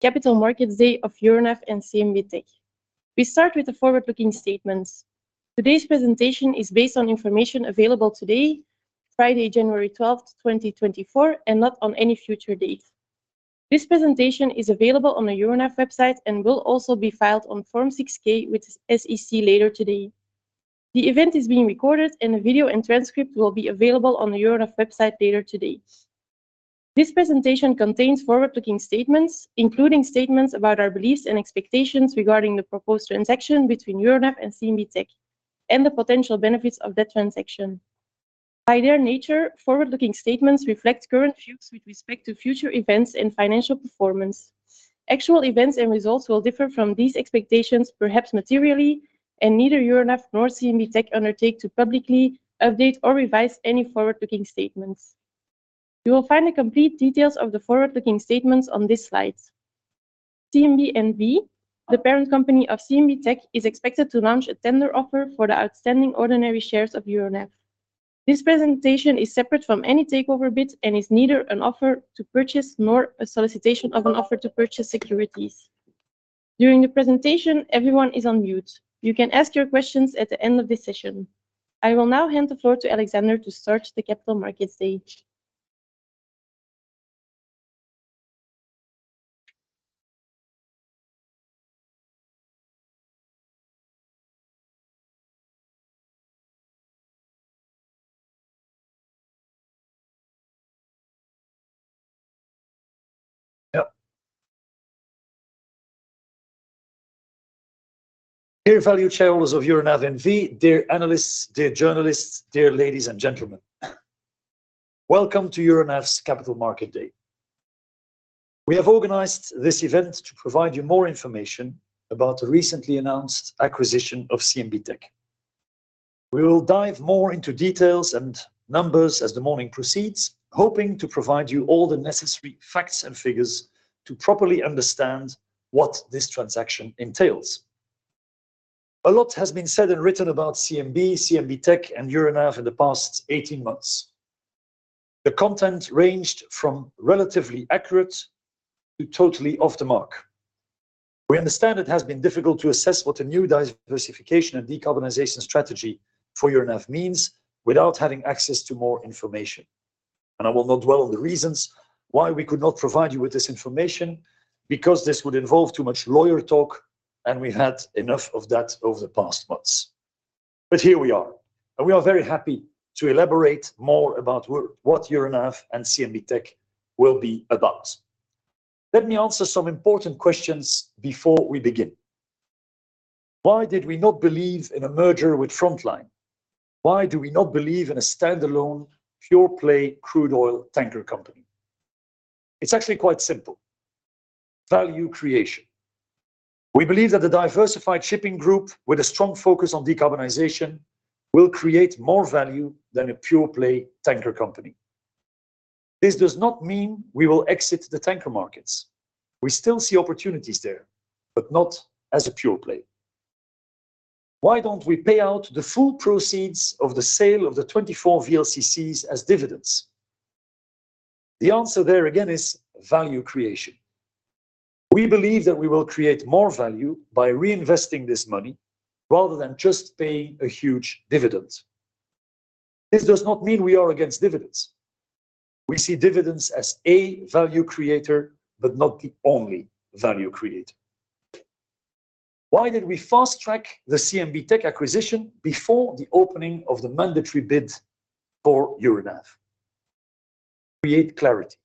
Capital Markets Day of Euronav and CMB.TECH. We start with the forward-looking statements. Today's presentation is based on information available today, Friday, January 12, 2024, and not on any future date. This presentation is available on the Euronav website and will also be filed on Form 6-K with SEC later today. The event is being recorded, and a video and transcript will be available on the Euronav website later today. This presentation contains forward-looking statements, including statements about our beliefs and expectations regarding the proposed transaction between Euronav and CMB.TECH and the potential benefits of that transaction. By their nature, forward-looking statements reflect current views with respect to future events and financial performance. Actual events and results will differ from these expectations, perhaps materially, and neither Euronav nor CMB.TECH undertake to publicly update or revise any forward-looking statements. You will find the complete details of the forward-looking statements on this slide. CMB NV, the parent company of CMB.TECH, is expected to launch a tender offer for the outstanding ordinary shares of Euronav. This presentation is separate from any takeover bid and is neither an offer to purchase nor a solicitation of an offer to purchase securities. During the presentation, everyone is on mute. You can ask your questions at the end of this session. I will now hand the floor to Alexander to start the Capital Markets Day. Yeah. Dear valued shareholders of Euronav NV, dear analysts, dear journalists, dear ladies and gentlemen, welcome to Euronav's Capital Markets Day. We have organized this event to provide you more information about the recently announced acquisition of CMB.TECH. We will dive more into details and numbers as the morning proceeds, hoping to provide you all the necessary facts and figures to properly understand what this transaction entails. A lot has been said and written about CMB, CMB.TECH, and Euronav in the past 18 months. The content ranged from relatively accurate to totally off the mark. We understand it has been difficult to assess what a new diversification and decarbonization strategy for Euronav means without having access to more information. I will not dwell on the reasons why we could not provide you with this information, because this would involve too much lawyer talk, and we had enough of that over the past months. But here we are, and we are very happy to elaborate more about what Euronav and CMB.TECH will be about. Let me answer some important questions before we begin. Why did we not believe in a merger with Frontline? Why do we not believe in a standalone, pure-play crude oil tanker company? It's actually quite simple: value creation. We believe that the diversified shipping group, with a strong focus on decarbonization, will create more value than a pure-play tanker company. This does not mean we will exit the tanker markets. We still see opportunities there, but not as a pure-play. Why don't we pay out the full proceeds of the sale of the 24 VLCCs as dividends? The answer there again is value creation. We believe that we will create more value by reinvesting this money rather than just paying a huge dividend. This does not mean we are against dividends. We see dividends as a value creator, but not the only value creator. Why did we fast-track the CMB.TECH acquisition before the opening of the mandatory bid for Euronav? Create clarity.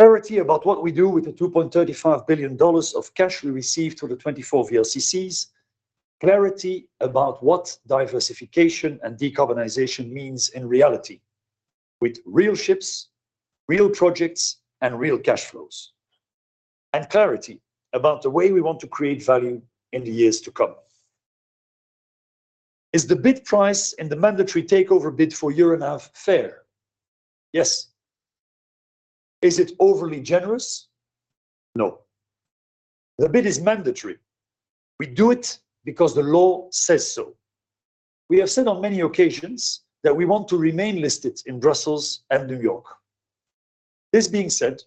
Clarity about what we do with the $2.35 billion of cash we received through the 24 VLCCs. Clarity about what diversification and decarbonization means in reality, with real ships, real projects, and real cash flows. And clarity about the way we want to create value in the years to come. Is the bid price and the mandatory takeover bid for Euronav fair? Yes. Is it overly generous? No. The bid is mandatory. We do it because the law says so. We have said on many occasions that we want to remain listed in Brussels and New York. This being said,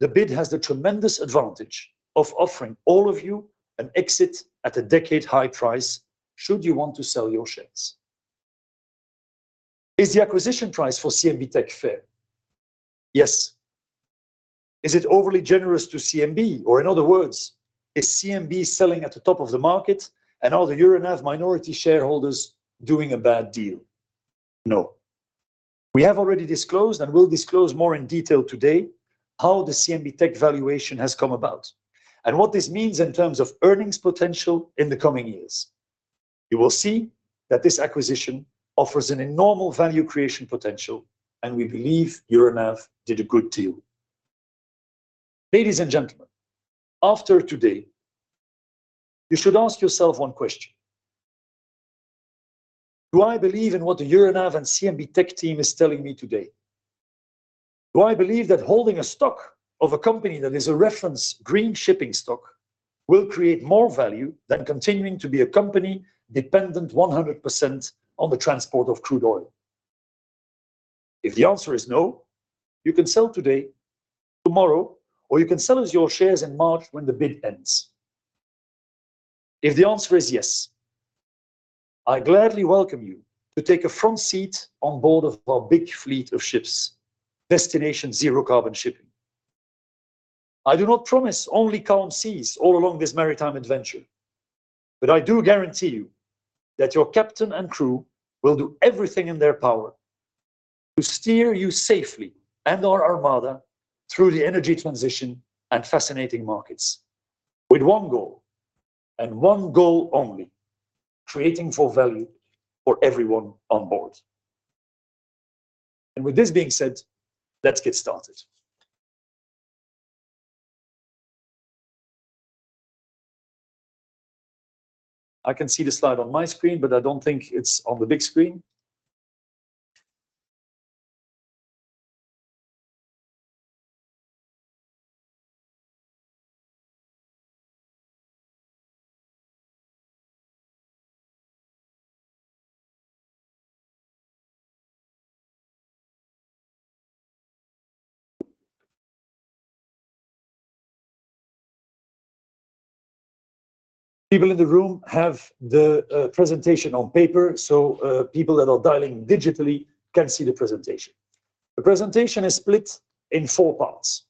the bid has the tremendous advantage of offering all of you an exit at a decade-high price, should you want to sell your shares. Is the acquisition price for CMB.TECH fair? Yes. Is it overly generous to CMB, or in other words, is CMB selling at the top of the market and all the Euronav minority shareholders doing a bad deal? No. We have already disclosed, and will disclose more in detail today, how the CMB.TECH valuation has come about and what this means in terms of earnings potential in the coming years. You will see that this acquisition offers an enormous value creation potential, and we believe Euronav did a good deal. Ladies and gentlemen, after today, you should ask yourself one question: Do I believe in what the Euronav and CMB.TECH team is telling me today? Do I believe that holding a stock of a company that is a reference green shipping stock will create more value than continuing to be a company dependent 100% on the transport of crude oil?... If the answer is no, you can sell today, tomorrow, or you can sell us your shares in March when the bid ends. If the answer is yes, I gladly welcome you to take a front seat on board of our big fleet of ships, destination zero carbon shipping. I do not promise only calm seas all along this maritime adventure, but I do guarantee you that your captain and crew will do everything in their power to steer you safely and our armada through the energy transition and fascinating markets with one goal and one goal only: creating full value for everyone on board. And with this being said, let's get started. I can see the slide on my screen, but I don't think it's on the big screen. People in the room have the presentation on paper, so people that are dialing digitally can see the presentation. The presentation is split in four parts.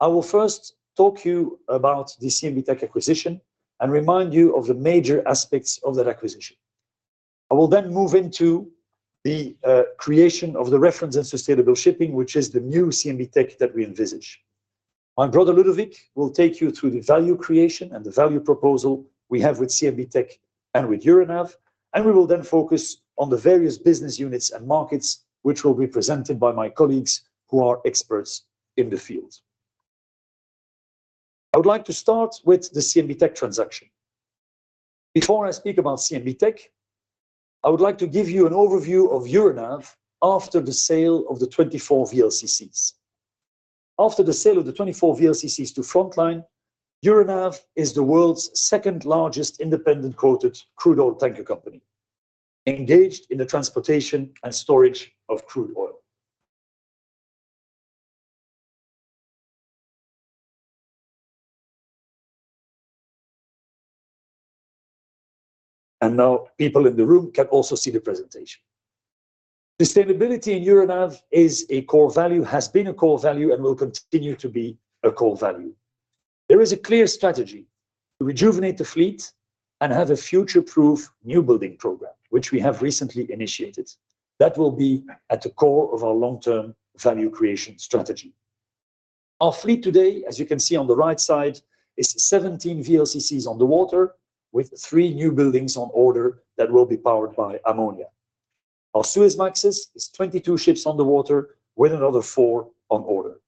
I will first talk to you about the CMB.TECH acquisition and remind you of the major aspects of that acquisition. I will then move into the creation of the reference and sustainable shipping, which is the new CMB.TECH that we envisage. My brother, Ludovic, will take you through the value creation and the value proposal we have with CMB.TECH and with Euronav, and we will then focus on the various business units and markets, which will be presented by my colleagues who are experts in the field. I would like to start with the CMB.TECH transaction. Before I speak about CMB.TECH, I would like to give you an overview of Euronav after the sale of the 24 VLCCs. After the sale of the 24 VLCCs to Frontline, Euronav is the world's second largest independent quoted crude oil tanker company, engaged in the transportation and storage of crude oil. Now people in the room can also see the presentation. Sustainability in Euronav is a core value, has been a core value, and will continue to be a core value. There is a clear strategy to rejuvenate the fleet and have a future-proof newbuilding program, which we have recently initiated. That will be at the core of our long-term value creation strategy. Our fleet today, as you can see on the right side, is 17 VLCCs on the water, with 3 newbuildings on order that will be powered by ammonia. Our Suezmaxes is 22 ships on the water with another 4 on order.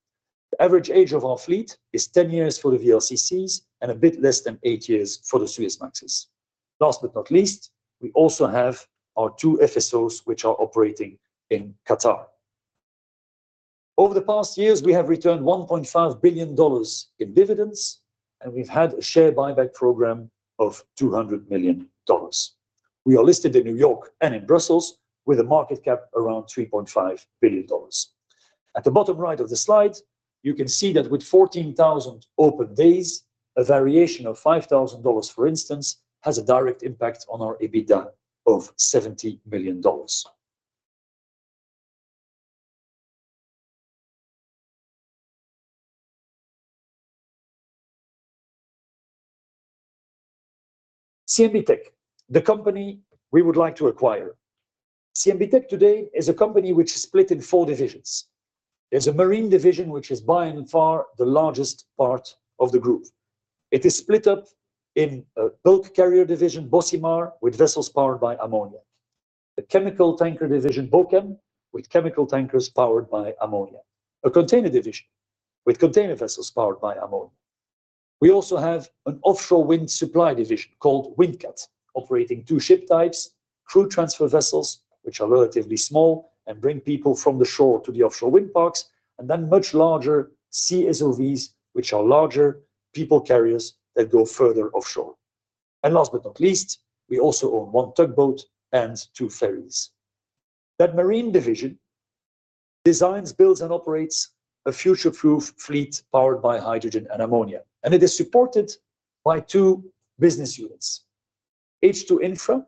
The average age of our fleet is 10 years for the VLCCs and a bit less than 8 years for the Suezmaxes. Last but not least, we also have our 2 FSOs, which are operating in Qatar. Over the past years, we have returned $1.5 billion in dividends, and we've had a share buyback program of $200 million. We are listed in New York and in Brussels, with a market cap around $3.5 billion. At the bottom right of the slide, you can see that with 14,000 open days, a variation of $5,000, for instance, has a direct impact on our EBITDA of $70 million. CMB.TECH, the company we would like to acquire. CMB.TECH today is a company which is split in four divisions. There's a Marine Division, which is by far the largest part of the group. It is split up in a bulk carrier division, Bocimar, with vessels powered by ammonia. A chemical tanker division, Bochem, with chemical tankers powered by ammonia. A container division with container vessels powered by ammonia. We also have an offshore wind supply division called Windcat, operating two ship types, crew transfer vessels, which are relatively small and bring people from the shore to the offshore wind parks, and then much larger CSOVs, which are larger people carriers that go further offshore. And last but not least, we also own one tugboat and two ferries. That Marine Division designs, builds, and operates a future-proof fleet powered by hydrogen and ammonia, and it is supported by two business units: H2 Infra,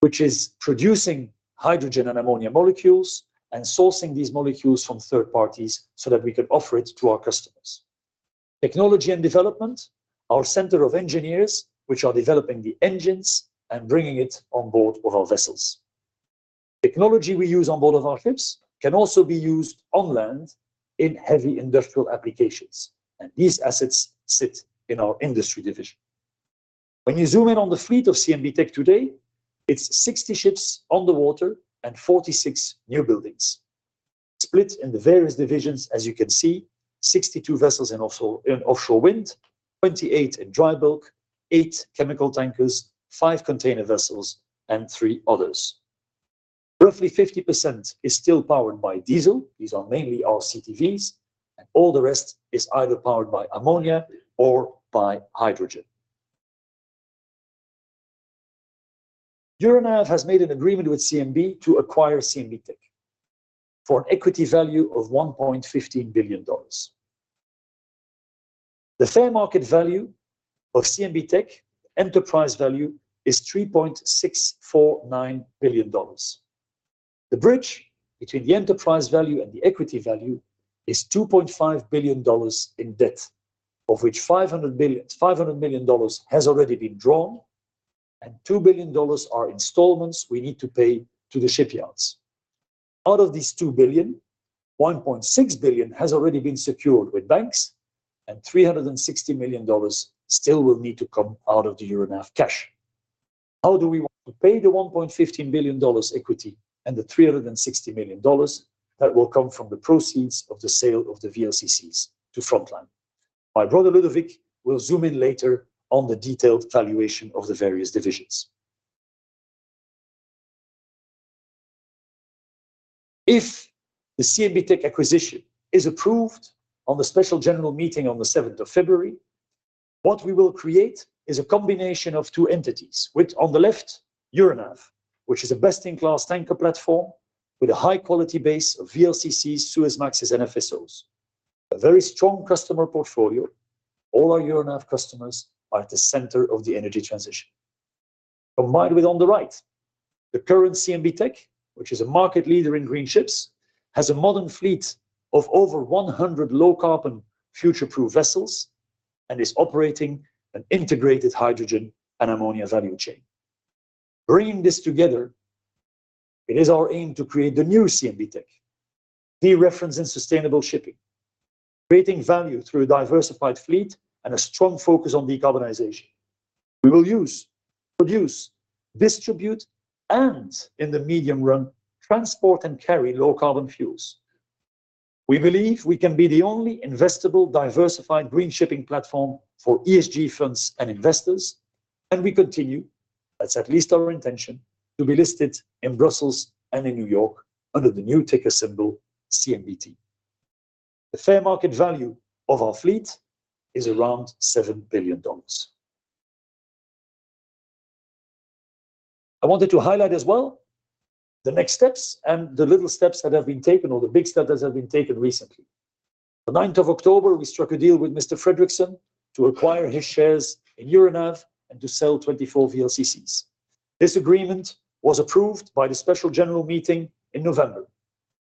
which is producing hydrogen and ammonia molecules and sourcing these molecules from third parties so that we can offer it to our customers. Technology and Development, our center of engineers, which are developing the engines and bringing it on board with our vessels. Technology we use on board of our ships can also be used on land in heavy industrial applications, and these assets sit in our Industry Division. When you zoom in on the fleet of CMB.TECH today, it's 60 ships on the water and 46 newbuildings. Split in the various divisions, as you can see, 62 vessels in offshore wind, 28 in dry bulk, 8 chemical tankers, 5 container vessels, and 3 others. Roughly 50% is still powered by diesel. These are mainly our CTVs, and all the rest is either powered by ammonia or by hydrogen. Euronav has made an agreement with CMB to acquire CMB.TECH for an equity value of $1.15 billion. The fair market value of CMB.TECH enterprise value is $3.649 billion. The bridge between the enterprise value and the equity value is $2.5 billion in debt, of which $500 million has already been drawn, and $2 billion are installments we need to pay to the shipyards. Out of this $2 billion, $1.6 billion has already been secured with banks, and $360 million still will need to come out of the Euronav cash. How do we want to pay the $1.15 billion equity and the $360 million that will come from the proceeds of the sale of the VLCCs to Frontline? My brother, Ludovic, will zoom in later on the detailed valuation of the various divisions. If the CMB.TECH acquisition is approved on the Special General Meeting on the seventh of February, what we will create is a combination of two entities, with on the left, Euronav, which is a best-in-class tanker platform with a high-quality base of VLCCs, Suezmaxes, and FSOs. A very strong customer portfolio. All our Euronav customers are at the center of the energy transition. Combined with on the right, the current CMB.TECH, which is a market leader in green ships, has a modern fleet of over 100 low-carbon, future-proof vessels and is operating an integrated hydrogen and ammonia value chain. Bringing this together, it is our aim to create the new CMB.TECH, the reference in sustainable shipping, creating value through a diversified fleet and a strong focus on decarbonization. We will use, produce, distribute, and in the medium run, transport and carry low-carbon fuels. We believe we can be the only investable, diversified green shipping platform for ESG funds and investors, and we continue, that's at least our intention, to be listed in Brussels and in New York under the new ticker symbol, CMBT. The fair market value of our fleet is around $7 billion. I wanted to highlight as well the next steps and the little steps that have been taken, or the big steps that have been taken recently. The ninth of October, we struck a deal with Mr. Fredriksen to acquire his shares in Euronav and to sell 24 VLCCs. This agreement was approved by the special general meeting in November.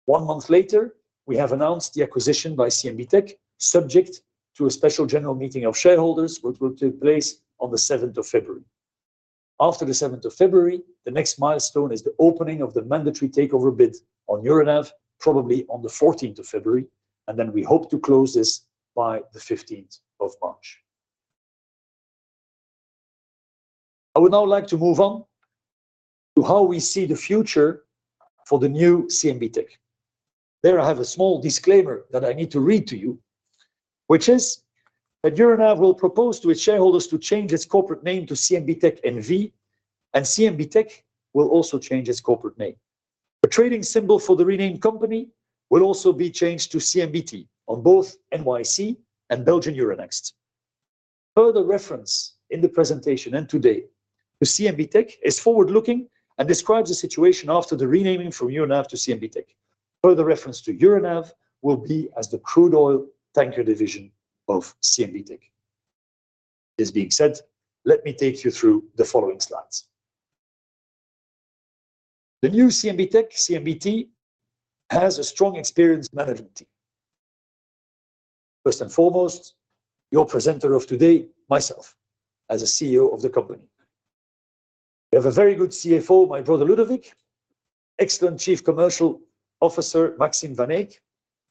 One month later, we have announced the acquisition by CMB.TECH, subject to a special general meeting of shareholders, which will take place on the seventh of February. After the seventh of February, the next milestone is the opening of the mandatory takeover bid on Euronav, probably on the fourteenth of February, and then we hope to close this by the fifteenth of March. I would now like to move on to how we see the future for the new CMB.TECH. There I have a small disclaimer that I need to read to you, which is that Euronav will propose to its shareholders to change its corporate name to CMB.TECH NV, and CMB.TECH will also change its corporate name. The trading symbol for the renamed company will also be changed to CMBT on both NYSE and Belgian Euronext. Further reference in the presentation and today to CMB.TECH is forward-looking and describes the situation after the renaming from Euronav to CMB.TECH. Further reference to Euronav will be as the crude oil tanker division of CMB.TECH. This being said, let me take you through the following slides. The new CMB.TECH, CMBT, has a strong, experienced management team. First and foremost, your presenter of today, myself, as the CEO of the company. We have a very good CFO, my brother, Ludovic; excellent Chief Commercial Officer, Maxime Van Eecke;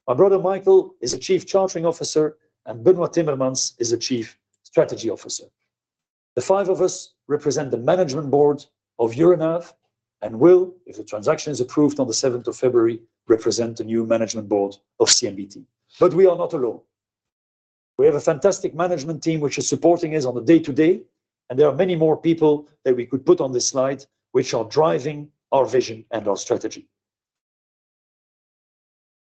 my brother Michael is the Chief Chartering Officer; and Benoit Timmermans is the Chief Strategy Officer. The five of us represent the management board of Euronav and will, if the transaction is approved on the seventh of February, represent the new management board of CMBT. But we are not alone. We have a fantastic management team which is supporting us on the day-to-day, and there are many more people that we could put on this slide, which are driving our vision and our strategy.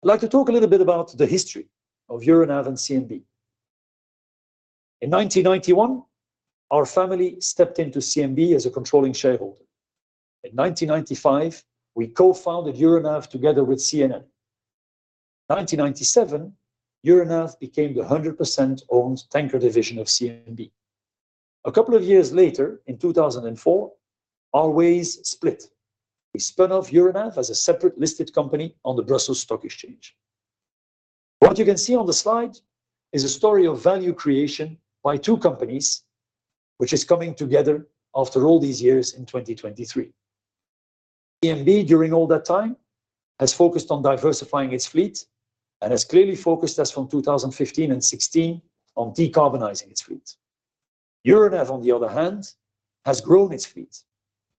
I'd like to talk a little bit about the history of Euronav and CMB. In 1991, our family stepped into CMB as a controlling shareholder. In 1995, we co-founded Euronav together with CMB. In 1997, Euronav became the 100% owned tanker division of CMB. A couple of years later, in 2004, our ways split. We spun off Euronav as a separate listed company on the Brussels Stock Exchange. What you can see on the slide is a story of value creation by two companies, which is coming together after all these years in 2023. CMB, during all that time, has focused on diversifying its fleet and has clearly focused us from 2015 and 2016 on decarbonizing its fleet. Euronav, on the other hand, has grown its fleet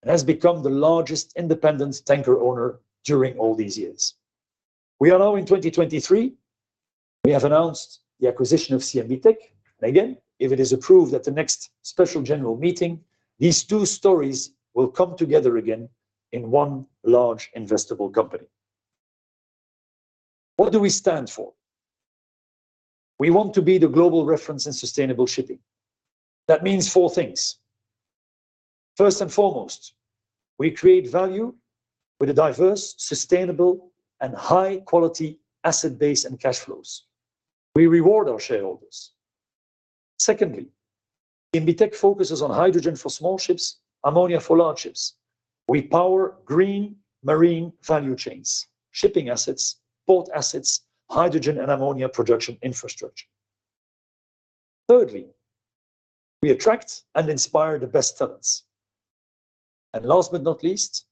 and has become the largest independent tanker owner during all these years. We are now in 2023. We have announced the acquisition of CMB.TECH. Again, if it is approved at the next special general meeting, these two stories will come together again in one large investable company. What do we stand for? We want to be the global reference in sustainable shipping. That means four things. First and foremost, we create value with a diverse, sustainable, and high-quality asset base and cash flows. We reward our shareholders. Secondly, CMB.TECH focuses on hydrogen for small ships, ammonia for large ships. We power green marine value chains, shipping assets, port assets, hydrogen and ammonia production infrastructure. Thirdly, we attract and inspire the best talents. And last but not least,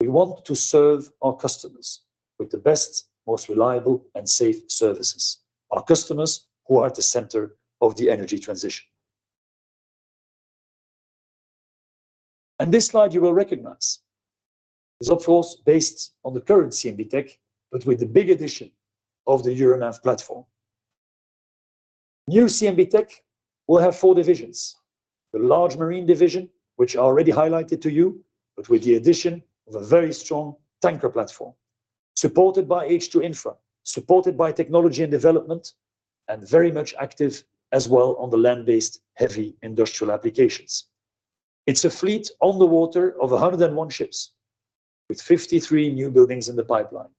we want to serve our customers with the best, most reliable, and safe services. Our customers who are at the center of the energy transition. This slide you will recognize, is of course, based on the current CMB.TECH, but with the big addition of the Euronav platform. New CMB.TECH will have four divisions: the large Marine Division, which I already highlighted to you, but with the addition of a very strong tanker platform, supported by H2 Infra, supported by Technology and Development, and very much active as well on the land-based, heavy industrial applications. It's a fleet on the water of 101 ships, with 53 newbuildings in the pipeline.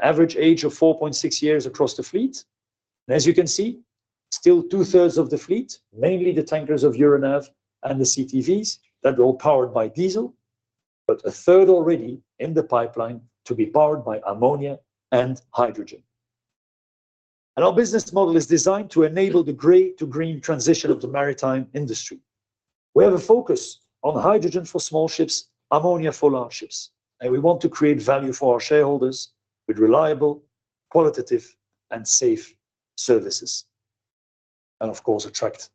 Average age of 4.6 years across the fleet. As you can see, still two-thirds of the fleet, mainly the tankers of Euronav and the CTVs, that are all powered by diesel, but a third already in the pipeline to be powered by ammonia and hydrogen. Our business model is designed to enable the gray-to-green transition of the maritime industry. We have a focus on hydrogen for small ships, ammonia for large ships, and we want to create value for our shareholders with reliable, qualitative, and safe services, and of course, attract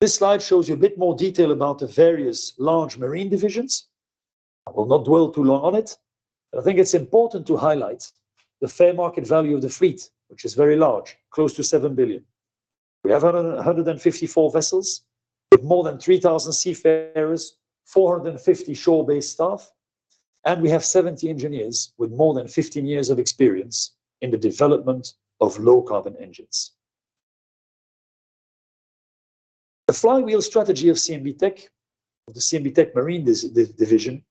the best talents. This slide shows you a bit more detail about the various large Marine Divisions. I will not dwell too long on it, but I think it's important to highlight the fair market value of the fleet, which is very large, close to $7 billion. We have 154 vessels, with more than 3,000 seafarers, 450 shore-based staff, and we have 70 engineers with more than 15 years of experience in the development of low-carbon engines. The flywheel strategy of CMB.TECH, or the CMB.TECH Marine Division,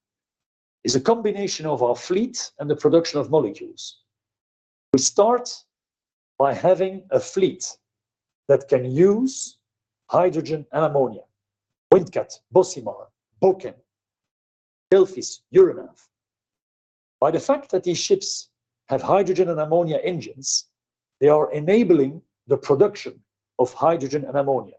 is a combination of our fleet and the production of molecules. We start by having a fleet that can use hydrogen and ammonia: Windcat, Bocimar, Bochem, Delphis, Euronav. By the fact that these ships have hydrogen and ammonia engines, they are enabling the production of hydrogen and ammonia.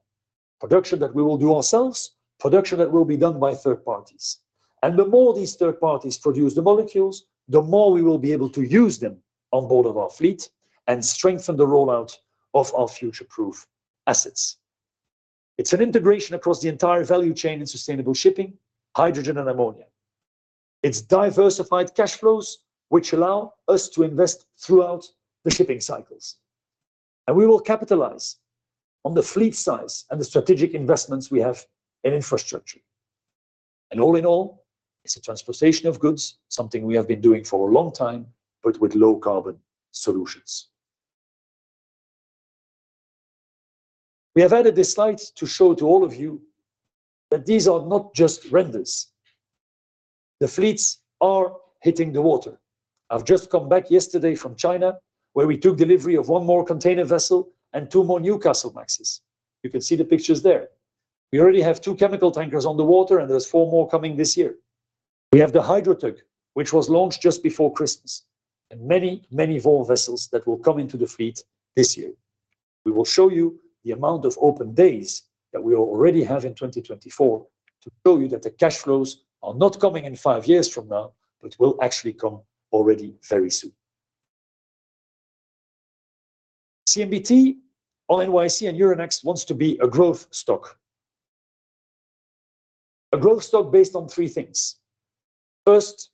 Production that we will do ourselves, production that will be done by third parties. And the more these third parties produce the molecules, the more we will be able to use them on board of our fleet and strengthen the rollout of our future-proof assets. It's an integration across the entire value chain in sustainable shipping, hydrogen and ammonia. It's diversified cash flows, which allow us to invest throughout the shipping cycles, and we will capitalize on the fleet size and the strategic investments we have in infrastructure. All in all, it's the transportation of goods, something we have been doing for a long time, but with low-carbon solutions. We have added this slide to show to all of you that these are not just renders. The fleets are hitting the water. I've just come back yesterday from China, where we took delivery of 1 more container vessel and 2 more Newcastlemaxes. You can see the pictures there. We already have 2 chemical tankers on the water, and there's 4 more coming this year. We have the Hydrotug, which was launched just before Christmas, and many, many more vessels that will come into the fleet this year. We will show you the amount of open days that we already have in 2024 to show you that the cash flows are not coming in 5 years from now, but will actually come already very soon. CMB.TECH on NYSE and Euronext wants to be a growth stock. A growth stock based on three things. First,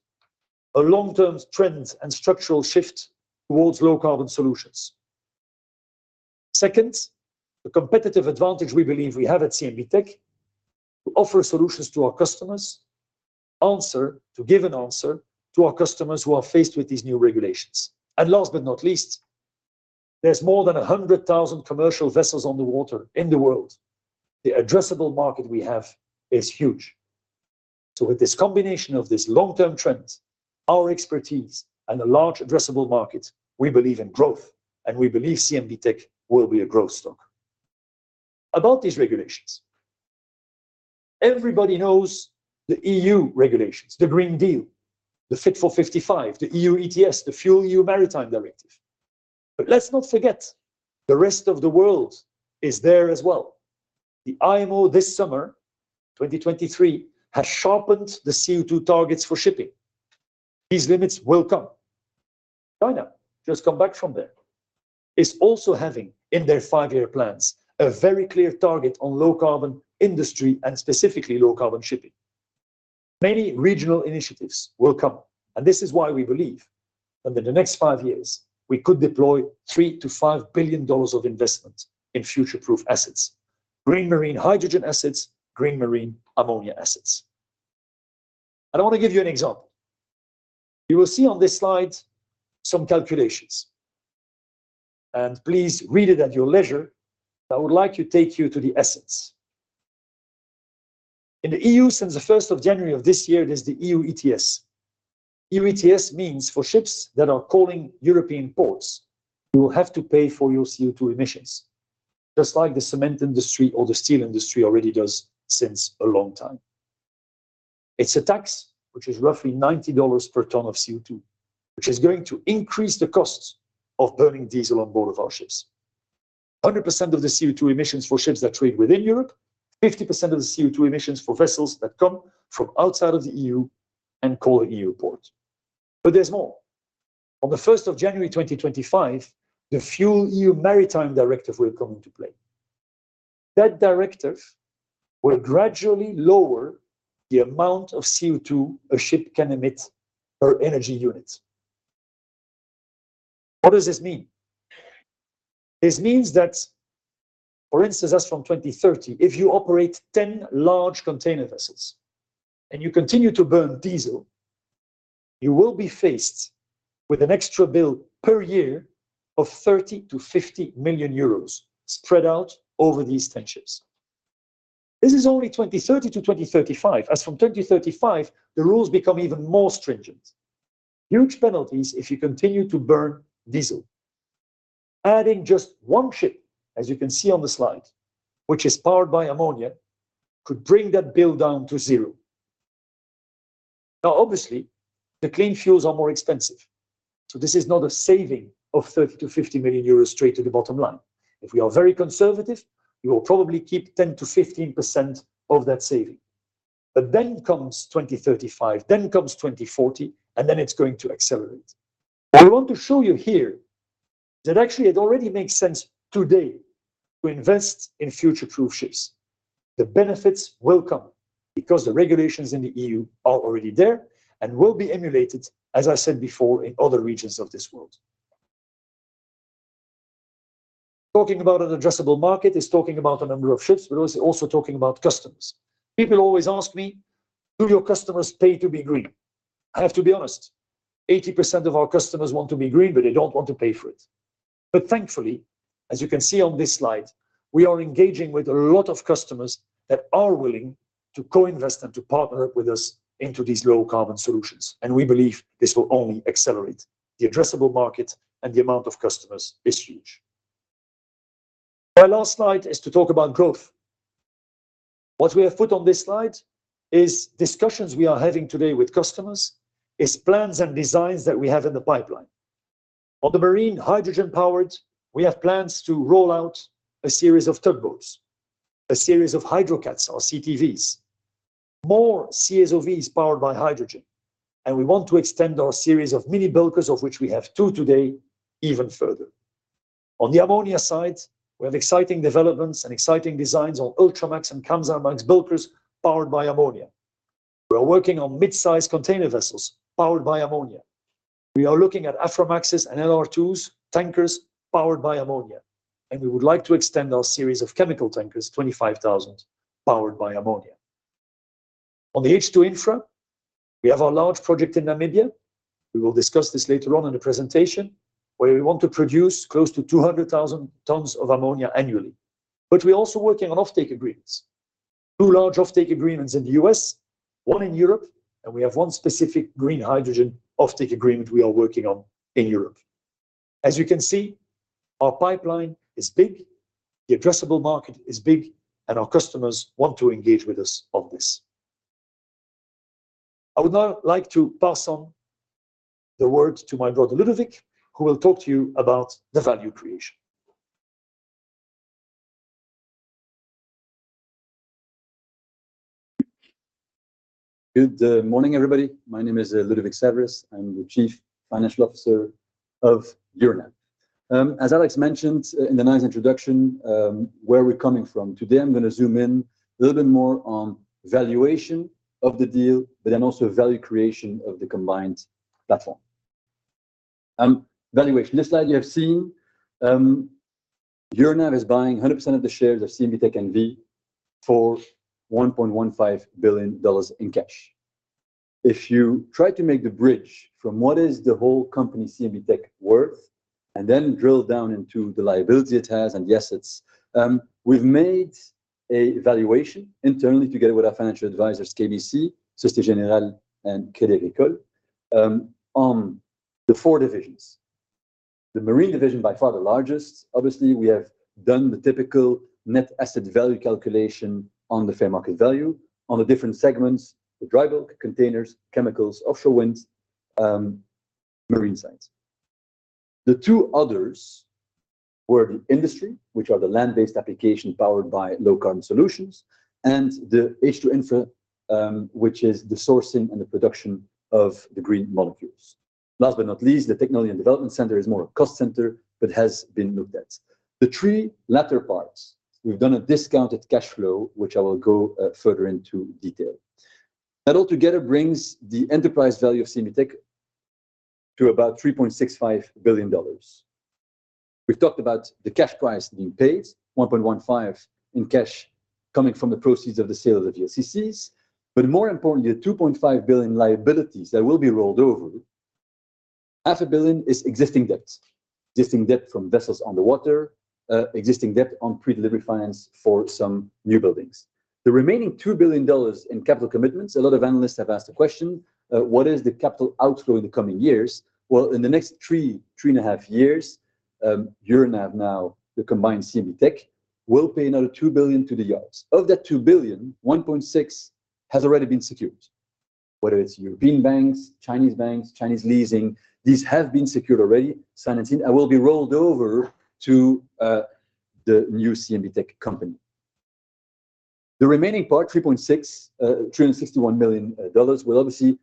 a long-term trend and structural shift towards low-carbon solutions. Second, the competitive advantage we believe we have at CMB.TECH to offer solutions to our customers, to give an answer to our customers who are faced with these new regulations. And last but not least, there's more than 100,000 commercial vessels on the water in the world. The addressable market we have is huge. So with this combination of this long-term trend, our expertise, and a large addressable market, we believe in growth, and we believe CMB.TECH will be a growth stock. About these regulations, everybody knows the EU regulations, the Green Deal, the Fit for 55, the EU ETS, the FuelEU Maritime Directive. But let's not forget, the rest of the world is there as well. The IMO, this summer, 2023, has sharpened the CO2 targets for shipping. These limits will come. China, just come back from there, is also having, in their five-year plans, a very clear target on low-carbon industry and specifically low-carbon shipping. Many regional initiatives will come, and this is why we believe, and in the next five years, we could deploy $3 billion-$5 billion of investment in future-proof assets, green marine hydrogen assets, green marine ammonia assets. And I want to give you an example. You will see on this slide some calculations, and please read it at your leisure, but I would like to take you to the essence. In the EU, since January 1 of this year, there's the EU ETS. EU ETS means for ships that are calling European ports, you will have to pay for your CO₂ emissions, just like the cement industry or the steel industry already does since a long time. It's a tax which is roughly $90 per ton of CO₂, which is going to increase the costs of burning diesel on board of our ships. 100% of the CO₂ emissions for ships that trade within Europe, 50% of the CO₂ emissions for vessels that come from outside of the EU and call at EU ports. But there's more. On the first of January, 2025, the FuelEU Maritime Directive will come into play. That directive will gradually lower the amount of CO₂ a ship can emit per energy unit. What does this mean? This means that, for instance, as from 2030, if you operate 10 large container vessels and you continue to burn diesel, you will be faced with an extra bill per year of 30 million-50 million euros spread out over these 10 ships. This is only 2030-2035. As from 2035, the rules become even more stringent. Huge penalties if you continue to burn diesel. Adding just one ship, as you can see on the slide, which is powered by ammonia, could bring that bill down to zero. Now, obviously, the clean fuels are more expensive, so this is not a saving of 30 million-50 million euros straight to the bottom line. If we are very conservative, we will probably keep 10%-15% of that saving. But then comes 2035, then comes 2040, and then it's going to accelerate. I want to show you here that actually it already makes sense today to invest in future proof ships. The benefits will come because the regulations in the EU are already there and will be emulated, as I said before, in other regions of this world. Talking about an addressable market is talking about a number of ships, but it is also talking about customers. People always ask me, "Do your customers pay to be green?" I have to be honest, 80% of our customers want to be green, but they don't want to pay for it. But thankfully, as you can see on this slide, we are engaging with a lot of customers that are willing to co-invest and to partner with us into these low carbon solutions, and we believe this will only accelerate. The addressable market and the amount of customers is huge. My last slide is to talk about growth. What we have put on this slide is discussions we are having today with customers, is plans and designs that we have in the pipeline. On the marine hydrogen-powered, we have plans to roll out a series of tugboats, a series of Hydrocats or CTVs, more CSOVs powered by hydrogen, and we want to extend our series of mini bulkers, of which we have 2 today, even further. On the ammonia side, we have exciting developments and exciting designs on Ultramax and Kamsarmax bulkers powered by ammonia. We are working on mid-size container vessels powered by ammonia. We are looking at Aframaxes and LR2s tankers powered by ammonia, and we would like to extend our series of chemical tankers, 25,000, powered by ammonia. On the H2 infra, we have a large project in Namibia. We will discuss this later on in the presentation, where we want to produce close to 200,000 tons of ammonia annually. We're also working on offtake agreements. Two large offtake agreements in the U.S., one in Europe, and we have one specific green hydrogen offtake agreement we are working on in Europe. As you can see, our pipeline is big, the addressable market is big, and our customers want to engage with us on this. I would now like to pass on the word to my brother, Ludovic, who will talk to you about the value creation. Good morning, everybody. My name is Ludovic Saverys. I'm the Chief Financial Officer of Euronav. As Alex mentioned in the nice introduction, where we're coming from. Today, I'm gonna zoom in a little bit more on valuation of the deal, but then also value creation of the combined platform. Valuation. This slide you have seen, Euronav is buying 100% of the shares of CMB.TECH NV for $1.15 billion in cash. If you try to make the bridge from what is the whole company CMB.TECH worth, and then drill down into the liability it has, and yes, it's. We've made a valuation internally, together with our financial advisors, KBC, Société Générale, and Crédit Agricole, on the four divisions. The Marine Division, by far the largest, obviously, we have done the typical net asset value calculation on the fair market value on the different segments: the dry bulk, containers, chemicals, offshore winds, Marine Science. The two others were the industry, which are the land-based application powered by low carbon solutions, and the H2 Infra, which is the sourcing and the production of the green molecules. Last but not least, the Technology and Development Center is more a cost center, but has been looked at. The three latter parts, we've done a discounted cash flow, which I will go further into detail. That all together brings the enterprise value of CMB.TECH to about $3.65 billion. We've talked about the cash price being paid, $1.15 in cash coming from the proceeds of the sale of the VLCCs. But more importantly, the $2.5 billion liabilities that will be rolled over. $0.5 billion is existing debt, existing debt from vessels on the water, existing debt on pre-delivery finance for some newbuildings. The remaining $2 billion in capital commitments, a lot of analysts have asked the question, what is the capital outflow in the coming years? Well, in the next 3-3.5 years, Euronav now, the combined CMB.TECH, will pay another $2 billion to the yards. Of that $2 billion, $1.6 billion has already been secured. Whether it's European banks, Chinese banks, Chinese leasing, these have been secured already, signed and sealed, and will be rolled over to the new CMB.TECH company. The remaining part, $3.6, $361 million, will obviously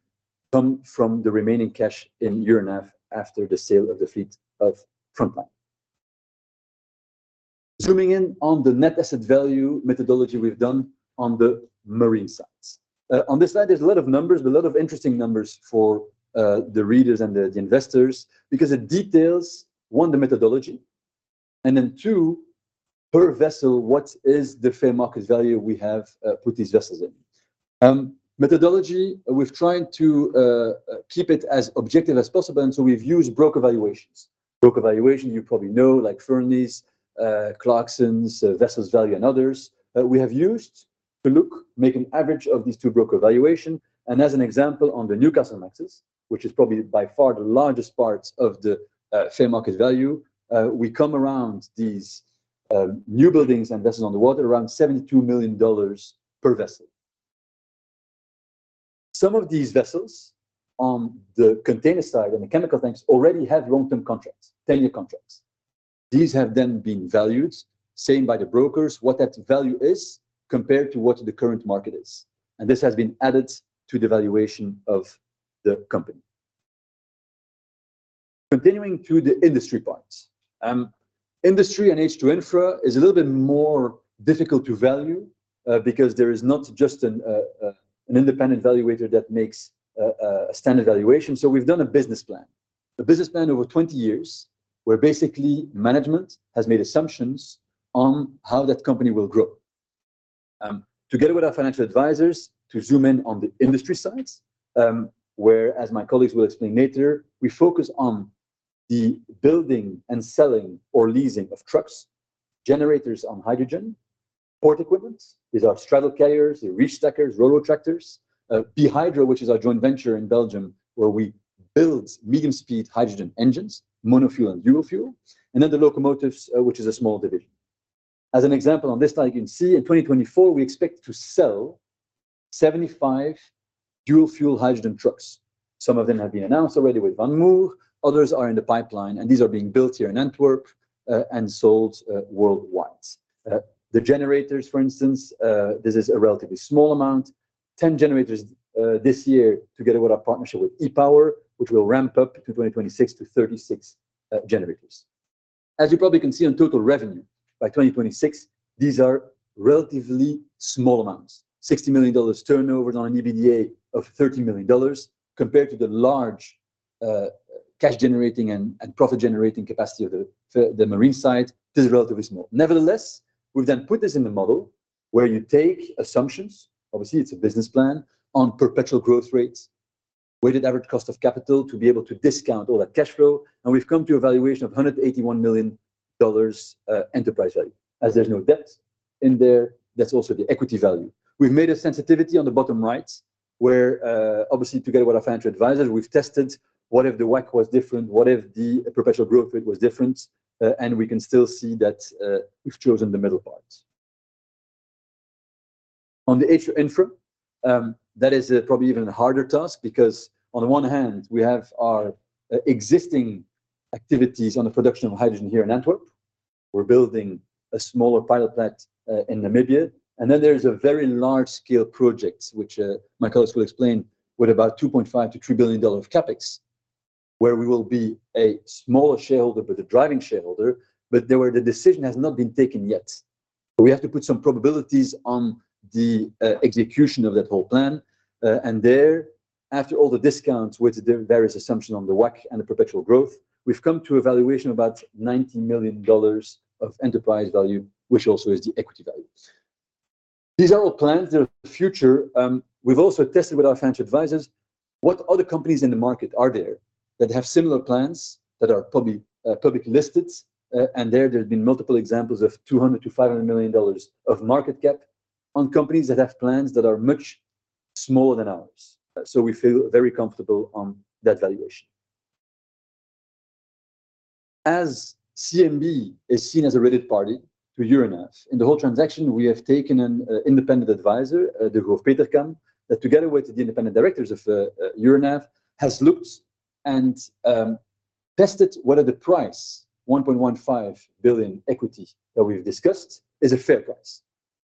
come from the remaining cash in Euronav after the sale of the fleet of Frontline. Zooming in on the net asset value methodology we've done on the marine assets. On this slide, there's a lot of numbers, a lot of interesting numbers for the readers and the investors, because it details, 1, the methodology, and then 2, per vessel, what is the fair market value we have put these vessels in. Methodology, we've tried to keep it as objective as possible, and so we've used broker valuations. Broker valuation, you probably know, like Fearnleys, Clarksons, VesselsValue, and others, that we have used to make an average of these 2 broker valuation. And as an example, on the Newcastlemaxes, which is probably by far the largest parts of the fair market value, we come around these newbuildings and vessels on the water, around $72 million per vessel. Some of these vessels on the container side and the chemical tanks already have long-term contracts, 10-year contracts. These have then been valued, same by the brokers, what that value is compared to what the current market is. This has been added to the valuation of the company. Continuing to the industry parts. Industry and H2 Infra is a little bit more difficult to value, because there is not just an independent valuator that makes a standard valuation, so we've done a business plan. A business plan over 20 years, where basically management has made assumptions on how that company will grow. Together with our financial advisors, to zoom in on the industry sides, where, as my colleagues will explain later, we focus on the building and selling or leasing of trucks, generators on hydrogen, port equipment, these are straddle carriers, the reach stackers, RoRo tractors, BeHydro, which is our joint venture in Belgium, where we build medium-speed hydrogen engines, monofuel and dual-fuel, and then the locomotives, which is a small division. As an example on this slide, you can see in 2024, we expect to sell 75 dual-fuel hydrogen trucks. Some of them have been announced already with Van Moer, others are in the pipeline, and these are being built here in Antwerp, and sold, worldwide. The generators, for instance, this is a relatively small amount, 10 generators this year, together with our partnership with E-Power, which will ramp up to 2026 to 36 generators. As you probably can see on total revenue, by 2026, these are relatively small amounts. $60 million turnover on an EBITDA of $30 million, compared to the large cash-generating and profit-generating capacity of the marine site, this is relatively small. Nevertheless, we've then put this in the model where you take assumptions, obviously, it's a business plan, on perpetual growth rates, weighted average cost of capital to be able to discount all that cash flow, and we've come to a valuation of $181 million enterprise value. As there's no debt in there, that's also the equity value. We've made a sensitivity on the bottom right, where, obviously, together with our financial advisors, we've tested what if the WACC was different, what if the perpetual growth rate was different? And we can still see that, we've chosen the middle part. On the H2 Infra, that is, probably even a harder task because on the one hand, we have our, existing activities on the production of hydrogen here in Antwerp. We're building a smaller pilot plant, in Namibia, and then there's a very large-scale project, which, my colleagues will explain, with about $2.5 billion-$3 billion of CapEx, where we will be a smaller shareholder, but a driving shareholder, but there where the decision has not been taken yet. We have to put some probabilities on the, execution of that whole plan. And there, after all the discounts, with the various assumption on the WACC and the perpetual growth, we've come to a valuation of about $90 million of enterprise value, which also is the equity value. These are all plans of the future. We've also tested with our financial advisors, what other companies in the market are there that have similar plans that are probably public listed? And there, there have been multiple examples of $200 million-$500 million of market cap on companies that have plans that are much smaller than ours. So we feel very comfortable on that valuation. As CMB is seen as a related party to Euronav, in the whole transaction, we have taken an independent advisor, Degroof Petercam, that together with the independent directors of Euronav, has looked and tested whether the price, $1.15 billion equity that we've discussed, is a fair price.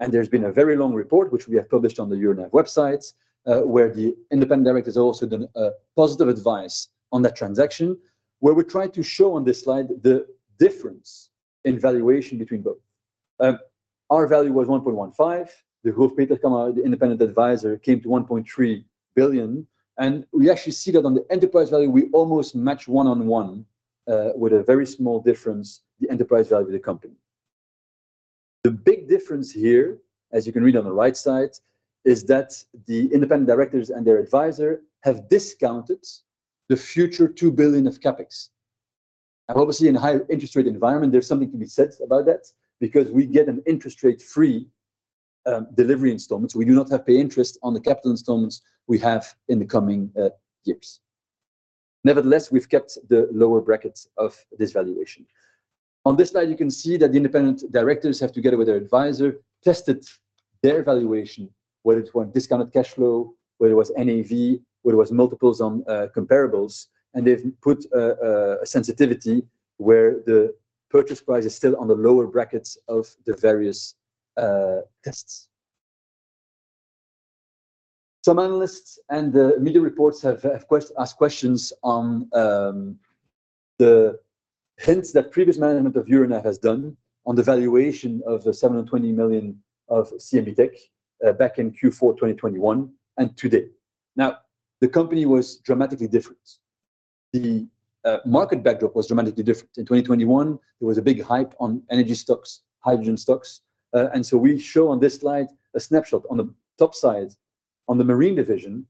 There's been a very long report, which we have published on the Euronav websites, where the independent directors have also done a positive advice on that transaction, where we're trying to show on this slide the difference in valuation between both. Our value was $1.15. The Degroof Petercam, the independent advisor, came to $1.3 billion, and we actually see that on the enterprise value, we almost match one-on-one, with a very small difference, the enterprise value of the company. The big difference here, as you can read on the right side, is that the independent directors and their advisor have discounted the future $2 billion of CapEx. And obviously, in a high interest rate environment, there's something to be said about that, because we get an interest rate-free, delivery installments. We do not have to pay interest on the capital installments we have in the coming, years. Nevertheless, we've kept the lower brackets of this valuation. On this slide, you can see that the independent directors have, together with their advisor, tested their valuation, whether it was discounted cash flow, whether it was NAV, whether it was multiples on, comparables. And they've put a, a sensitivity where the purchase price is still on the lower brackets of the various, tests. Some analysts and the media reports have asked questions on the hints that previous management of Euronav has done on the valuation of the $720 million of CMB.TECH back in Q4 2021 and today. Now, the company was dramatically different. The market backdrop was dramatically different. In 2021, there was a big hype on energy stocks, hydrogen stocks, and so we show on this slide a snapshot. On the top side, on the Marine Division,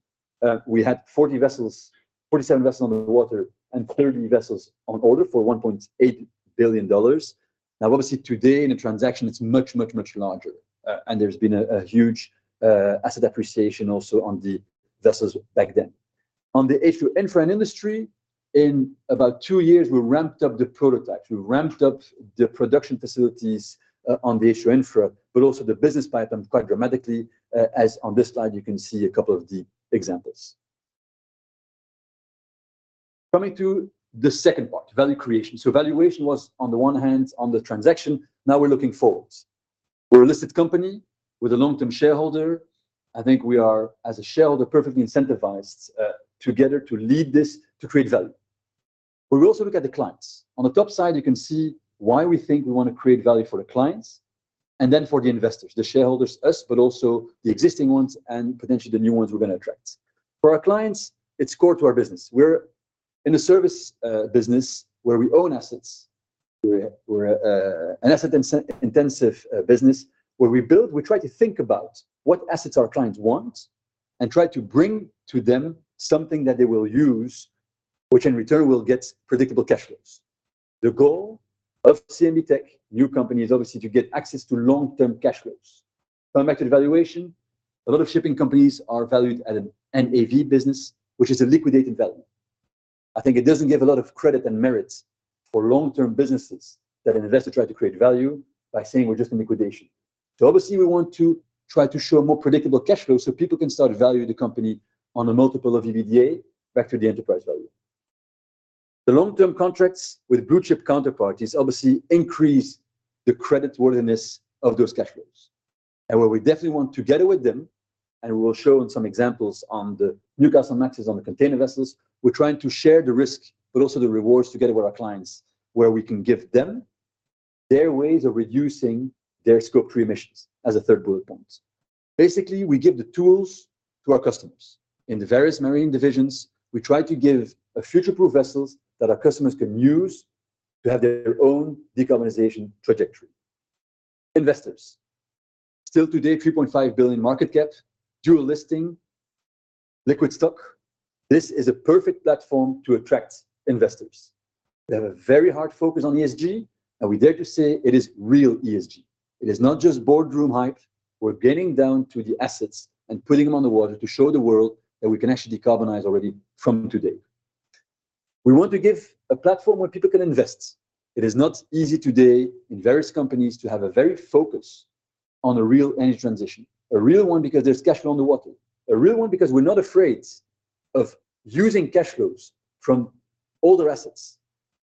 we had 40 vessels, 47 vessels on the water and 30 vessels on order for $1.8 billion. Now, obviously, today, in a transaction, it's much, much, much larger, and there's been a, a huge, asset depreciation also on the vessels back then. On the H2 Infra and industry, in about 2 years, we ramped up the prototype. We ramped up the production facilities, on the H2 Infra, but also the business pipeline quite dramatically, as on this slide, you can see a couple of the examples. Coming to the second part, value creation. So valuation was, on the one hand, on the transaction, now we're looking forward. We're a listed company with a long-term shareholder. I think we are, as a shareholder, perfectly incentivized, together to lead this to create value. But we also look at the clients. On the top side, you can see why we think we want to create value for the clients and then for the investors, the shareholders, us, but also the existing ones and potentially the new ones we're going to attract. For our clients, it's core to our business. We're in a service, business where we own assets. We're a, an asset-intensive business, where we build... We try to think about what assets our clients want and try to bring to them something that they will use, which in return will get predictable cash flows. The goal of CMB.TECH new company is obviously to get access to long-term cash flows. Coming back to the valuation, a lot of shipping companies are valued at an NAV basis, which is a liquidated value. I think it doesn't give a lot of credit and merits for long-term businesses that an investor tried to create value by saying we're just in liquidation. So obviously, we want to try to show more predictable cash flow so people can start valuing the company on a multiple of EBITDA back to the enterprise value. The long-term contracts with blue-chip counterparties obviously increase the creditworthiness of those cash flows. And where we definitely want, together with them, and we will show in some examples on the Newcastlemaxes on the container vessels, we're trying to share the risk, but also the rewards together with our clients, where we can give them their ways of reducing their Scope 3 emissions as a third bullet point. Basically, we give the tools to our customers. In the various Marine Divisions, we try to give future-proof vessels that our customers can use to have their own decarbonization trajectory. Investors. Still today, $3.5 billion market cap, dual listing, liquid stock. This is a perfect platform to attract investors. They have a very hard focus on ESG, and we dare to say it is real ESG. It is not just boardroom hype. We're getting down to the assets and putting them on the water to show the world that we can actually decarbonize already from today. We want to give a platform where people can invest. It is not easy today in various companies to have a very focus on a real energy transition. A real one, because there's cash flow on the water. A real one, because we're not afraid of using cash flows from older assets,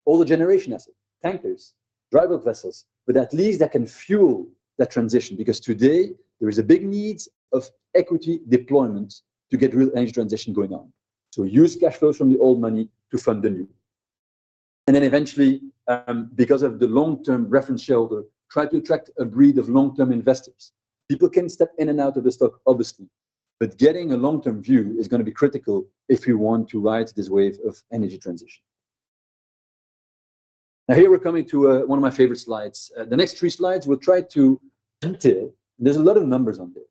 older generation assets, tankers, dry bulk vessels, but at least that can fuel that transition, because today there is a big need of equity deployment to get real energy transition going on. So use cash flows from the old money to fund the new. And then eventually, because of the long-term reference shareholder, try to attract a breed of long-term investors. People can step in and out of the stock, obviously, but getting a long-term view is gonna be critical if we want to ride this wave of energy transition. Now, here we're coming to one of my favorite slides. The next three slides will try to hint it. There's a lot of numbers on there.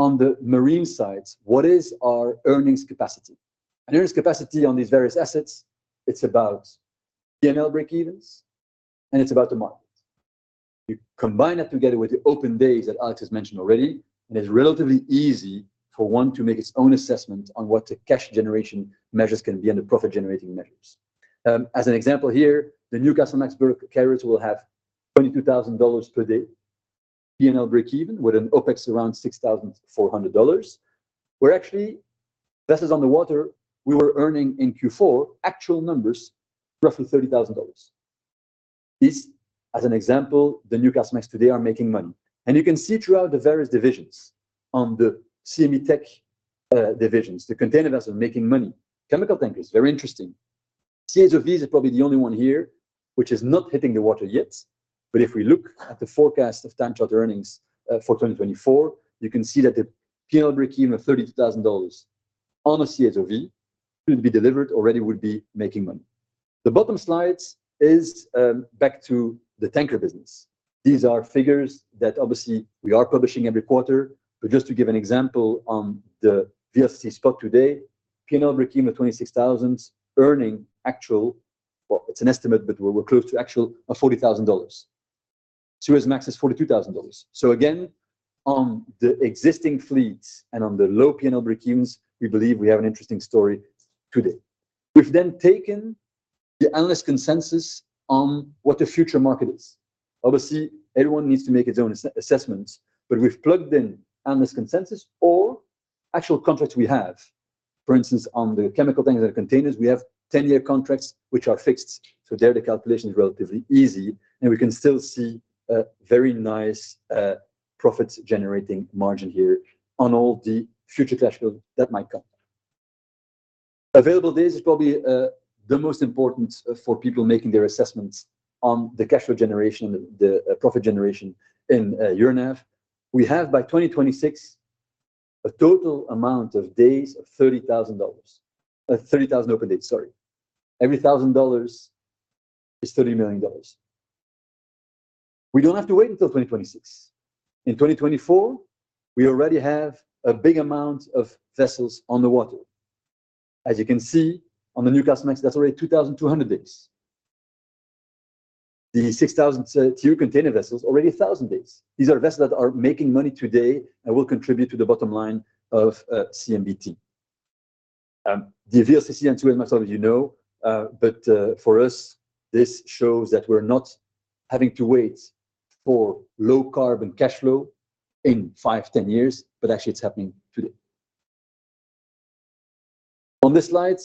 On the marine side, what is our earnings capacity? And earnings capacity on these various assets, it's about P&L break-evens, and it's about the market. You combine that together with the open days that Alex has mentioned already, and it's relatively easy for one to make its own assessment on what the cash generation measures can be and the profit-generating measures. As an example here, the Newcastlemax carrier will have $22,000 per day P&L break-even, with an OpEx around $6,400, where actually, vessels on the water, we were earning in Q4, actual numbers, roughly $30,000. This, as an example, the Newcastlemax today are making money. And you can see throughout the various divisions, on the CMB.TECH, divisions, the container vessels are making money. Chemical tankers, very interesting. CSOVs are probably the only one here, which is not hitting the water yet. But if we look at the forecast of time charter earnings, for 2024, you can see that the P&L break-even of $32,000 on a CSOV will be delivered already would be making money. The bottom slides is back to the tanker business. These are figures that obviously we are publishing every quarter. But just to give an example on the VLCC spot today, P&L breakeven of $26,000 earning actual, well, it's an estimate, but we're close to actual of $40,000. Suezmax is $42,000. So again, on the existing fleets and on the low P&L breakevens, we believe we have an interesting story today. We've then taken the analyst consensus on what the future market is. Obviously, everyone needs to make his own assessments, but we've plugged in analyst consensus or actual contracts we have. For instance, on the chemical tankers and containers, we have 10-year contracts, which are fixed, so there the calculation is relatively easy, and we can still see a very nice, profits generating margin here on all the future cash flow that might come. Available days is probably the most important for people making their assessments on the cash flow generation, the profit generation in Euronav. We have by 2026 a total amount of days of $30,000. Thirty thousand open days, sorry. Every thousand dollars is $30 million. We don't have to wait until 2026. In 2024, we already have a big amount of vessels on the water. As you can see on the Newcastlemax, that's already 2,200 days. The 6,000 TEU container vessels, already 1,000 days. These are vessels that are making money today and will contribute to the bottom line of CMBT. The VLCC and Suezmax, you know, but for us, this shows that we're not having to wait for low-carbon cash flow in 5, 10 years, but actually it's happening today. On this slide,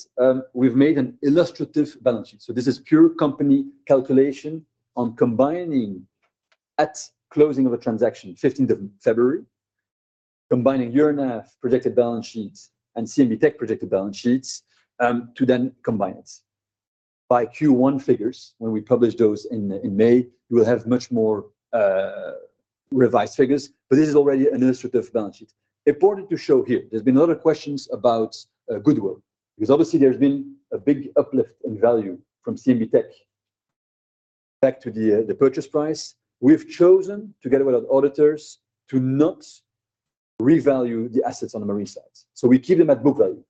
we've made an illustrative balance sheet. So this is pure company calculation on combining at closing of a transaction, fifteenth of February, combining Euronav projected balance sheets and CMBT projected balance sheets, to then combine it. By Q1 figures, when we publish those in May, you will have much more revised figures, but this is already an illustrative balance sheet. Important to show here, there's been a lot of questions about goodwill, because obviously there's been a big uplift in value from CMBT back to the purchase price. We've chosen, together with our auditors, to not revalue the assets on the marine side, so we keep them at book value.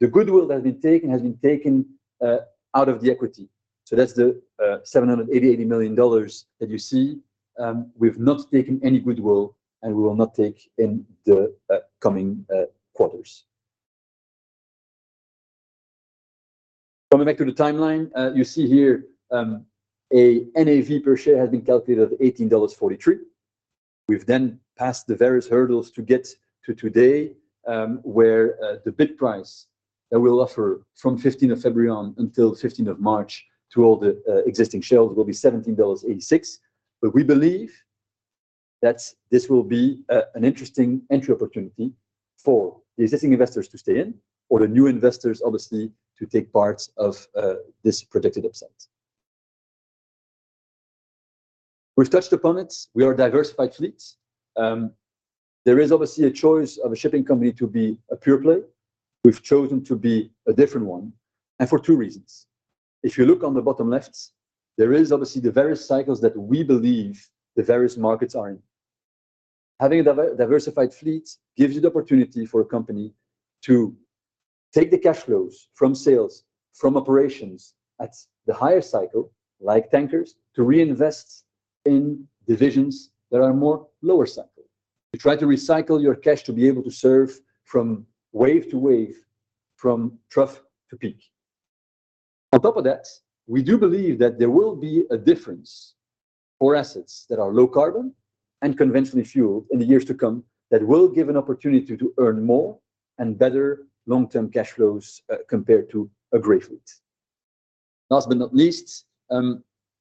The goodwill that has been taken, has been taken out of the equity, so that's the $780 million that you see. We've not taken any goodwill, and we will not take in the coming quarters. Coming back to the timeline, you see here, a NAV per share has been calculated at $18.43. We've then passed the various hurdles to get to today, where the bid price that we'll offer from fifteenth of February on until fifteenth of March to all the existing shareholders will be $17.86. But we believe that this will be an interesting entry opportunity for the existing investors to stay in or the new investors, obviously, to take part of this predicted upside. We've touched upon it. We are a diversified fleet. There is obviously a choice of a shipping company to be a pure play. We've chosen to be a different one, and for two reasons. If you look on the bottom left, there is obviously the various cycles that we believe the various markets are in. Having a diversified fleet gives you the opportunity for a company to take the cash flows from sales, from operations at the higher cycle, like tankers, to reinvest in divisions that are more lower cycle. You try to recycle your cash to be able to serve from wave to wave, from trough to peak. On top of that, we do believe that there will be a difference for assets that are low carbon and conventionally fueled in the years to come, that will give an opportunity to earn more and better long-term cash flows compared to a gray fleet. Last but not least,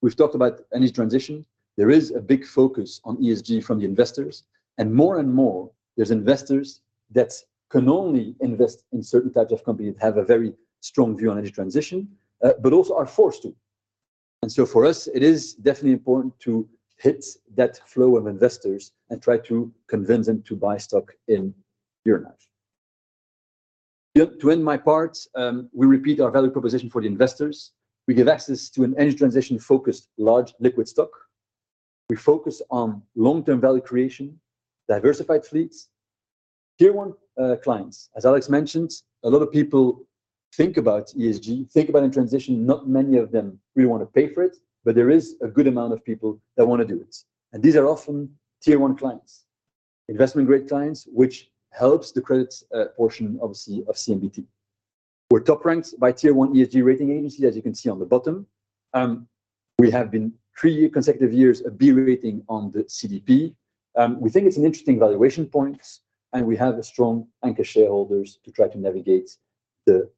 we've talked about energy transition. There is a big focus on ESG from the investors, and more and more, there's investors that can only invest in certain types of companies that have a very strong view on energy transition, but also are forced to. And so for us, it is definitely important to hit that flow of investors and try to convince them to buy stock in Euronav. To end my part, we repeat our value proposition for the investors. We give access to an energy transition-focused, large liquid stock. We focus on long-term value creation, diversified fleets. Tier one clients, as Alex mentioned, a lot of people think about ESG, think about energy transition, not many of them really want to pay for it, but there is a good amount of people that want to do it, and these are often tier one clients, investment-grade clients, which helps the credits portion, obviously, of CMBT. We're top-ranked by tier one ESG rating agency, as you can see on the bottom. We have been three consecutive years B rating on the CDP. We think it's an interesting valuation points, and we have a strong anchor shareholders to try to navigate the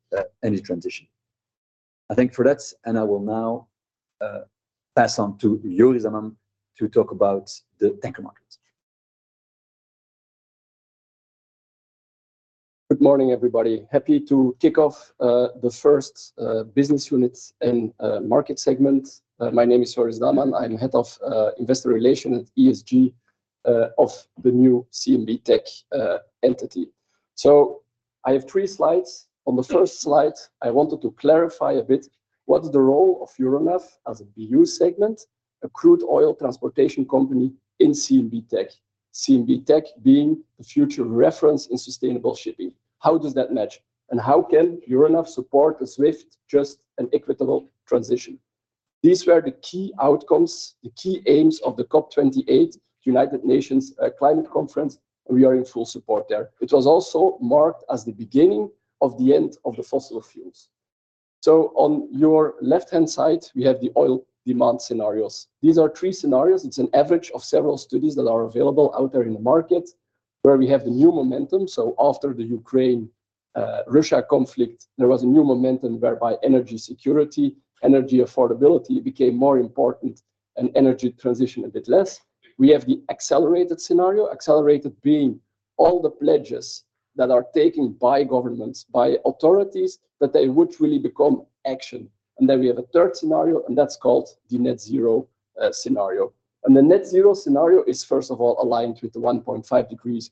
energy transition. I thank you for that, and I will now pass on to Joris Daman to talk about the tanker markets. Good morning, everybody. Happy to kick off the first business units and market segment. My name is Joris Daman. I'm Head of Investor Relations and ESG of the new CMB.TECH entity. So I have three slides. On the first slide, I wanted to clarify a bit what is the role of Euronav as a BU segment, a crude oil transportation company in CMB.TECH? CMB.TECH being the future reference in sustainable shipping. How does that match, and how can Euronav support a swift, just, and equitable transition? These were the key outcomes, the key aims of the COP28 United Nations Climate Conference, and we are in full support there, which was also marked as the beginning of the end of the fossil fuels. So on your left-hand side, we have the oil demand scenarios. These are three scenarios. It's an average of several studies that are available out there in the market, where we have the New Momentum. So after the Ukraine, Russia conflict, there was a New Momentum whereby energy security, energy affordability became more important and energy transition a bit less. We have the Accelerated scenario. Accelerated being all the pledges that are taken by governments, by authorities, that they would really become action. And then we have a third scenario, and that's called the Net Zero scenario. And the Net Zero scenario is, first of all, aligned with the 1.5 degrees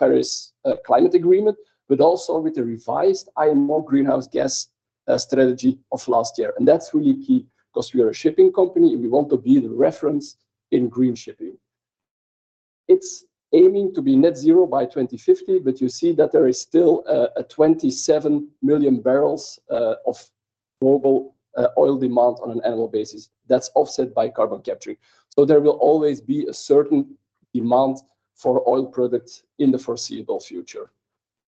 Paris Climate Agreement, but also with the revised IMO greenhouse gas strategy of last year. And that's really key because we are a shipping company, and we want to be the reference in green shipping. It's aiming to be net zero by 2050, but you see that there is still a, a 27 million barrels of global, oil demand on an annual basis that's offset by carbon capture. So there will always be a certain demand for oil products in the foreseeable future.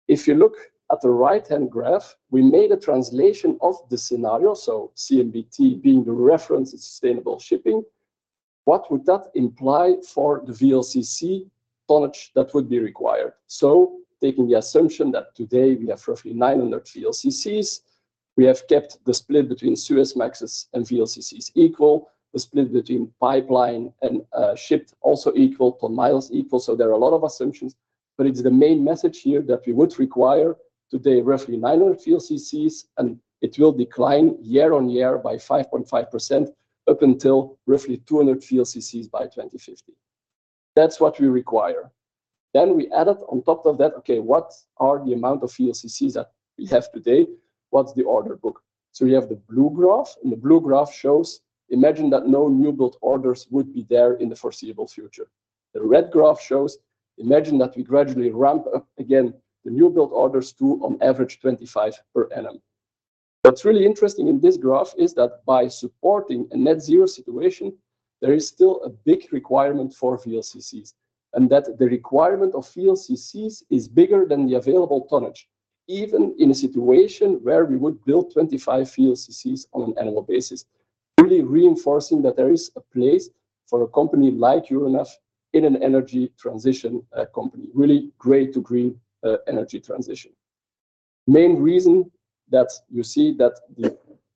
If you look at the right-hand graph, we made a translation of the scenario, so CMBT being the reference in sustainable shipping, what would that imply for the VLCC tonnage that would be required? So taking the assumption that today we have roughly 900 VLCCs, we have kept the split between Suezmaxes and VLCCs equal, the split between pipeline and, shipped also equal, ton miles equal. So there are a lot of assumptions, but it's the main message here that we would require today, roughly 900 VLCCs, and it will decline year-on-year by 5.5%, up until roughly 200 VLCCs by 2050. That's what we require. Then we added on top of that, okay, what are the amount of VLCCs that we have today? What's the order book? So we have the blue graph, and the blue graph shows, imagine that no newbuild orders would be there in the foreseeable future. The red graph shows, imagine that we gradually ramp up again, the newbuild orders to, on average, 25 per annum. What's really interesting in this graph is that by supporting a net zero situation, there is still a big requirement for VLCCs, and that the requirement of VLCCs is bigger than the available tonnage, even in a situation where we would build 25 VLCCs on an annual basis. Really reinforcing that there is a place for a company like Euronav in an energy transition company. Really great to green energy transition. Main reason that you see that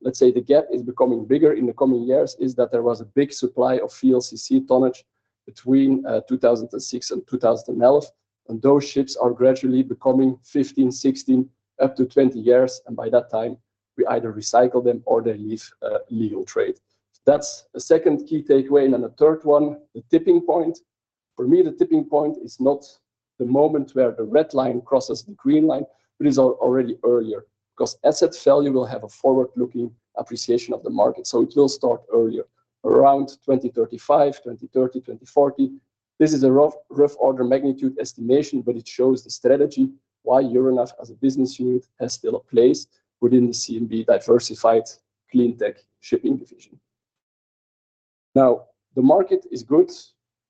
let's say, the gap is becoming bigger in the coming years, is that there was a big supply of VLCC tonnage between 2006 and 2011, and those ships are gradually becoming 15, 16, up to 20 years, and by that time, we either recycle them or they leave legal trade. That's a second key takeaway, and then the third one, the tipping point. For me, the tipping point is not the moment where the red line crosses the green line, but is already earlier, because asset value will have a forward-looking appreciation of the market, so it will start earlier, around 2035, 2030, 2040. This is a rough, rough order magnitude estimation, but it shows the strategy why Euronav as a business unit has still a place within the CMB diversified cleantech shipping division. Now, the market is good.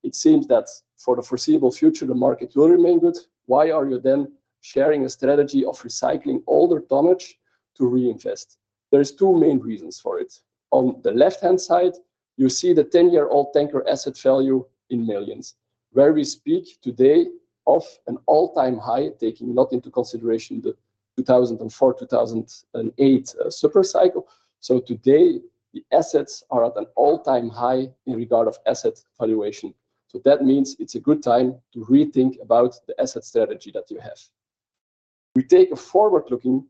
It seems that for the foreseeable future, the market will remain good. Why are you then sharing a strategy of recycling older tonnage to reinvest? There's two main reasons for it. On the left-hand side, you see the 10-year-old tanker asset value in millions, where we speak today of an all-time high, taking not into consideration the 2004, 2008, supercycle. So today, the assets are at an all-time high in regard of asset valuation. So that means it's a good time to rethink about the asset strategy that you have. We take a forward-looking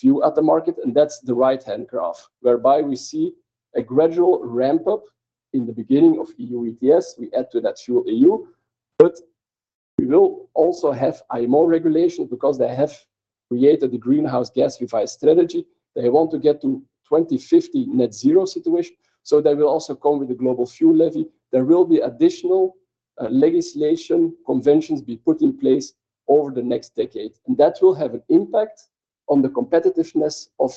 view at the market, and that's the right-hand graph, whereby we see a gradual ramp up in the beginning of EU ETS. We add to that FuelEU, but we will also have IMO regulation because they have created the greenhouse gas revised strategy. They want to get to 2050 net zero situation, so they will also come with a global fuel levy. There will be additional legislation, conventions, be put in place over the next decade, and that will have an impact on the competitiveness of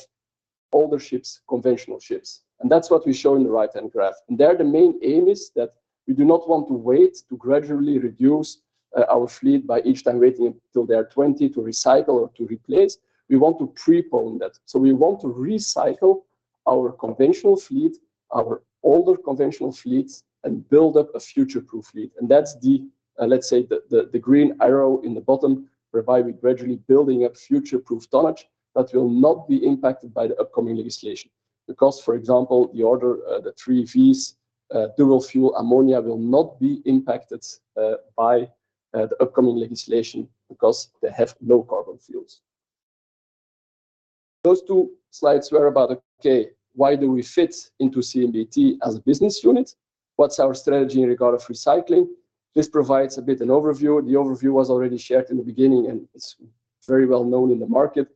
older ships, conventional ships. That's what we show in the right-hand graph. There, the main aim is that we do not want to wait to gradually reduce our fleet by each time waiting until they are 20, to recycle or to replace. We want to prepone that. We want to recycle our conventional fleet, our older conventional fleets, and build up a future-proof fleet. That's the, let's say, the green arrow in the bottom, whereby we're gradually building up future-proof tonnage that will not be impacted by the upcoming legislation. Because, for example, the order, the three Vs-... Dual-fuel ammonia will not be impacted by the upcoming legislation because they have low carbon fuels. Those two slides were about, okay, why do we fit into CMBT as a business unit? What's our strategy in regard of recycling? This provides a bit an overview. The overview was already shared in the beginning, and it's very well known in the market,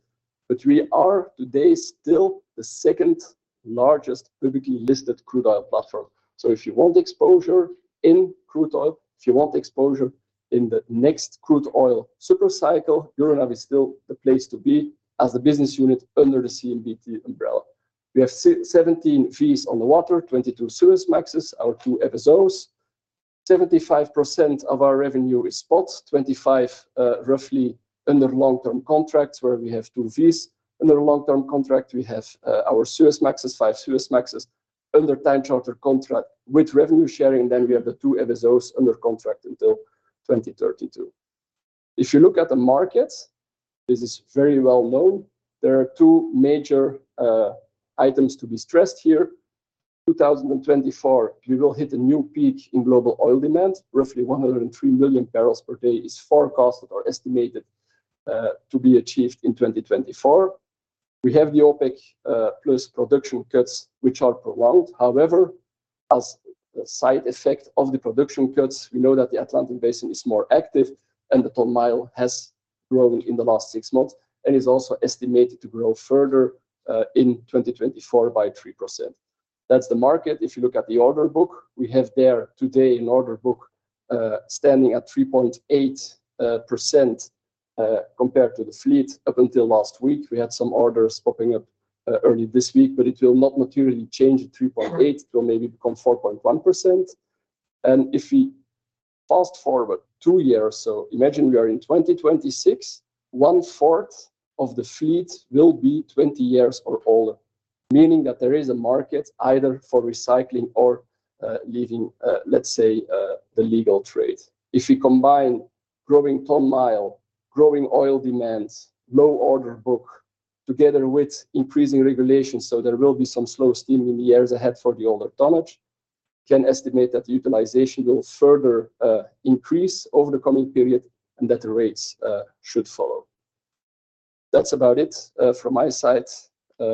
but we are today still the second largest publicly listed crude oil platform. So if you want exposure in crude oil, if you want exposure in the next crude oil supercycle, Euronav is still the place to be as a business unit under the CMBT umbrella. We have 17 VLCCs on the water, 22 Suezmaxes, our two FSOs. 75% of our revenue is spot, 25%, roughly under long-term contracts, where we have two VLs. Under a long-term contract, we have our Suezmaxes, 5 Suezmaxes, under time charter contract with revenue sharing. Then we have the 2 FSOs under contract until 2032. If you look at the markets, this is very well known. There are two major items to be stressed here. 2024, we will hit a new peak in global oil demand. Roughly 103 million barrels per day is forecasted or estimated to be achieved in 2024. We have the OPEC+ production cuts, which are prolonged. However, as a side effect of the production cuts, we know that the Atlantic Basin is more active, and the ton mile has grown in the last six months and is also estimated to grow further in 2024 by 3%. That's the market. If you look at the order book, we have there today an order book, standing at 3.8%, compared to the fleet up until last week. We had some orders popping up, early this week, but it will not materially change the 3.8. It will maybe become 4.1%. And if we fast-forward two years, so imagine we are in 2026, one-fourth of the fleet will be 20 years or older, meaning that there is a market either for recycling or, leaving, let's say, the legal trade. If we combine growing ton-mile, growing oil demands, low order book together with increasing regulations, so there will be some slow steaming in the years ahead for the older tonnage, can estimate that the utilization will further increase over the coming period, and that the rates should follow. That's about it from my side. Good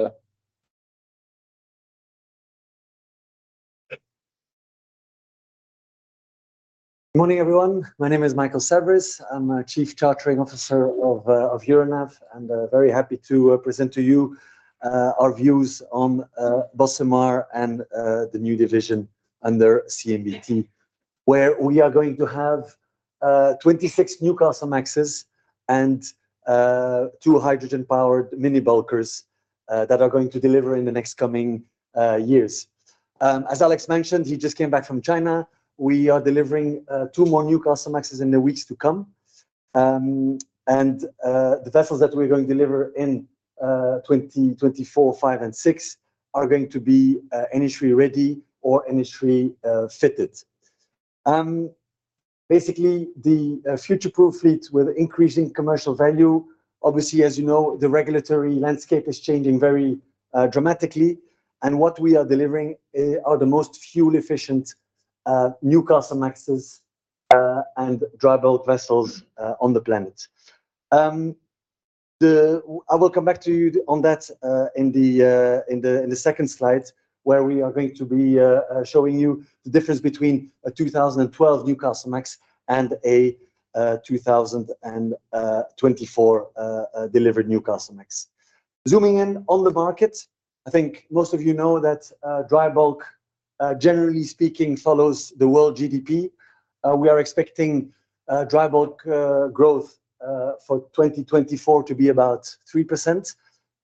morning, everyone. My name is Michael Saverys. I'm the Chief Chartering Officer of Euronav, and very happy to present to you our views on Bocimar and the new division under CMBT, where we are going to have 26 new Newcastlemaxes and two hydrogen-powered mini bulkers that are going to deliver in the next coming years. As Alex mentioned, he just came back from China. We are delivering two more new Newcastlemaxes in the weeks to come. And the vessels that we're going to deliver in 2024, 2025, and 2026 are going to be industry-ready or industry fitted. Basically, the future-proof fleet with increasing commercial value. Obviously, as you know, the regulatory landscape is changing very dramatically, and what we are delivering are the most fuel-efficient new Newcastlemaxes and dry bulk vessels on the planet. The... I will come back to you on that in the second slide, where we are going to be showing you the difference between a 2012 Newcastlemax and a 2024 delivered Newcastlemax. Zooming in on the market, I think most of you know that dry bulk generally speaking follows the world GDP. We are expecting dry bulk growth for 2024 to be about 3%.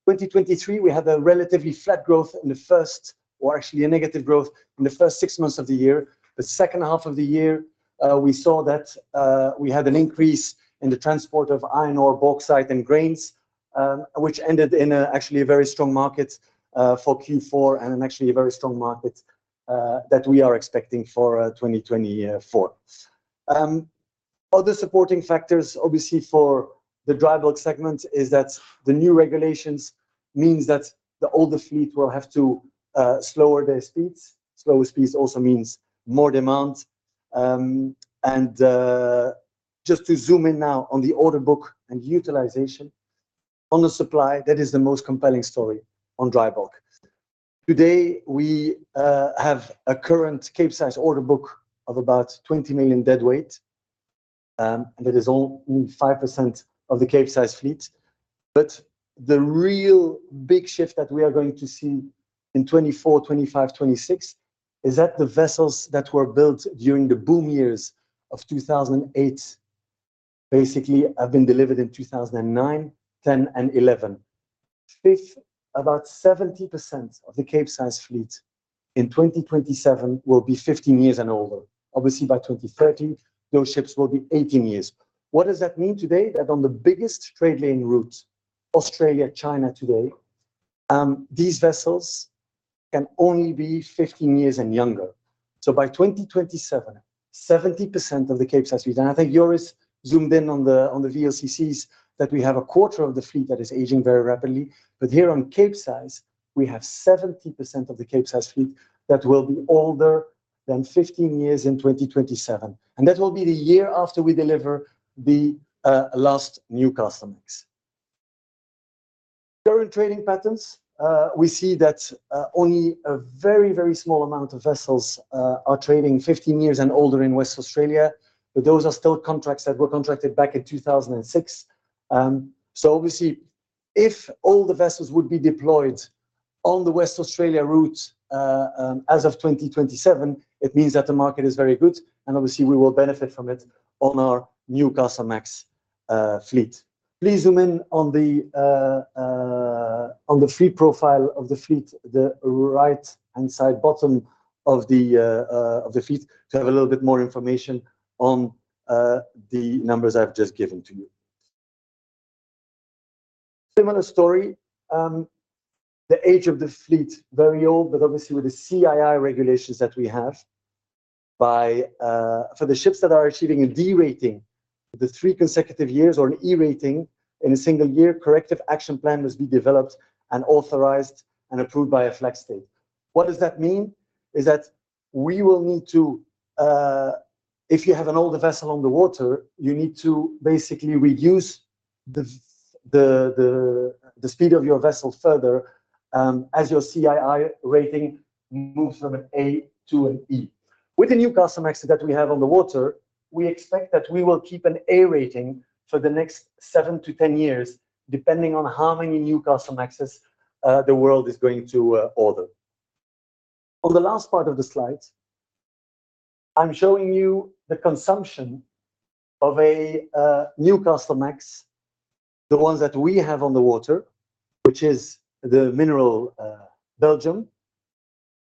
2023, we had a relatively flat growth in the first- or actually a negative growth in the first six months of the year. The second half of the year, we saw that we had an increase in the transport of iron ore, bauxite, and grains, which ended in actually a very strong market for Q4 and actually a very strong market that we are expecting for 2024. Other supporting factors, obviously, for the dry bulk segment is that the new regulations means that the older fleet will have to slower their speeds. Slower speeds also means more demand. And just to zoom in now on the order book and utilization. On the supply, that is the most compelling story on dry bulk. Today, we have a current Capesize order book of about 20 million deadweight, and that is only 5% of the Capesize fleet. But the real big shift that we are going to see in 2024, 2025, 2026 is that the vessels that were built during the boom years of 2008, basically have been delivered in 2009, 10, and 11. With about 70% of the Capesize fleet in 2027 will be 15 years and older. Obviously, by 2030, those ships will be 18 years. What does that mean today? That on the biggest trade lane route, Australia, China, today, these vessels can only be 15 years and younger. So by 2027, 70% of the Capesize fleet, and I think Joris zoomed in on the, on the VLCCs, that we have a quarter of the fleet that is aging very rapidly. But here on Capesize, we have 70% of the Capesize fleet that will be older than 15 years in 2027, and that will be the year after we deliver the last Newcastlemax. Current trading patterns, we see that only a very, very small amount of vessels are trading 15 years and older in West Australia, but those are still contracts that were contracted back in 2006. So obviously, if all the vessels would be deployed on the West Australia route, as of 2027, it means that the market is very good, and obviously we will benefit from it on our Newcastlemax fleet. Please zoom in on the fleet profile of the fleet, the right-hand side bottom of the fleet, to have a little bit more information on the numbers I've just given to you. Similar story, the age of the fleet, very old, but obviously with the CII regulations that we have, for the ships that are achieving a D rating for the three consecutive years, or an E rating in a single year, corrective action plan must be developed and authorized and approved by a flag state. What does that mean? Is that we will need to, if you have an older vessel on the water, you need to basically reduce the speed of your vessel further, as your CII rating moves from an A to an E. With the Newcastlemax that we have on the water, we expect that we will keep an A rating for the next 7-10 years, depending on how many Newcastlemaxes the world is going to order. On the last part of the slide, I'm showing you the consumption of a Newcastlemax, the ones that we have on the water, which is the Mineral Belgium.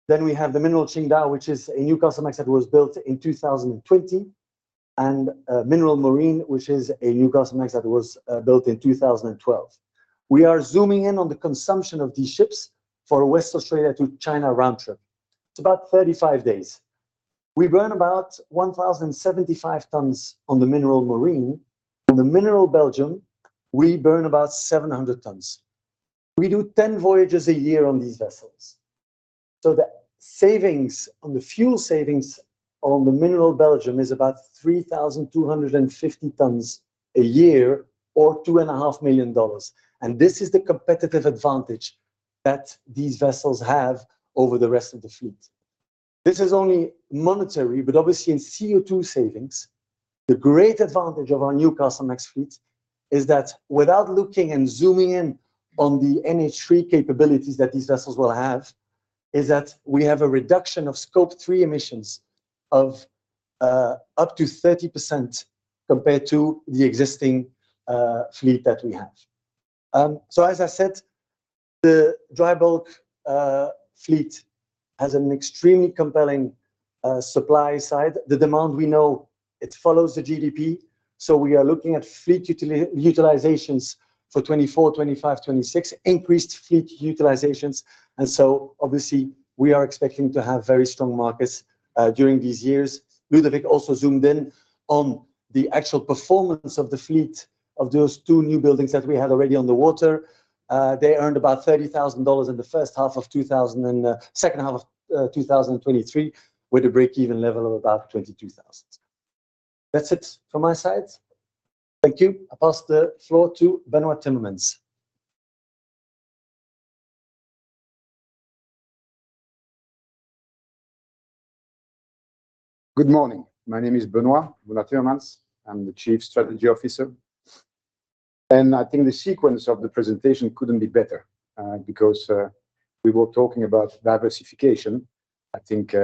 Then we have the Mineral Qingdao, which is a Newcastlemax that was built in 2020, and Mineral Maureen, which is a Newcastlemax that was built in 2012. We are zooming in on the consumption of these ships for West Australia to China round trip. It's about 35 days. We burn about 1,075 tons on the Mineral Maureen. On the Mineral Belgium, we burn about 700 tons. We do 10 voyages a year on these vessels. So the savings on the fuel savings on the Mineral Belgium is about 3,250 tons a year, or $2.5 million. And this is the competitive advantage that these vessels have over the rest of the fleet. This is only monetary, but obviously in CO2 savings, the great advantage of our Newcastlemax fleet is that without looking and zooming in on the NH3 capabilities that these vessels will have, is that we have a reduction of Scope 3 emissions of up to 30% compared to the existing fleet that we have. So as I said, the dry bulk fleet has an extremely compelling supply side. The demand, we know it follows the GDP, so we are looking at fleet utilizations for 2024, 2025, 2026, increased fleet utilizations, and so obviously we are expecting to have very strong markets during these years. Ludovic also zoomed in on the actual performance of the fleet of those two newbuildings that we had already on the water. They earned about $30,000 in the first half of 2023 and second half of 2023, with a break-even level of about $22,000. That's it from my side. Thank you. I pass the floor to Benoit Timmermans. Good morning. My name is Benoit Timmermans. I'm the Chief Strategy Officer, and I think the sequence of the presentation couldn't be better, because we were talking about diversification. I think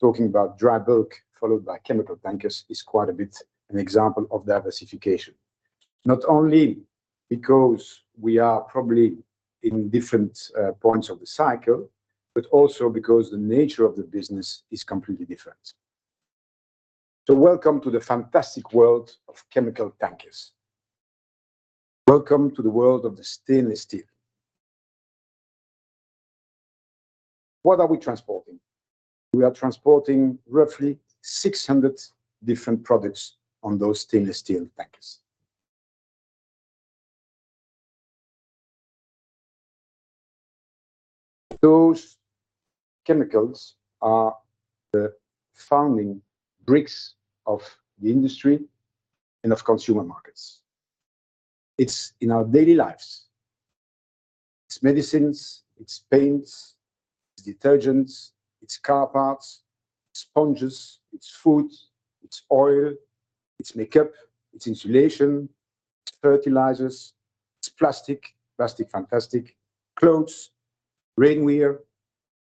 talking about dry bulk followed by chemical tankers is quite a bit an example of diversification. Not only because we are probably in different points of the cycle, but also because the nature of the business is completely different. Welcome to the fantastic world of chemical tankers. Welcome to the world of the stainless steel. What are we transporting? We are transporting roughly 600 different products on those stainless steel tankers. Those chemicals are the founding bricks of the industry and of consumer markets. It's in our daily lives. It's medicines, it's paints, it's detergents, it's car parts, it's sponges, it's food, it's oil, it's makeup, it's insulation, it's fertilizers, it's plastic - plastic, fantastic - clothes, rainwear,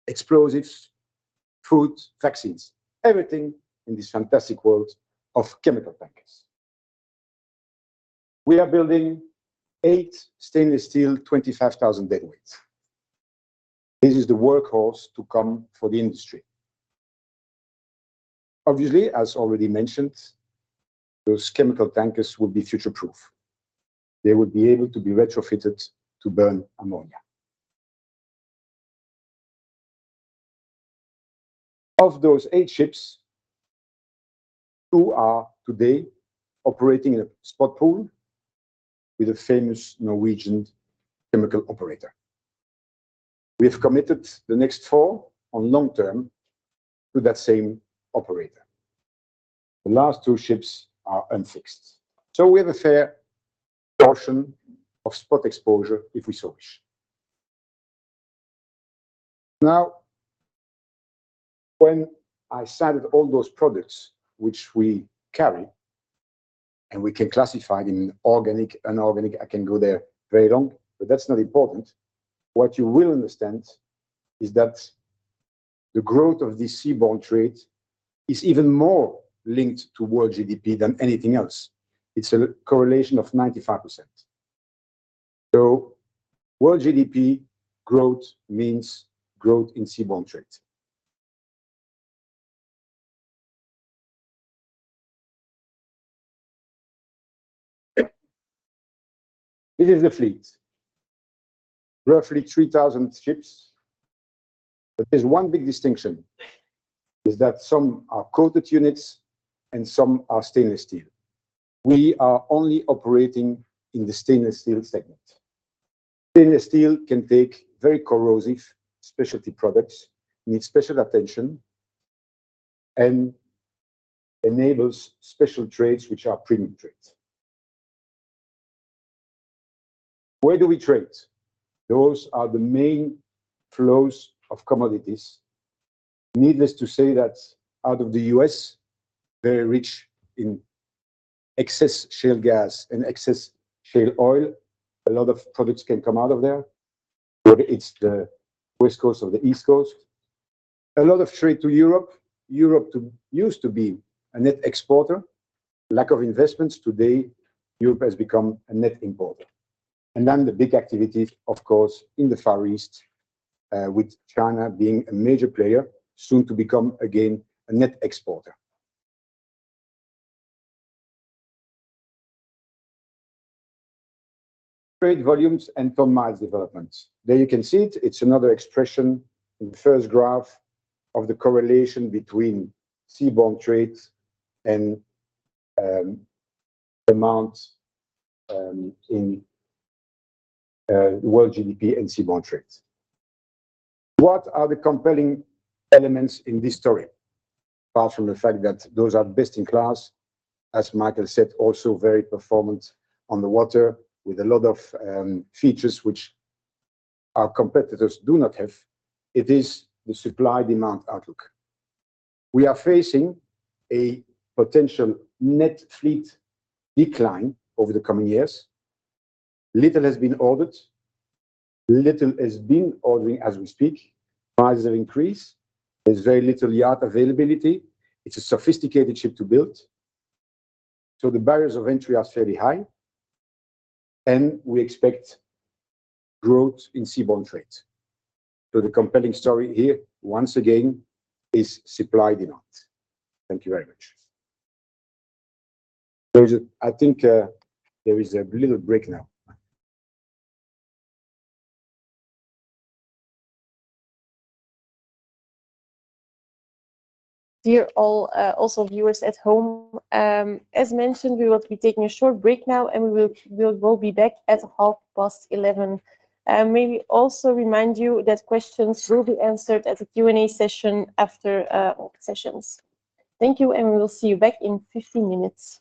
explosives, food, vaccines, everything in this fantastic world of chemical tankers. We are building 8 stainless steel, 25,000 deadweights. This is the workhorse to come for the industry. Obviously, as already mentioned, those chemical tankers will be future-proof. They will be able to be retrofitted to burn ammonia. Of those 8 ships, 2 are today operating in a spot pool with a famous Norwegian chemical operator. We have committed the next 4 on long term to that same operator. The last 2 ships are unfixed, so we have a fair portion of spot exposure if we so wish. Now, when I cited all those products which we carry, and we can classify in organic, inorganic, I can go there very long, but that's not important. What you will understand is that the growth of this seaborne trade is even more linked to world GDP than anything else. It's a correlation of 95%. So world GDP growth means growth in seaborne trade. This is the fleet, roughly 3,000 ships, but there's one big distinction, is that some are coated units and some are stainless steel. We are only operating in the stainless steel segment. Stainless steel can take very corrosive specialty products, need special attention, and enables special trades, which are premium trades. Where do we trade? Those are the main flows of commodities. Needless to say, that out of the U.S., very rich in excess shale gas and excess shale oil, a lot of products can come out of there, whether it's the West Coast or the East Coast. A lot of trade to Europe. Europe to, used to be a net exporter. Lack of investments today, Europe has become a net importer. And then the big activity, of course, in the Far East, with China being a major player, soon to become again, a net exporter. Trade volumes and ton miles developments. There you can see it. It's another expression in the first graph of the correlation between seaborne trade and, amounts, in, world GDP and seaborne trade. What are the compelling elements in this story? Apart from the fact that those are best in class, as Michael said, also very performant on the water with a lot of features which our competitors do not have. It is the supply-demand outlook. We are facing a potential net fleet decline over the coming years. Little has been ordered. Little is being ordered as we speak. Prices have increased. There's very little yard availability. It's a sophisticated ship to build, so the barriers of entry are fairly high, and we expect growth in seaborne trade. So the compelling story here, once again, is supply, demand. Thank you very much. So I think, there is a little break now. Dear all, also viewers at home. As mentioned, we will be taking a short break now, and we will be back at 11:30 A.M. May we also remind you that questions will be answered at the Q&A session after all sessions. Thank you, and we will see you back in 15 minutes.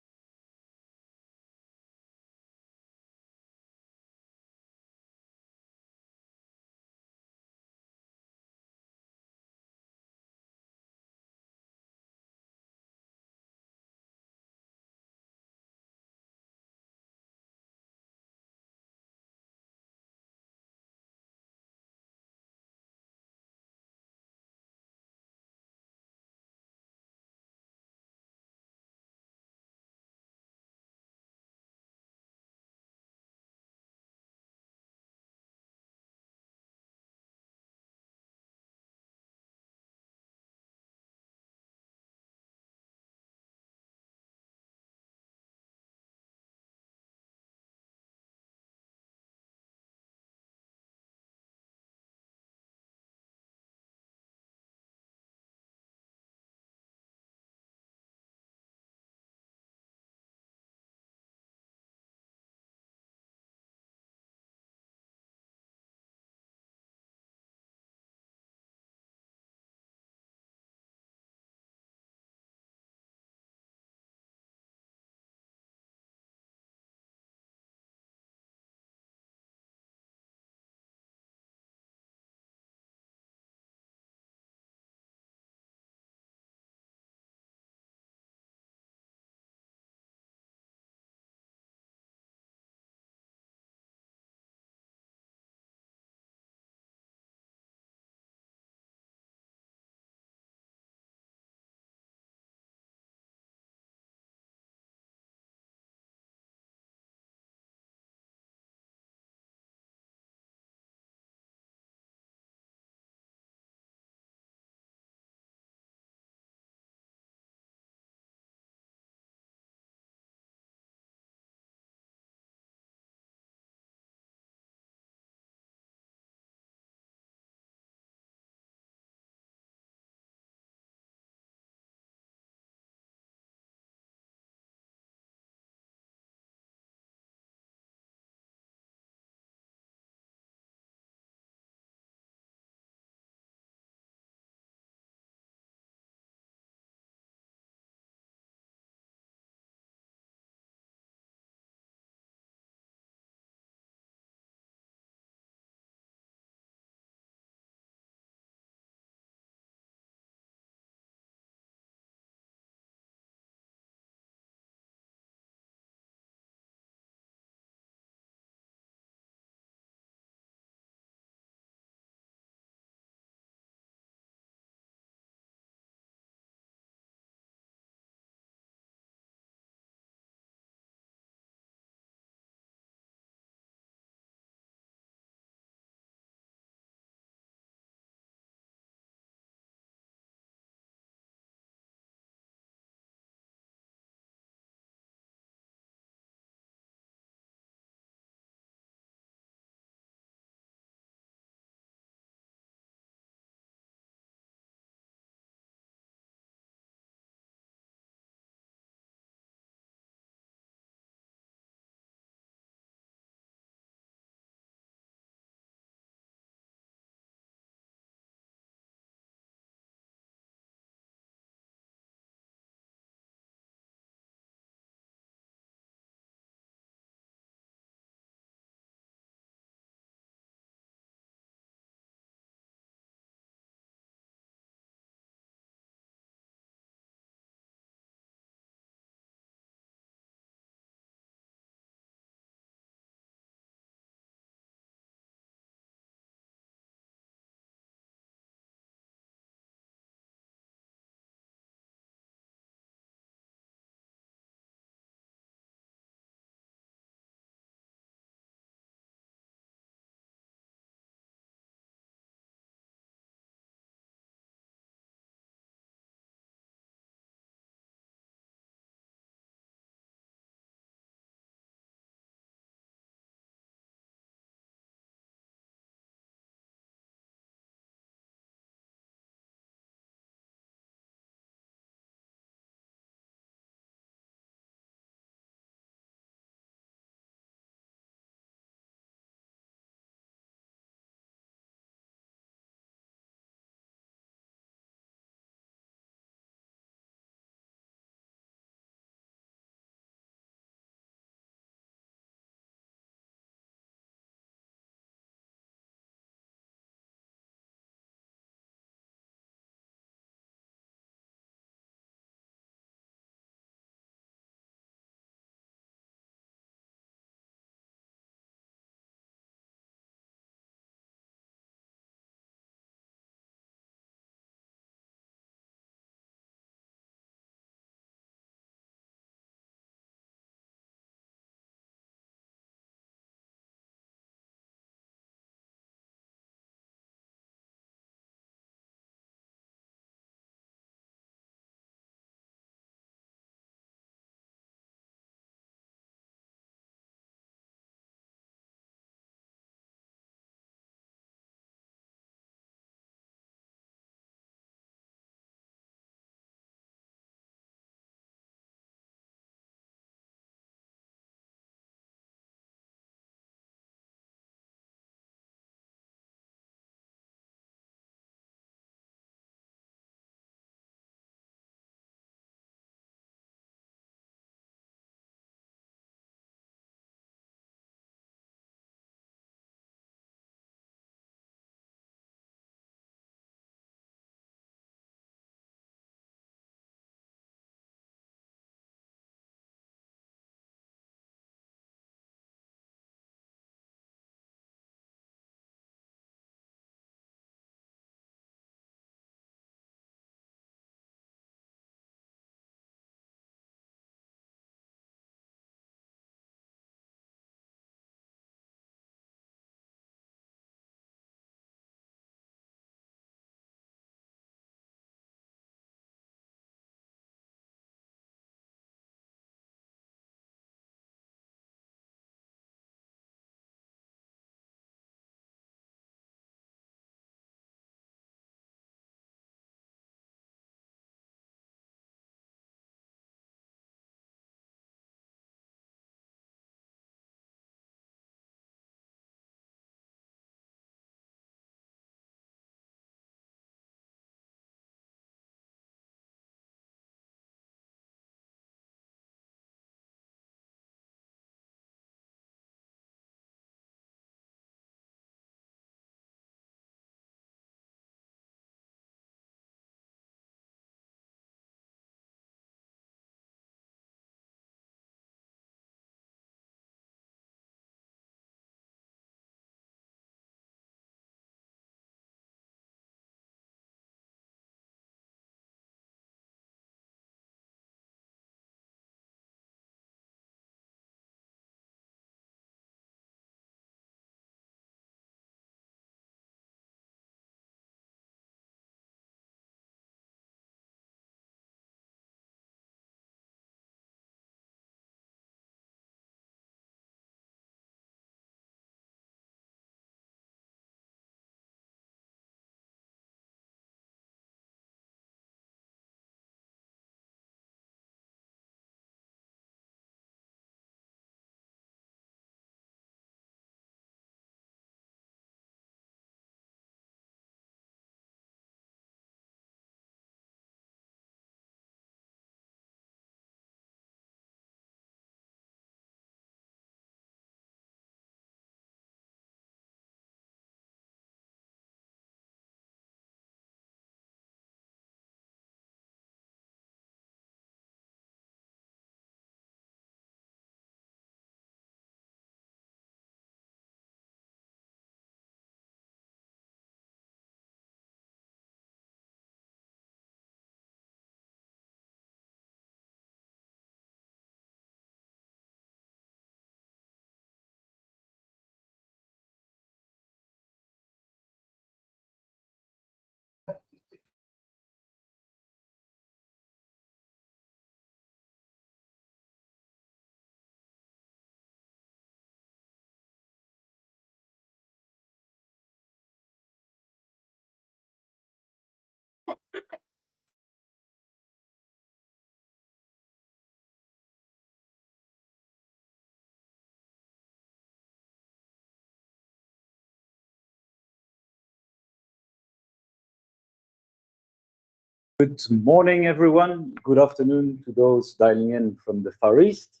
Good morning, everyone. Good afternoon to those dialing in from the Far East.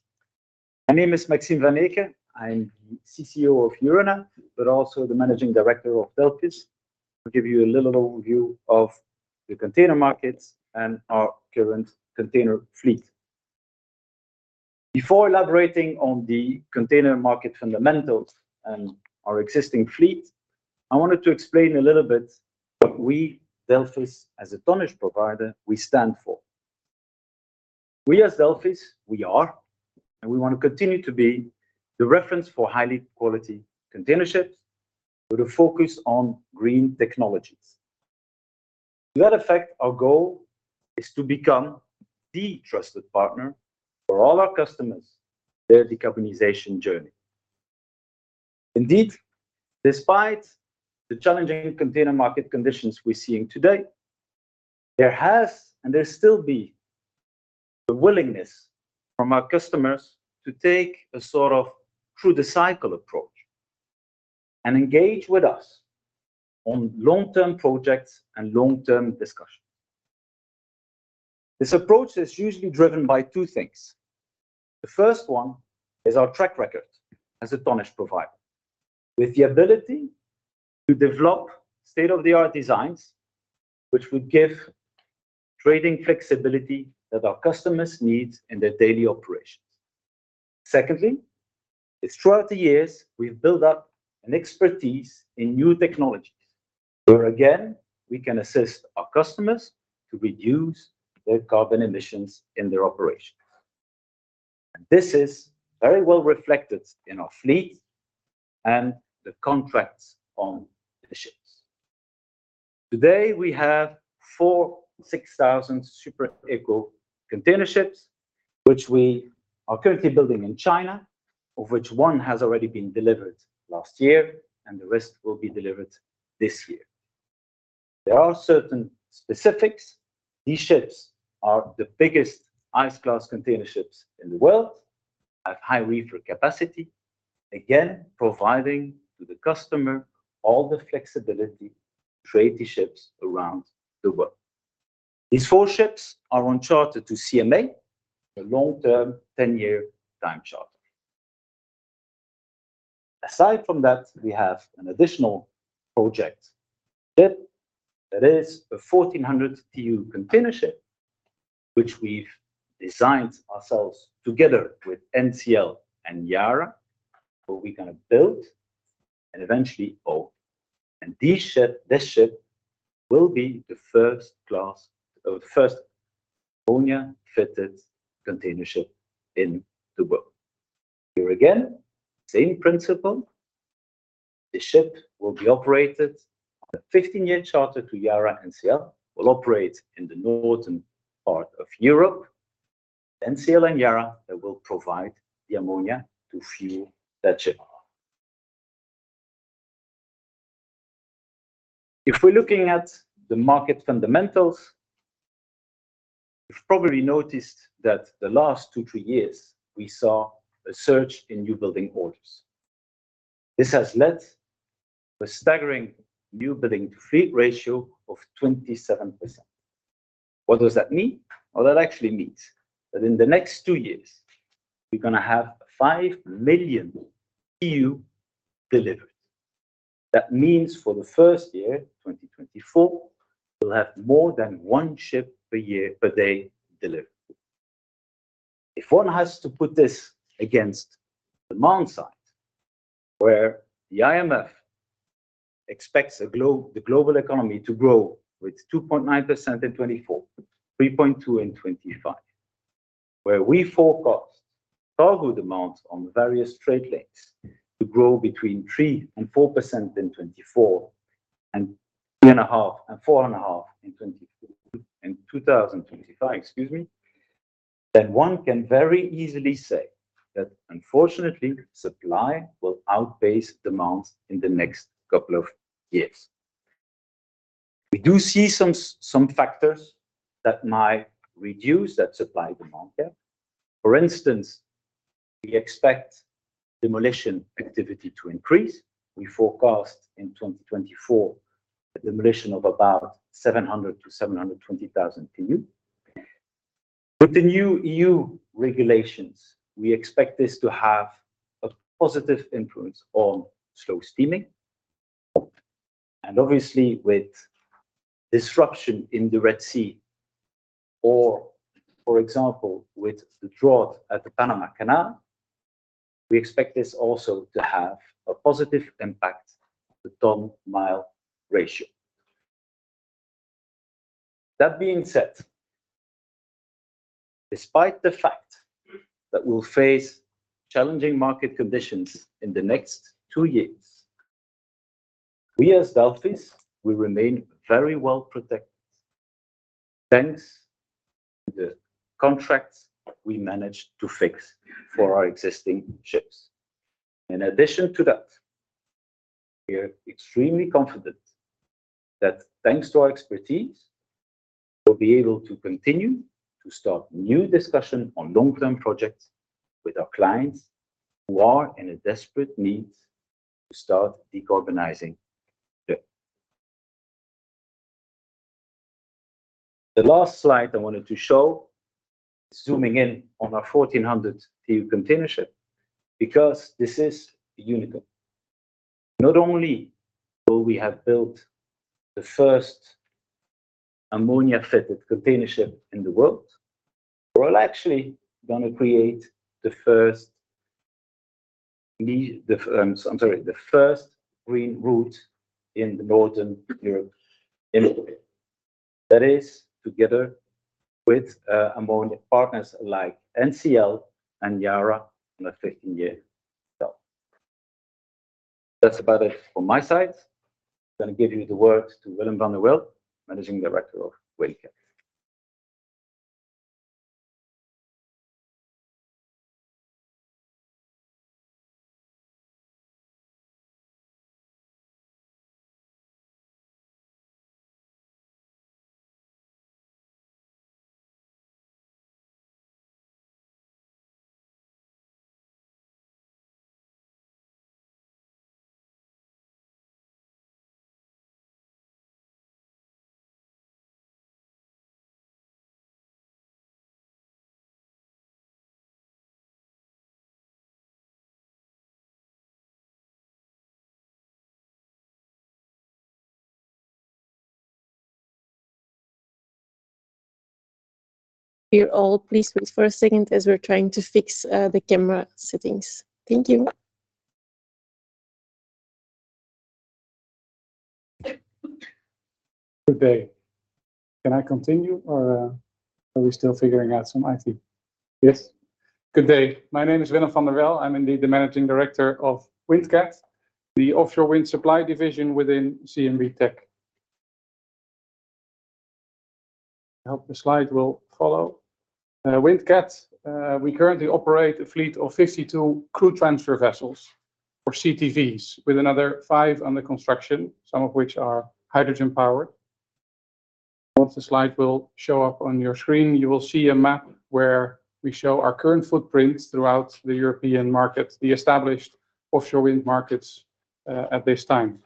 My name is Maxime Van Eecke. I'm the CCO of Euronav, but also the managing director of Delphis. I'll give you a little overview of the container markets and our current container fleet. Before elaborating on the container market fundamentals and our existing fleet, I wanted to explain a little bit what we, Delphis, as a tonnage provider, we stand for. We as Delphis, we are, and we want to continue to be, the reference for high quality container ships with a focus on green technologies. To that effect, our goal is to become the trusted partner for all our customers, their decarbonization journey.... Indeed, despite the challenging container market conditions we're seeing today, there has and there still be the willingness from our customers to take a sort of through the cycle approach and engage with us on long-term projects and long-term discussions. This approach is usually driven by two things. The first one is our track record as a tonnage provider, with the ability to develop state-of-the-art designs, which would give trading flexibility that our customers need in their daily operations. Secondly, is throughout the years, we've built up an expertise in new technologies, where again, we can assist our customers to reduce their carbon emissions in their operations. This is very well reflected in our fleet and the contracts on the ships. Today, we have 4 6,000 super eco container ships, which we are currently building in China, of which 1 has already been delivered last year, and the rest will be delivered this year. There are certain specifics. These ships are the biggest ice-class container ships in the world, have high reefer capacity, again, providing to the customer all the flexibility to trade these ships around the world. These 4 ships are on charter to CMA, a long-term, 10-year time charter. Aside from that, we have an additional project ship that is a 1,400 TEU container ship, which we've designed ourselves together with NCL and Yara, who we're gonna build and eventually own. And this ship, this ship will be the first class or the first ammonia-fitted container ship in the world. Here again, same principle. The ship will be operated on a 15-year charter to Yara. NCL will operate in the northern part of Europe. NCL and Yara, they will provide the ammonia to fuel that ship. If we're looking at the market fundamentals, you've probably noticed that the last 2, 3 years, we saw a surge in newbuilding orders. This has led to a staggering newbuilding to fleet ratio of 27%. What does that mean? Well, that actually means that in the next 2 years, we're gonna have 5 million TEU delivered. That means for the first year, 2024, we'll have more than one ship per year, per day delivered. If one has to put this against demand side, where the IMF expects a globe, the global economy to grow with 2.9% in 2024, 3.2 in 2025, where we forecast cargo demands on various trade lanes to grow between 3%-4% in 2024, and 3.5%-4.5% in 2025, excuse me, then one can very easily say that unfortunately, supply will outpace demand in the next couple of years. We do see some, some factors that might reduce that supply-demand gap. For instance, we expect demolition activity to increase. We forecast in 2024, a demolition of about 700,000-720,000 TEU. With the new EU regulations, we expect this to have a positive influence on slow steaming. Obviously, with disruption in the Red Sea, or for example, with the drought at the Panama Canal, we expect this also to have a positive impact on the ton mile ratio. That being said, despite the fact that we'll face challenging market conditions in the next two years, we as Delphis, will remain very well protected, thanks to the contracts we managed to fix for our existing ships. In addition to that, we are extremely confident that thanks to our expertise, we'll be able to continue to start new discussion on long-term projects with our clients, who are in a desperate need to start decarbonizing today. The last slide I wanted to show, zooming in on our 1,400 TEU container ship, because this is unique. Not only will we have built the first ammonia-fitted container ship in the world, we're actually gonna create the first green route in the Northern Europe industry. That is, together with ammonia partners like NCL and Yara on a 15-year deal. That's about it from my side. I'm gonna give you the words to Willem van der Wel, Managing Director of Windcat. We're all, please wait for a second as we're trying to fix the camera settings. Thank you. Good day. Can I continue, or, are we still figuring out some IT? Yes. Good day. My name is Willem van der Wel. I'm indeed the managing director of Windcat, the offshore wind supply division within CMB.TECH. I hope the slide will follow. Windcat, we currently operate a fleet of 52 crew transfer vessels or CTVs, with another five under construction, some of which are hydrogen-powered. Once the slide will show up on your screen, you will see a map where we show our current footprints throughout the European market, the established offshore wind markets, at this time.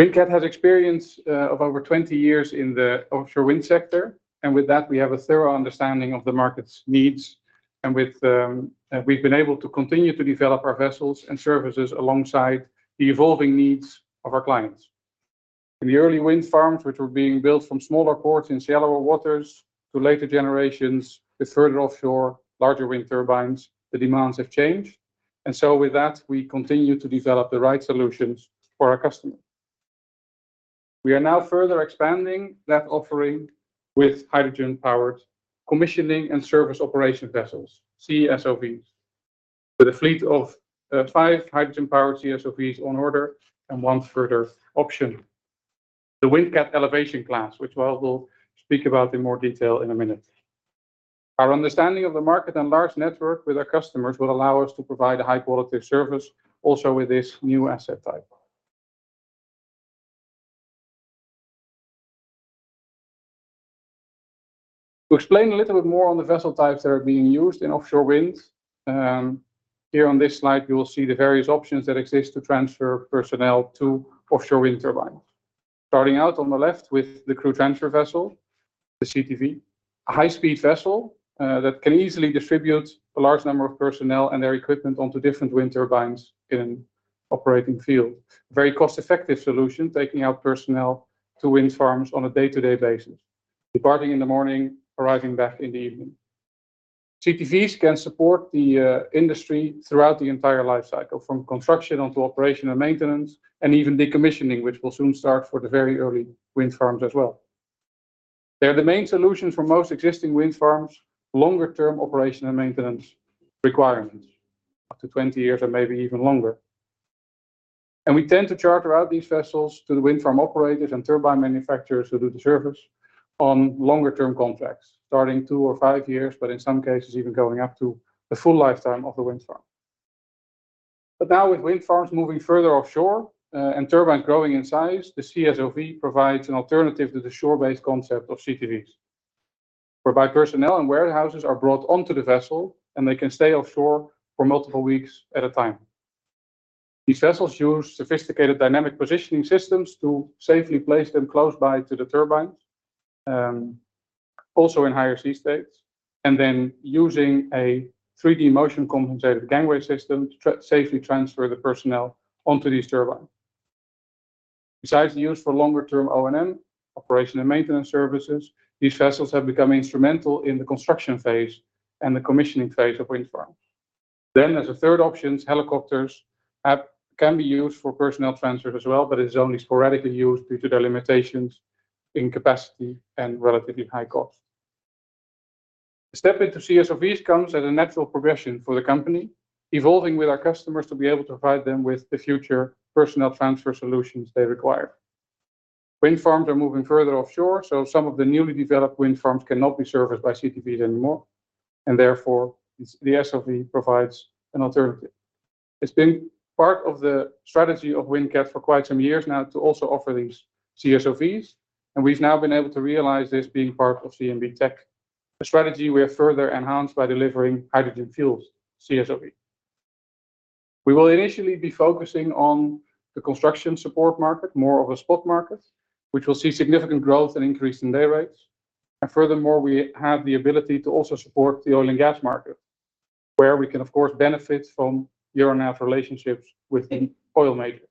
Windcat has experience, of over 20 years in the offshore wind sector, and with that, we have a thorough understanding of the market's needs, and with, and we've been able to continue to develop our vessels and services alongside the evolving needs of our clients. In the early wind farms, which were being built from smaller ports in shallower waters, to later generations, with further offshore, larger wind turbines, the demands have changed. And so with that, we continue to develop the right solutions for our customer. We are now further expanding that offering with hydrogen-powered commissioning and service operation vessels, CSOVs, with a fleet of five hydrogen-powered CSOVs on order and one further option, the Windcat Elevation Class, which I will speak about in more detail in a minute. Our understanding of the market and large network with our customers will allow us to provide a high-quality service also with this new asset type. To explain a little bit more on the vessel types that are being used in offshore wind, here on this slide, you will see the various options that exist to transfer personnel to offshore wind turbines. Starting out on the left with the crew transfer vessel, the CTV, a high-speed vessel, that can easily distribute a large number of personnel and their equipment onto different wind turbines in an operating field. Very cost-effective solution, taking out personnel to wind farms on a day-to-day basis, departing in the morning, arriving back in the evening. CTVs can support the industry throughout the entire life cycle, from construction onto operation and maintenance, and even decommissioning, which will soon start for the very early wind farms as well. They're the main solution for most existing wind farms, longer-term operation and maintenance requirements, up to 20 years and maybe even longer. We tend to charter out these vessels to the wind farm operators and turbine manufacturers who do the service on longer-term contracts, starting two or five years, but in some cases, even going up to the full lifetime of the wind farm. But now, with wind farms moving further offshore, and turbines growing in size, the CSOV provides an alternative to the shore-based concept of CTVs, whereby personnel and warehouses are brought onto the vessel, and they can stay offshore for multiple weeks at a time. These vessels use sophisticated dynamic positioning systems to safely place them close by to the turbines, also in higher sea states, and then using a 3D motion compensated gangway system to safely transfer the personnel onto these turbines. Besides the use for longer-term O&M, operation and maintenance services, these vessels have become instrumental in the construction phase and the commissioning phase of wind farms. Then, as a third option, helicopters can be used for personnel transfer as well, but it's only sporadically used due to their limitations in capacity and relatively high cost. The step into CSOVs comes at a natural progression for the company, evolving with our customers to be able to provide them with the future personnel transfer solutions they require. Wind farms are moving further offshore, so some of the newly developed wind farms cannot be serviced by CTVs anymore, and therefore, the CSOV provides an alternative. It's been part of the strategy of Windcat for quite some years now to also offer these CSOVs, and we've now been able to realize this being part of CMB.TECH, a strategy we have further enhanced by delivering hydrogen-fueled CSOV. We will initially be focusing on the construction support market, more of a spot market, which will see significant growth and increase in day rates. Furthermore, we have the ability to also support the oil and gas market, where we can, of course, benefit from year-on-year relationships with an oil major.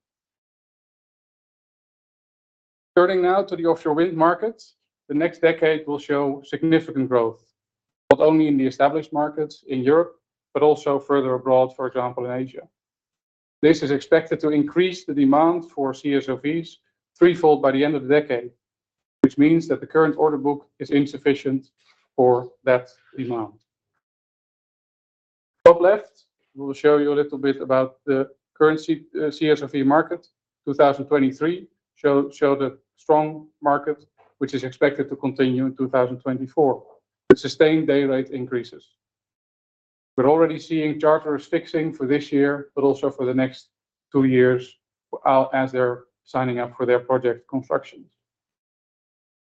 Turning now to the offshore wind market, the next decade will show significant growth, not only in the established markets in Europe, but also further abroad, for example, in Asia. This is expected to increase the demand for CSOVs threefold by the end of the decade, which means that the current order book is insufficient for that demand. Top left, we will show you a little bit about the current CSOV market. 2023 showed a strong market, which is expected to continue in 2024, with sustained day rate increases. We're already seeing charters fixing for this year, but also for the next two years, as they're signing up for their project constructions.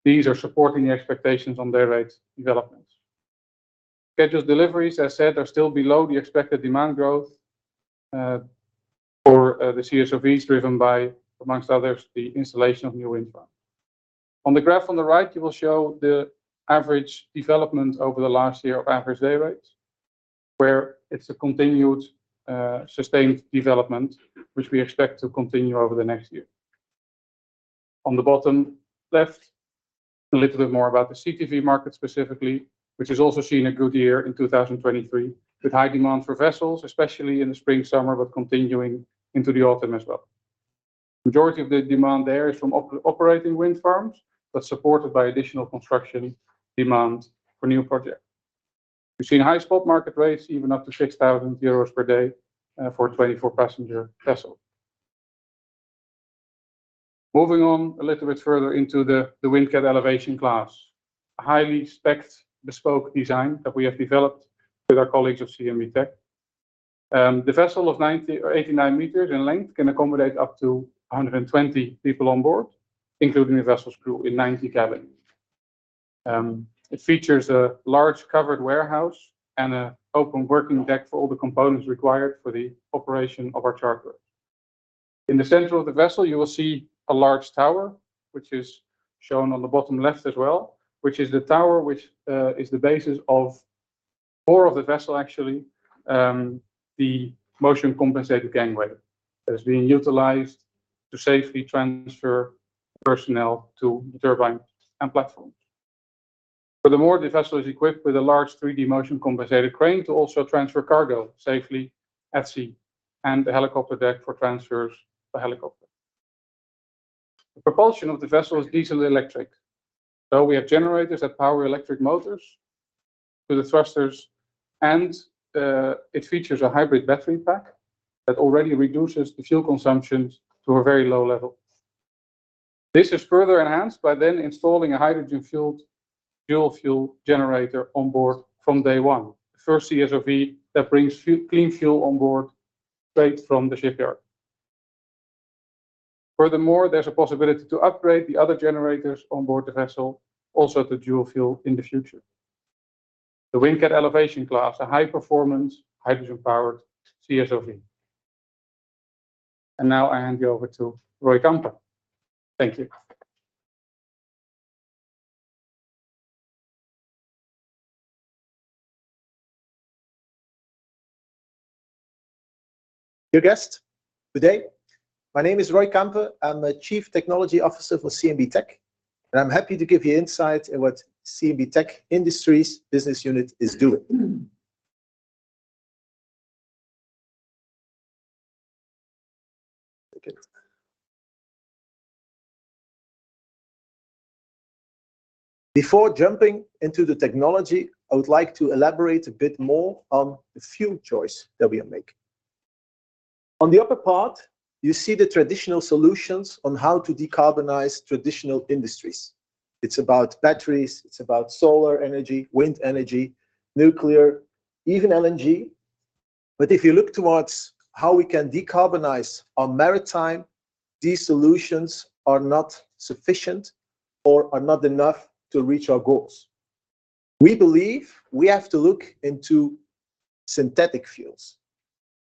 These are supporting the expectations on day rates developments. Scheduled deliveries, as said, are still below the expected demand growth for the CSOVs, driven by, among others, the installation of new wind farms. On the graph on the right, you will show the average development over the last year of average day rates, where it's a continued, sustained development, which we expect to continue over the next year. On the bottom left, a little bit more about the CTV market specifically, which has also seen a good year in 2023, with high demand for vessels, especially in the spring, summer, but continuing into the autumn as well. Majority of the demand there is from operating wind farms, but supported by additional construction demand for new projects. We've seen high spot market rates, even up to 6,000 euros per day, for a 24-passenger vessel. Moving on a little bit further into the Windcat Elevation Class, a highly spec'd, bespoke design that we have developed with our colleagues of CMB.TECH. The vessel of 90 or 89 meters in length can accommodate up to 120 people on board, including the vessel's crew, in 90 cabins. It features a large covered warehouse and an open working deck for all the components required for the operation of our charter. In the center of the vessel, you will see a large tower, which is shown on the bottom left as well, which is the tower which is the basis of four of the vessel, actually, the motion-compensated gangway that is being utilized to safely transfer personnel to the turbine and platforms. Furthermore, the vessel is equipped with a large 3-D motion-compensated crane to also transfer cargo safely at sea, and a helicopter deck for transfers by helicopter. The propulsion of the vessel is diesel-electric, so we have generators that power electric motors to the thrusters, and it features a hybrid battery pack that already reduces the fuel consumption to a very low level. This is further enhanced by then installing a hydrogen-fueled dual-fuel generator on board from day one, the first CSOV that brings clean fuel on board straight from the shipyard. Furthermore, there's a possibility to upgrade the other generators on board the vessel also to dual-fuel in the future. The Windcat Elevation Class, a high-performance, hydrogen-powered CSOV. And now I hand you over to Roy Campe. Thank you. Dear guests, good day. My name is Roy Campe. I'm the Chief Technology Officer for CMB.TECH, and I'm happy to give you insight in what CMB.TECH Industries business unit is doing. Okay. Before jumping into the technology, I would like to elaborate a bit more on the fuel choice that we are making. On the upper part, you see the traditional solutions on how to decarbonize traditional industries. It's about batteries, it's about solar energy, wind energy, nuclear, even LNG. But if you look towards how we can decarbonize our maritime, these solutions are not sufficient or are not enough to reach our goals. We believe we have to look into synthetic fuels.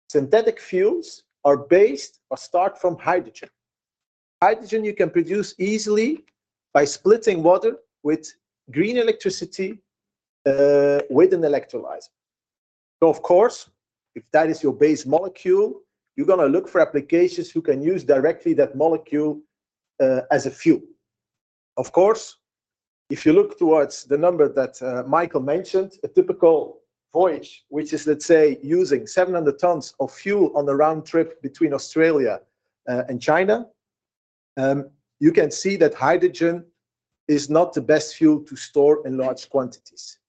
Synthetic fuels are based or start from hydrogen. Hydrogen, you can produce easily by splitting water with green electricity, with an electrolyzer. So of course, if that is your base molecule, you're gonna look for applications who can use directly that molecule as a fuel. Of course, if you look towards the number that Michael mentioned, a typical voyage, which is, let's say, using 700 tons of fuel on the round trip between Australia and China, you can see that hydrogen is not the best fuel to store in large quantities.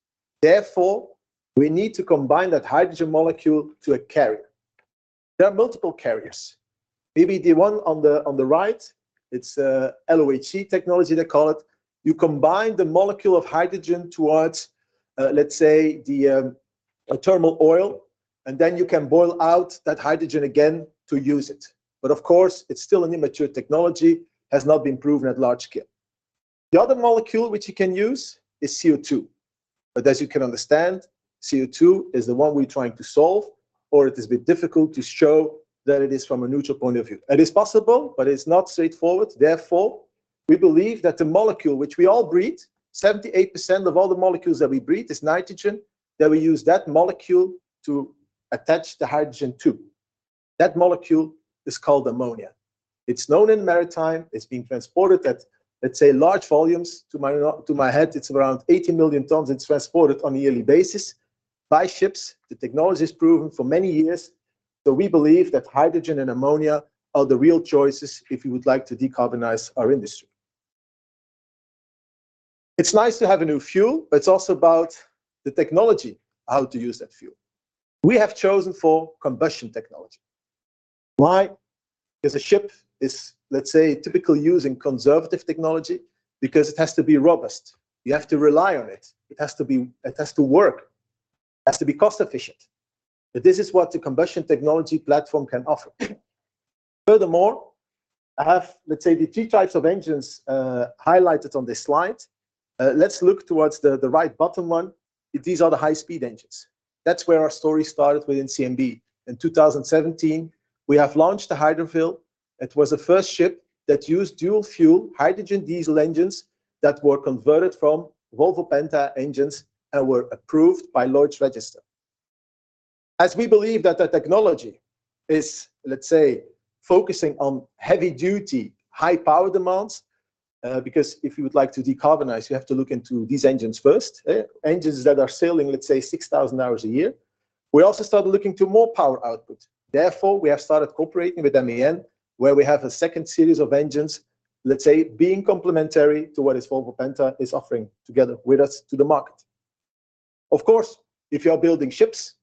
Therefore, we need to combine that hydrogen molecule to a carrier. There are multiple carriers. Maybe the one on the, on the right, it's LOHC technology, they call it. You combine the molecule of hydrogen towards, let's say, the a thermal oil, and then you can boil out that hydrogen again to use it. But of course, it's still an immature technology, has not been proven at large scale. The other molecule which you can use is CO2, but as you can understand, CO2 is the one we're trying to solve, or it is a bit difficult to show that it is from a neutral point of view. It is possible, but it's not straightforward. Therefore, we believe that the molecule which we all breathe, 78% of all the molecules that we breathe is nitrogen, that we use that molecule to attach the hydrogen to. That molecule is called ammonia. It's known in maritime. It's being transported at, let's say, large volumes. To my, to my head, it's around 80 million tons, it's transported on a yearly basis by ships. The technology is proven for many years, so we believe that hydrogen and ammonia are the real choices if you would like to decarbonize our industry. It's nice to have a new fuel, but it's also about the technology, how to use that fuel. We have chosen for combustion technology. Why? Because a ship is, let's say, typically using conservative technology, because it has to be robust. You have to rely on it. It has to be- it has to work. It has to be cost efficient, but this is what the combustion technology platform can offer. Furthermore, I have, let's say, the three types of engines, highlighted on this slide. Let's look towards the, the right bottom one. These are the high-speed engines. That's where our story started within CMB. In 2017, we have launched the Hydroville. It was the first ship that used dual-fuel hydrogen diesel engines that were converted from Volvo Penta engines and were approved by Lloyd's Register. As we believe that the technology is, let's say, focusing on heavy-duty, high-power demands, because if you would like to decarbonize, you have to look into these engines first. Engines that are sailing, let's say, 6,000 hours a year. We also started looking to more power output. Therefore, we have started cooperating with MAN, where we have a second series of engines, let's say, being complementary to what is Volvo Penta is offering together with us to the market. Of course, if you are building ships,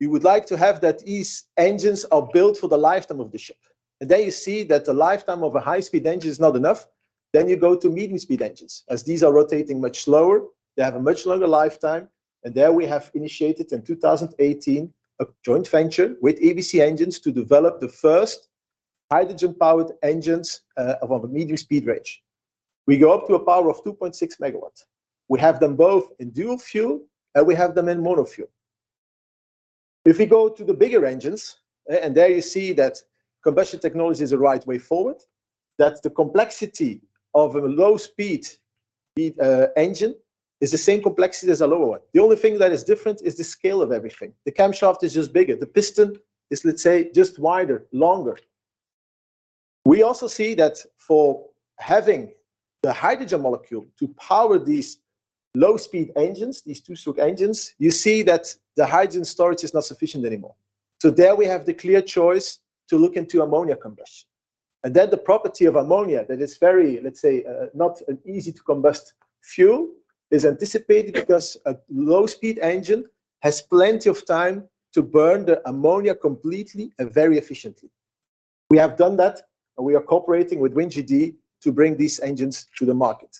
we would like to have that these engines are built for the lifetime of the ship, and there you see that the lifetime of a high-speed engine is not enough, then you go to medium-speed engines. As these are rotating much slower, they have a much longer lifetime, and there we have initiated in 2018, a joint venture with ABC Engines to develop the first hydrogen-powered engines of a medium speed range. We go up to a power of 2.6 MW. We have them both in dual-fuel, and we have them in mono-fuel. If we go to the bigger engines, and there you see that combustion technology is the right way forward, that the complexity of a low-speed engine is the same complexity as a lower one. The only thing that is different is the scale of everything. The camshaft is just bigger. The piston is, let's say, just wider, longer. We also see that for having the hydrogen molecule to power these low-speed engines, these two-stroke engines, you see that the hydrogen storage is not sufficient anymore. So there we have the clear choice to look into ammonia combustion. And then the property of ammonia that is very, let's say, not an easy-to-combust fuel, is anticipated because a low-speed engine has plenty of time to burn the ammonia completely and very efficiently. We have done that, and we are cooperating with WinGD to bring these engines to the market.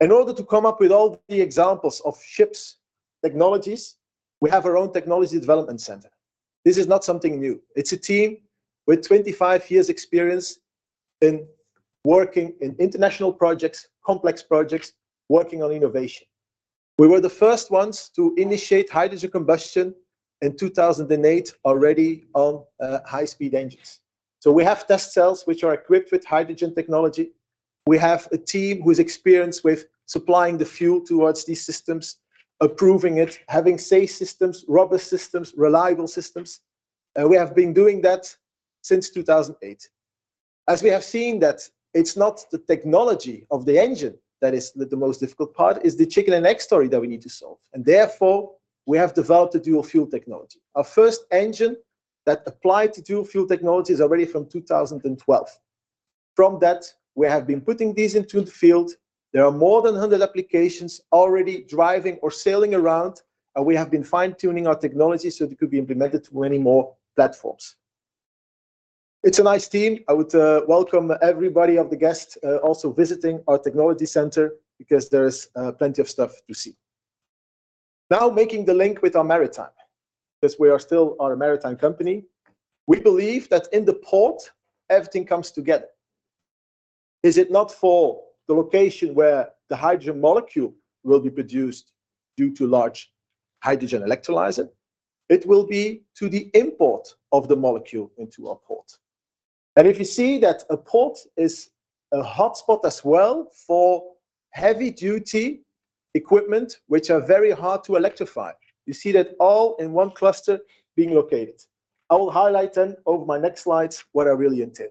In order to come up with all the examples of ships' technologies, we have our own technology development center. This is not something new. It's a team with 25 years experience in working in international projects, complex projects, working on innovation. We were the first ones to initiate hydrogen combustion in 2008, already on, high-speed engines. So we have test cells which are equipped with hydrogen technology. We have a team who's experienced with supplying the fuel towards these systems, approving it, having safe systems, rubber systems, reliable systems, and we have been doing that since 2008. As we have seen that it's not the technology of the engine that is the most difficult part, it's the chicken and egg story that we need to solve, and therefore, we have developed a dual-fuel technology. Our first engine that applied to dual-fuel technology is already from 2012. From that, we have been putting these into the field. There are more than 100 applications already driving or sailing around, and we have been fine-tuning our technology so it could be implemented to many more platforms. It's a nice team. I would welcome everybody of the guests also visiting our technology center, because there is plenty of stuff to see. Now, making the link with our maritime, 'cause we are still a maritime company. We believe that in the port, everything comes together. Is it not for the location where the hydrogen molecule will be produced due to large hydrogen electrolyzer, it will be to the import of the molecule into our port. And if you see that a port is a hotspot as well for heavy-duty equipment, which are very hard to electrify, you see that all in one cluster being located. I will highlight then, over my next slides, what I really intend.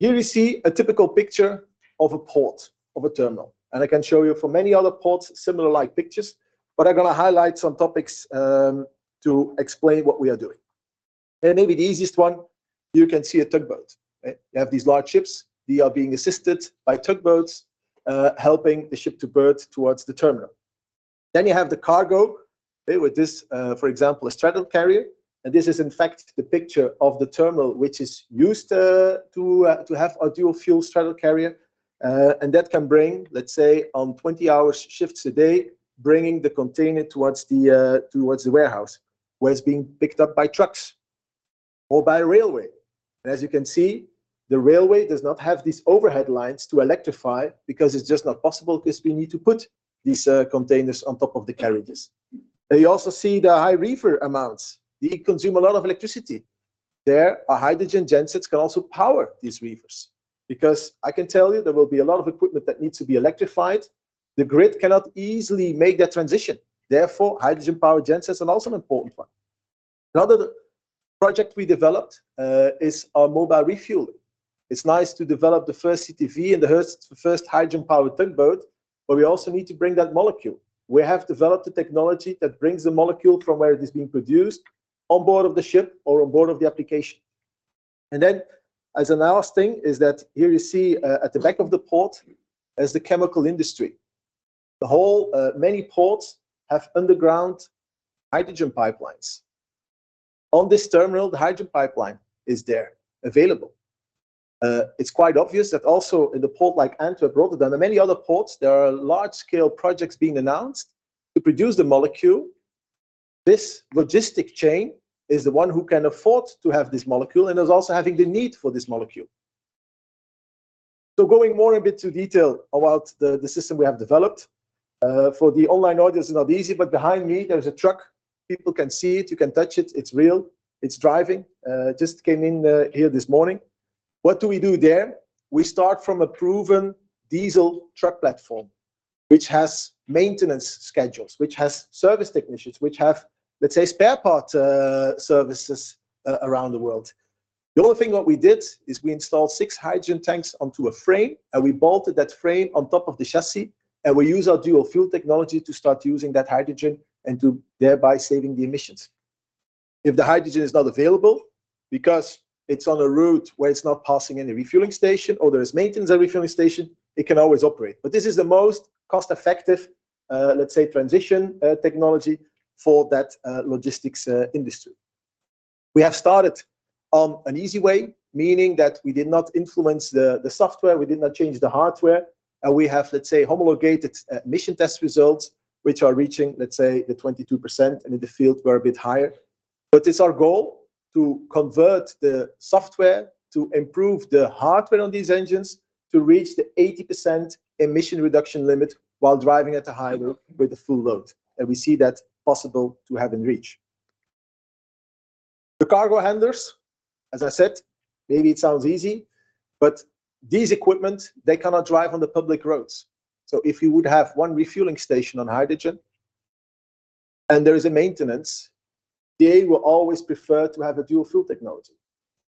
Here you see a typical picture of a port, of a terminal, and I can show you for many other ports, similar like pictures, but I'm gonna highlight some topics to explain what we are doing. And maybe the easiest one, you can see a tugboat? You have these large ships, they are being assisted by tugboats, helping the ship to berth towards the terminal. Then you have the cargo with this, for example, a straddle carrier, and this is in fact the picture of the terminal which is used to have a dual-fuel straddle carrier. And that can bring, let's say, on 20-hour shifts a day, bringing the container towards the warehouse, where it's being picked up by trucks or by railway. As you can see, the railway does not have these overhead lines to electrify, because it's just not possible, 'cause we need to put these containers on top of the carriages. You also see the high reefer amounts. They consume a lot of electricity. There, our hydrogen gensets can also power these reefers, because I can tell you, there will be a lot of equipment that needs to be electrified. The grid cannot easily make that transition, therefore, hydrogen-powered genset are also an important one. Another project we developed is our mobile refueling. It's nice to develop the first CTV and the first, first hydrogen-powered tugboat, but we also need to bring that molecule. We have developed a technology that brings the molecule from where it is being produced-... on board of the ship or on board of the application. Then as a last thing is that here you see, at the back of the port is the chemical industry. The whole, many ports have underground hydrogen pipelines. On this terminal, the hydrogen pipeline is there, available. It's quite obvious that also in the port like Antwerp, Rotterdam, and many other ports, there are large-scale projects being announced to produce the molecule. This logistic chain is the one who can afford to have this molecule and is also having the need for this molecule. So going more in bit to detail about the, the system we have developed, for the online audience, it's not easy, but behind me there is a truck. People can see it, you can touch it, it's real, it's driving. It just came in, here this morning. What do we do there? We start from a proven diesel truck platform, which has maintenance schedules, which has service technicians, which have, let's say, spare part services around the world. The only thing what we did is we installed six hydrogen tanks onto a frame, and we bolted that frame on top of the chassis, and we use our dual-fuel technology to start using that hydrogen and to thereby saving the emissions. If the hydrogen is not available because it's on a route where it's not passing any refueling station or there is maintenance at refueling station, it can always operate. But this is the most cost-effective, let's say, transition technology for that logistics industry. We have started on an easy way, meaning that we did not influence the software, we did not change the hardware. We have, let's say, homologated emission test results, which are reaching, let's say, the 22%, and in the field we're a bit higher. But it's our goal to convert the software to improve the hardware on these engines to reach the 80% emission reduction limit while driving at the highway with a full load, and we see that possible to have in reach. The cargo handlers, as I said, maybe it sounds easy, but these equipment, they cannot drive on the public roads. So if you would have one refueling station on hydrogen and there is a maintenance, they will always prefer to have a dual-fuel technology.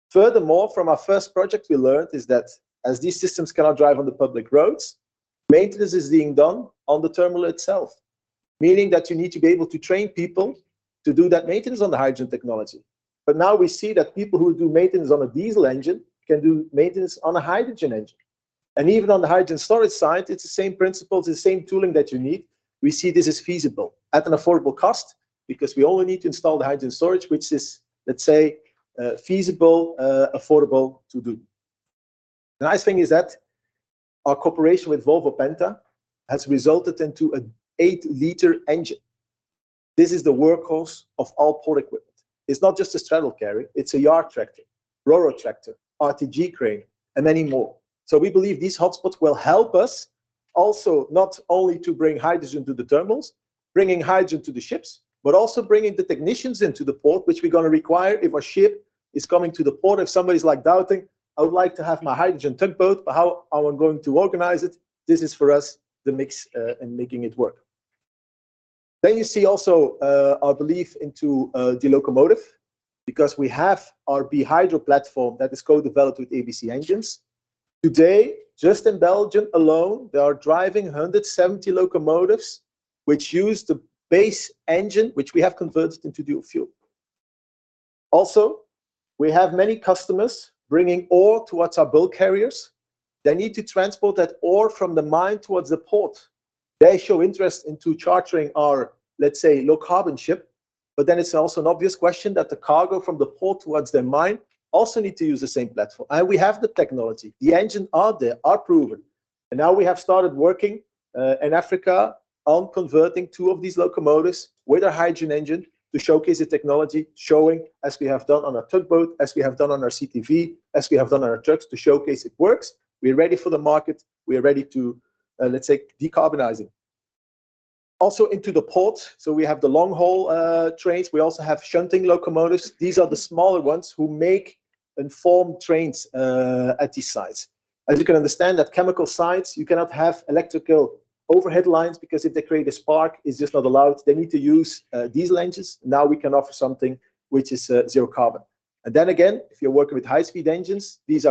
Furthermore, from our first project, we learned that as these systems cannot drive on the public roads, maintenance is being done on the terminal itself, meaning that you need to be able to train people to do that maintenance on the hydrogen technology. But now we see that people who do maintenance on a diesel engine can do maintenance on a hydrogen engine. And even on the hydrogen storage side, it's the same principles, it's the same tooling that you need. We see this as feasible at an affordable cost because we only need to install the hydrogen storage, which is, let's say, feasible, affordable to do. The nice thing is that our cooperation with Volvo Penta has resulted in an 8-liter engine. This is the workhorse of all port equipment. It's not just a straddle carrier, it's a yard tractor, RoRo tractor, RTG crane, and many more. So we believe these hotspots will help us also not only to bring hydrogen to the terminals, bringing hydrogen to the ships, but also bringing the technicians into the port, which we're gonna require if a ship is coming to the port. If somebody's, like, doubting, "I would like to have my hydrogen tugboat, but how am I going to organize it?" This is for us, the mix, and making it work. Then you see also, our belief into, the locomotive, because we have our BeHydro platform that is co-developed with ABC Engines. Today, just in Belgium alone, they are driving 170 locomotives, which use the base engine, which we have converted into dual-fuel. Also, we have many customers bringing ore towards our bulk carriers. They need to transport that ore from the mine towards the port. They show interest into chartering our, let's say, low-carbon ship, but then it's also an obvious question that the cargo from the port towards the mine also need to use the same platform. And we have the technology. The engines are there, are proven, and now we have started working in Africa on converting two of these locomotives with a hydrogen engine to showcase the technology, showing, as we have done on a tugboat, as we have done on our CTV, as we have done on our trucks, to showcase it works. We're ready for the market. We are ready to, let's say, decarbonizing. Also into the port, so we have the long-haul trains. We also have shunting locomotives. These are the smaller ones who make and form trains at this size. As you can understand, at chemical sites, you cannot have electrical overhead lines because if they create a spark, it's just not allowed. They need to use diesel engines. Now we can offer something which is zero carbon. And then again, if you're working with high-speed engines, these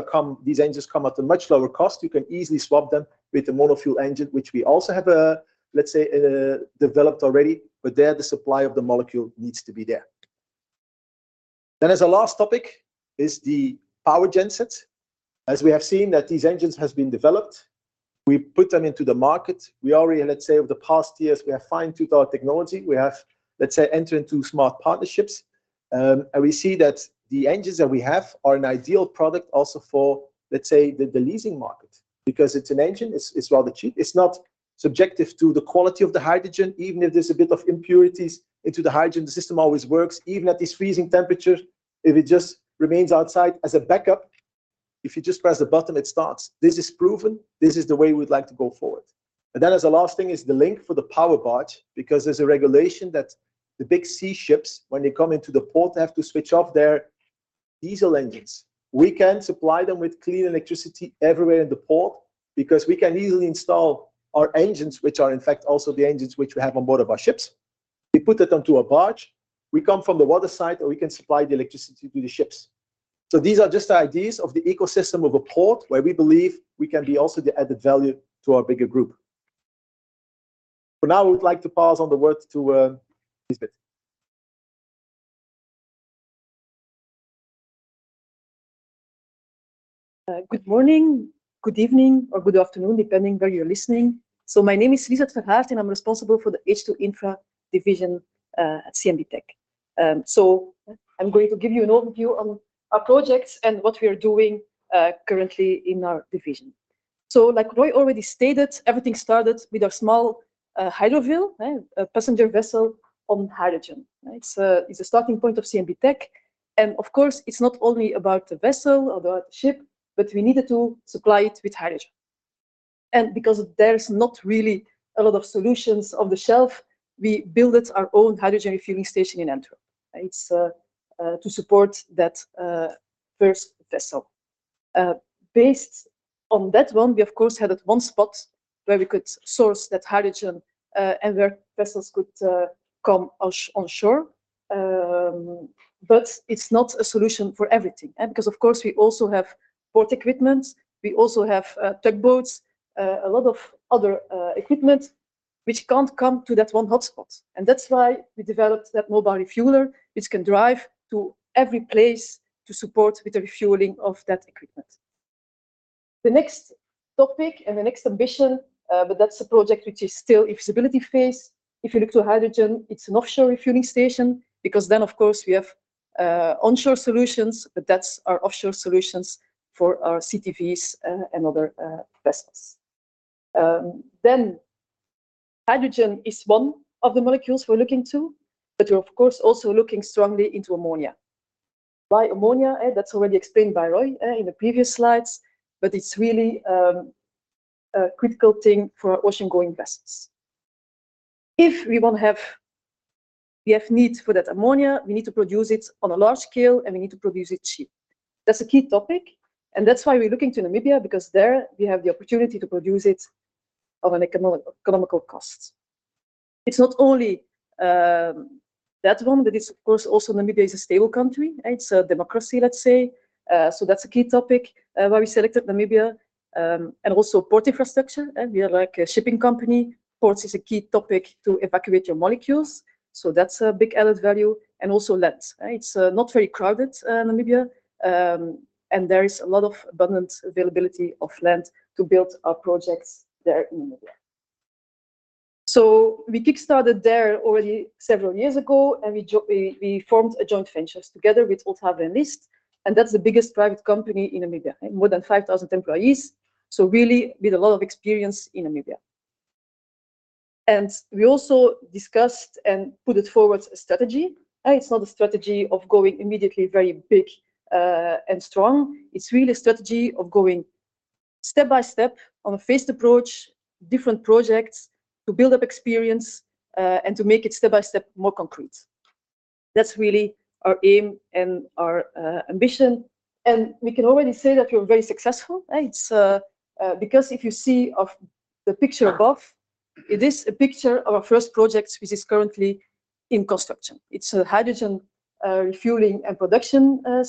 engines come at a much lower cost. You can easily swap them with the mono-fuel engine, which we also have, let's say, developed already, but there, the supply of the molecule needs to be there. Then as a last topic is the power genset. As we have seen that these engines has been developed, we put them into the market. We already, let's say, over the past years, we have fine-tuned our technology. We have, let's say, entered into smart partnerships, and we see that the engines that we have are an ideal product also for, let's say, the leasing market, because it's an engine, it's rather cheap. It's not subject to the quality of the hydrogen. Even if there's a bit of impurities into the hydrogen, the system always works. Even at this freezing temperature, if it just remains outside as a backup, if you just press a button, it starts. This is proven. This is the way we'd like to go forward. And then as a last thing is the link for the power barge, because there's a regulation that the big sea ships, when they come into the port, they have to switch off their diesel engines. We can supply them with clean electricity everywhere in the port because we can easily install our engines, which are, in fact, also the engines which we have on board of our ships. We put it onto a barge, we come from the water side, and we can supply the electricity to the ships. So these are just the ideas of the ecosystem of a port, where we believe we can be also the added value to our bigger group.... For now, I would like to pass on the word to Liesbeth. Good morning, good evening, or good afternoon, depending where you're listening. My name is Liesbeth Verhaert, and I'm responsible for the H2 Infra division at CMB.TECH. I'm going to give you an overview on our projects and what we are doing currently in our division. Like Roy already stated, everything started with a small hydrofoil, right? A passenger vessel on hydrogen, right? It's a starting point of CMB.TECH, and of course, it's not only about the vessel or about the ship, but we needed to supply it with hydrogen. Because there's not really a lot of solutions on the shelf, we built our own hydrogen refueling station in Antwerp, right? It's to support that first vessel. Based on that one, we of course had that one spot where we could source that hydrogen, and where vessels could come onshore. But it's not a solution for everything, because of course we also have port equipment, we also have tugboats, a lot of other equipment which can't come to that one hotspot. And that's why we developed that mobile refueler, which can drive to every place to support with the refueling of that equipment. The next topic and the next ambition, but that's a project which is still in feasibility phase. If you look to hydrogen, it's an offshore refueling station, because then, of course, we have onshore solutions, but that's our offshore solutions for our CTVs and other vessels. Then hydrogen is one of the molecules we're looking to, but we're of course also looking strongly into ammonia. Why ammonia? That's already explained by Roy in the previous slides, but it's really a critical thing for oceangoing vessels. If we want to have... we have need for that ammonia, we need to produce it on a large scale, and we need to produce it cheap. That's a key topic, and that's why we're looking to Namibia, because there we have the opportunity to produce it of an economic, economical cost. It's not only that one, but it's of course also Namibia is a stable country, right? It's a democracy, let's say. So that's a key topic why we selected Namibia, and also port infrastructure. We are like a shipping company. Ports is a key topic to evacuate your molecules, so that's a big added value. And also land, right? It's not very crowded, Namibia, and there is a lot of abundant availability of land to build our projects there in Namibia. So we kickstarted there already several years ago, and we formed joint ventures together with Ohlthaver & List, and that's the biggest private company in Namibia, right? More than 5,000 employees. So really with a lot of experience in Namibia. And we also discussed and put it forward a strategy, it's not a strategy of going immediately very big, and strong. It's really a strategy of going step by step on a phased approach, different projects, to build up experience, and to make it step by step, more concrete. That's really our aim and our ambition, and we can already say that we're very successful, right? It's because if you see the picture above, it is a picture of our first project, which is currently in construction. It's a hydrogen refueling and production H2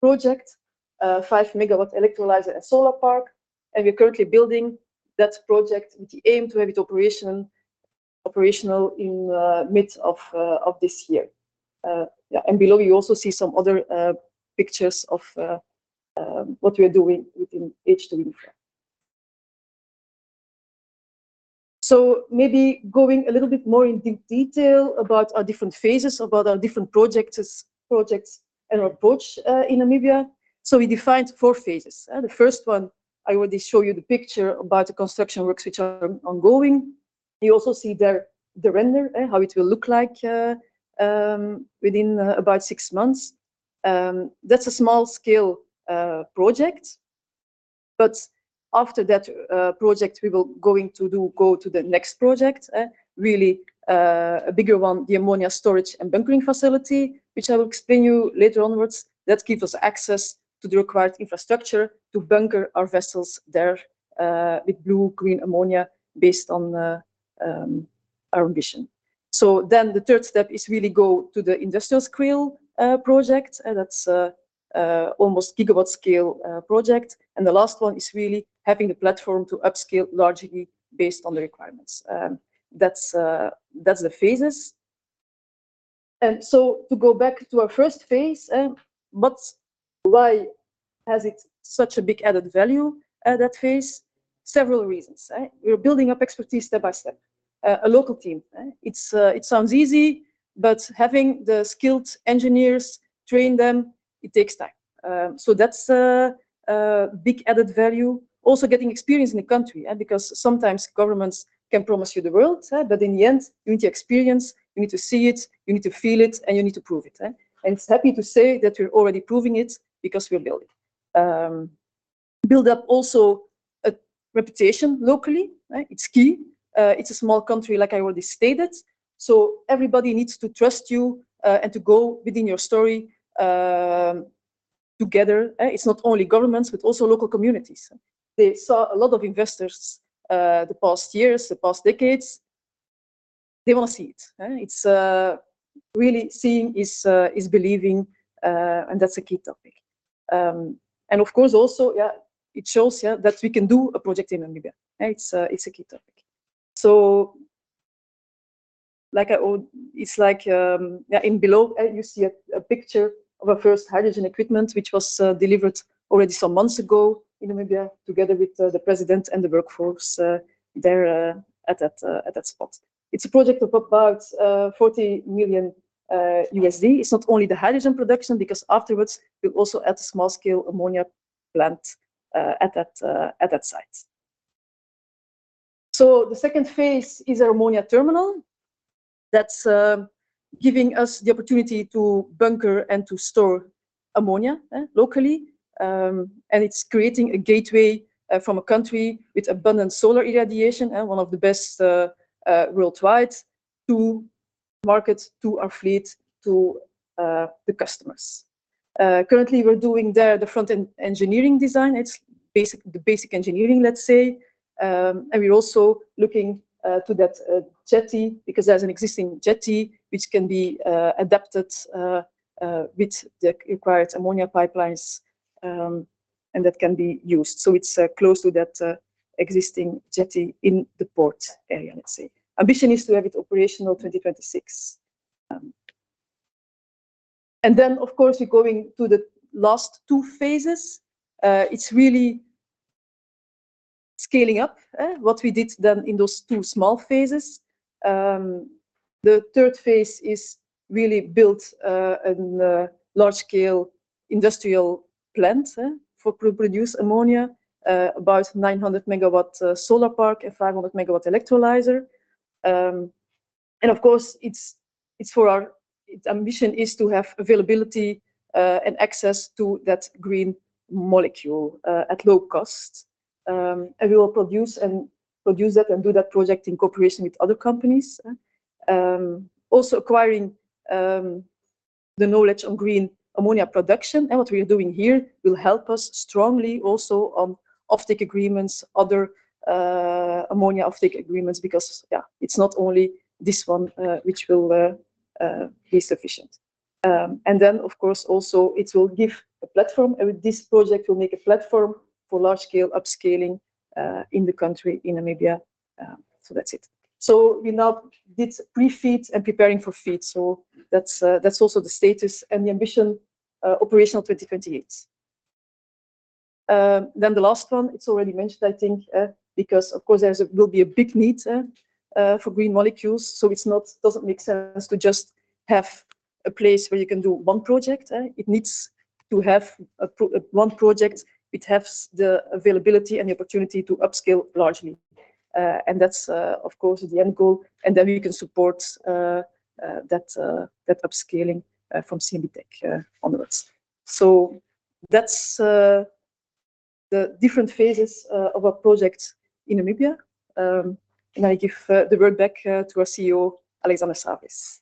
project, 5-megawatt electrolyzer and solar park, and we're currently building that project with the aim to have it operational in mid of this year. Yeah, and below, you also see some other pictures of what we are doing within H2 Infra. So maybe going a little bit more into detail about our different phases, about our different projects and our approach in Namibia. So we defined four phases. The first one, I already show you the picture about the construction works, which are ongoing. You also see there the render, how it will look like, within about six months. That's a small scale project, but after that project, we will going to do go to the next project, really a bigger one, the ammonia storage and bunkering facility, which I will explain you later onwards. That give us access to the required infrastructure to bunker our vessels there, with blue-green ammonia based on the our ambition. So then the third step is really go to the industrial scale project, that's a almost gigawatt scale project. And the last one is really having the platform to upscale largely based on the requirements. That's that's the phases. And so to go back to our first phase, but why has it such a big added value, that phase? Several reasons, right? We are building up expertise step by step. A local team, right? It's, it sounds easy, but having the skilled engineers train them, it takes time. So that's a big added value. Also getting experience in the country, because sometimes governments can promise you the world, but in the end, you need to experience, you need to see it, you need to feel it, and you need to prove it. And it's happy to say that we're already proving it because we're building. Build up also a reputation locally, right? It's key. It's a small country, like I already stated, so everybody needs to trust you, and to go within your story, together. It's not only governments, but also local communities. They saw a lot of investors, the past years, the past decades-... They will see it. It's really seeing is believing, and that's a key topic. Of course, also, yeah, it shows, yeah, that we can do a project in Namibia, right? It's a key topic. So like, it's like, yeah, below, you see a picture of our first hydrogen equipment, which was delivered already some months ago in Namibia, together with the president and the workforce there, at that spot. It's a project of about $40 million. It's not only the hydrogen production, because afterwards we also add small scale ammonia plant at that site. So the second phase is our ammonia terminal. That's giving us the opportunity to bunker and to store ammonia locally. And it's creating a gateway from a country with abundant solar irradiation, and one of the best worldwide, to market to our fleet, to the customers. Currently, we're doing the front-end engineering design. It's basic, the basic engineering, let's say. And we're also looking to that jetty, because there's an existing jetty which can be adapted with the required ammonia pipelines, and that can be used. So it's close to that existing jetty in the port area, let's say. Ambition is to have it operational 2026. And then, of course, you're going to the last two phases. It's really scaling up what we did then in those two small phases. The third phase is really built in a large scale industrial plant for produce ammonia about 900 MW solar park and 500 MW electrolyzer. And of course, it's for our... Its ambition is to have availability and access to that green molecule at low cost. And we will produce and produce that and do that project in cooperation with other companies. Also acquiring the knowledge on green ammonia production. And what we are doing here will help us strongly also on offtake agreements, other ammonia offtake agreements, because, yeah, it's not only this one which will be sufficient. And then, of course, also it will give a platform this project will make a platform for large scale upscaling in the country, in Namibia. So that's it. So we now did pre-FEED and preparing for FEED. So that's also the status and the ambition, operational 2028. Then the last one, it's already mentioned, I think, because of course, there will be a big need for green molecules. So it's not doesn't make sense to just have a place where you can do one project. It needs to have one project, which has the availability and the opportunity to upscale largely. And that's, of course, the end goal, and then we can support that upscaling from CMB.TECH onwards. So that's the different phases of our project in Namibia. And I give the word back to our CEO, Alexander Saverys.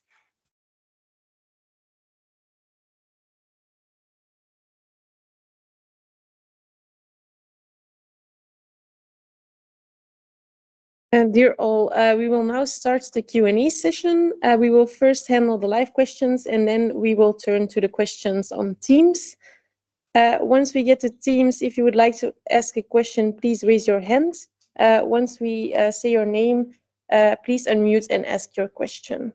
Dear all, we will now start the Q&A session. We will first handle the live questions, and then we will turn to the questions on Teams. Once we get to Teams, if you would like to ask a question, please raise your hand. Once we say your name, please unmute and ask your question.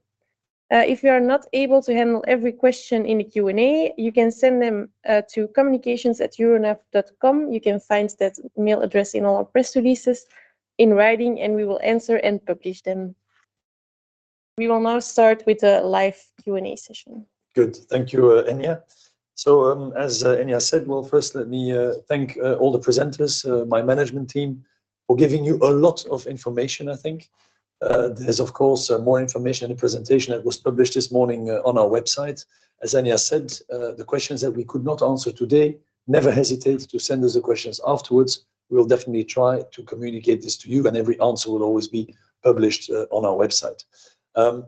If you are not able to handle every question in the Q&A, you can send them to communications@euronav.com. You can find that email address in all our press releases in writing, and we will answer and publish them. We will now start with a live Q&A session. Good. Thank you, Enya. So, as Enya said, well, first let me thank all the presenters, my management team, for giving you a lot of information, I think. There's, of course, more information in the presentation that was published this morning, on our website. As Enya said, the questions that we could not answer today, never hesitate to send us the questions afterwards. We'll definitely try to communicate this to you, and every answer will always be published, on our website.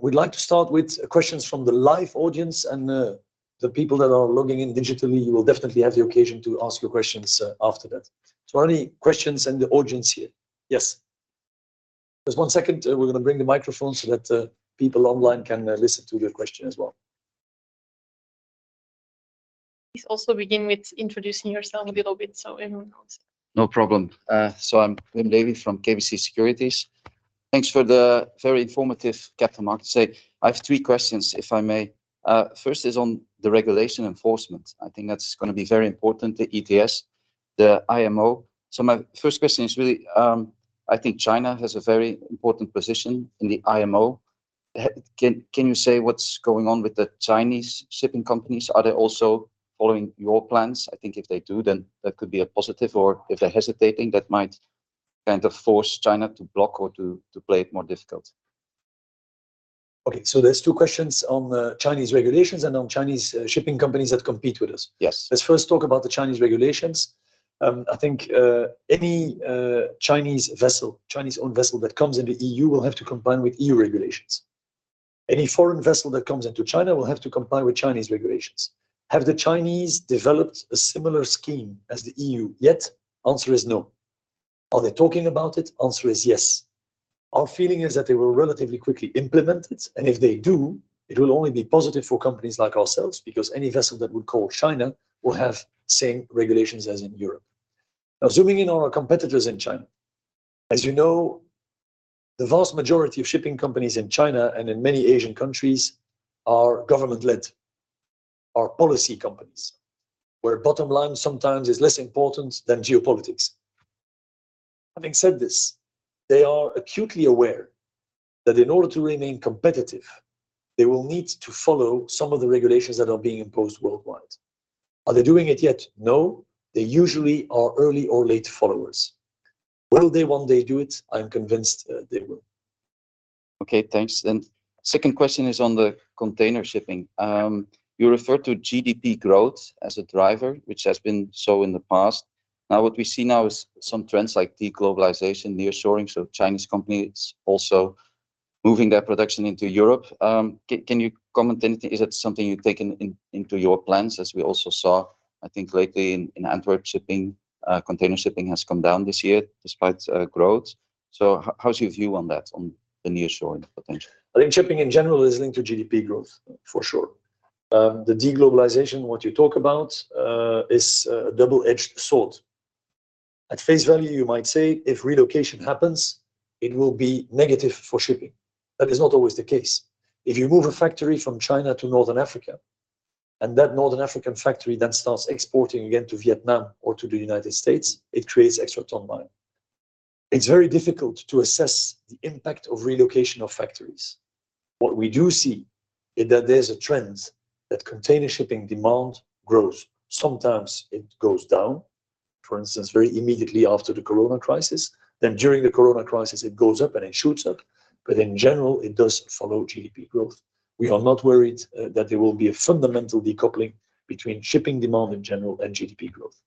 We'd like to start with questions from the live audience, and, the people that are logging in digitally, you will definitely have the occasion to ask your questions, after that. So any questions in the audience here? Yes. Just one second, we're gonna bring the microphone so that the people online can listen to the question as well. Please also begin with introducing yourself a little bit so everyone knows. No problem. So I'm Wim Devey from KBC Securities. Thanks for the very informative capital markets day. I have three questions, if I may. First is on the regulation enforcement. I think that's gonna be very important, the ETS, the IMO. So my first question is really, I think China has a very important position in the IMO. Can you say what's going on with the Chinese shipping companies? Are they also following your plans? I think if they do, then that could be a positive, or if they're hesitating, that might kind of force China to block or to play it more difficult. Okay, so there's two questions on the Chinese regulations and on Chinese shipping companies that compete with us. Yes. Let's first talk about the Chinese regulations. I think any Chinese vessel, Chinese-owned vessel that comes into EU will have to comply with EU regulations. Any foreign vessel that comes into China will have to comply with Chinese regulations. Have the Chinese developed a similar scheme as the EU yet? Answer is no. Are they talking about it? Answer is yes. Our feeling is that they will relatively quickly implement it, and if they do, it will only be positive for companies like ourselves, because any vessel that would call China will have same regulations as in Europe. Now, zooming in on our competitors in China, as you know, the vast majority of shipping companies in China and in many Asian countries are government-led or policy companies, where bottom line sometimes is less important than geopolitics. Having said this, they are acutely aware that in order to remain competitive, they will need to follow some of the regulations that are being imposed worldwide. Are they doing it yet? No. They usually are early or late followers. Will they one day do it? I'm convinced, they will. Okay, thanks. Then second question is on the container shipping. You referred to GDP growth as a driver, which has been so in the past. Now, what we see now is some trends like de-globalization, nearshoring, so Chinese companies also moving their production into Europe. Can you comment anything? Is that something you've taken into your plans? As we also saw, I think lately in Antwerp shipping, container shipping has come down this year despite growth. So how's your view on that, on the nearshoring potential? I think shipping in general is linked to GDP growth, for sure. The de-globalization, what you talk about, is a double-edged sword. At face value, you might say if relocation happens, it will be negative for shipping. That is not always the case. If you move a factory from China to Northern Africa, and that Northern African factory then starts exporting again to Vietnam or to the United States, it creates extra ton-mile. It's very difficult to assess the impact of relocation of factories. What we do see is that there's a trend that container shipping demand grows. Sometimes it goes down, for instance, very immediately after the COVID crisis. Then during the COVID crisis, it goes up, and it shoots up, but in general, it does follow GDP growth. We are not worried that there will be a fundamental decoupling between shipping demand in general and GDP growth.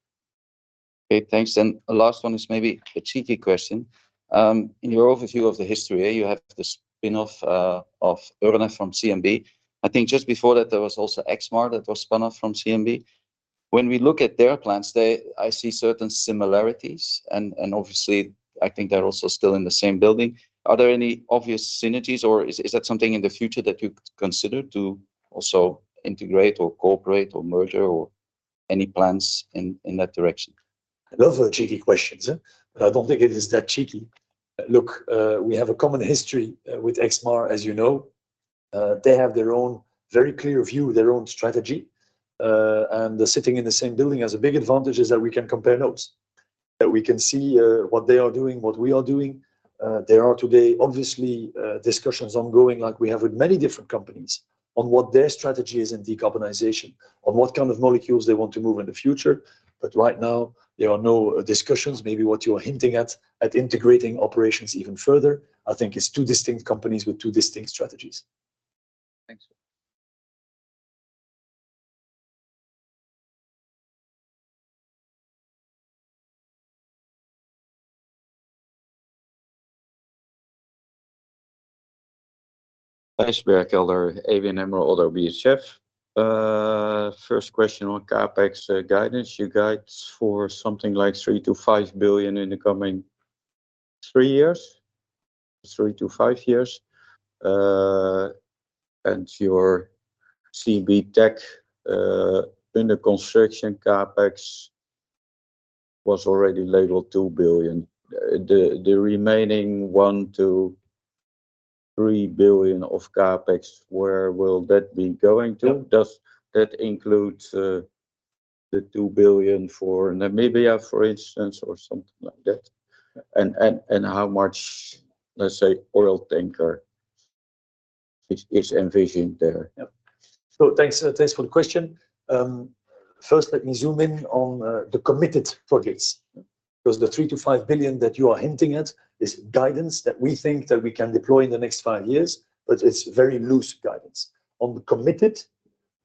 Okay, thanks. Then the last one is maybe a cheeky question. In your overview of the history, you have the spin-off of Euronav from CMB. I think just before that, there was also Exmar that was spun off from CMB. When we look at their plans, they... I see certain similarities, and, and obviously, I think they're also still in the same building. Are there any obvious synergies, or is that something in the future that you could consider to also integrate or cooperate or merger or any plans in that direction? I love the cheeky questions, eh, but I don't think it is that cheeky. Look, we have a common history with Exmar, as you know. They have their own very clear view, their own strategy, and they're sitting in the same building has a big advantage, is that we can compare notes, that we can see, what they are doing, what we are doing. There are today, obviously, discussions ongoing, like we have with many different companies, on what their strategy is in decarbonization, on what kind of molecules they want to move in the future. But right now, there are no discussions. Maybe what you're hinting at, at integrating operations even further, I think it's two distinct companies with two distinct strategies. Thanks. Thijs Berkelder, ABN AMRO ODDO BHF. First question on CapEx guidance. You guide for something like $3 billion-$5 billion in the coming three to five years, and your CMB.TECH under construction CapEx was already labeled $2 billion. The remaining $1 billion-$3 billion of CapEx, where will that be going to? Does that include the $2 billion for Namibia, for instance, or something like that? And how much, let's say, oil tanker is envisioned there? Yeah. So thanks, thanks for the question. First, let me zoom in on, the committed projects, because the $3 billion-$5 billion that you are hinting at is guidance that we think that we can deploy in the next five years, but it's very loose guidance. On the committed,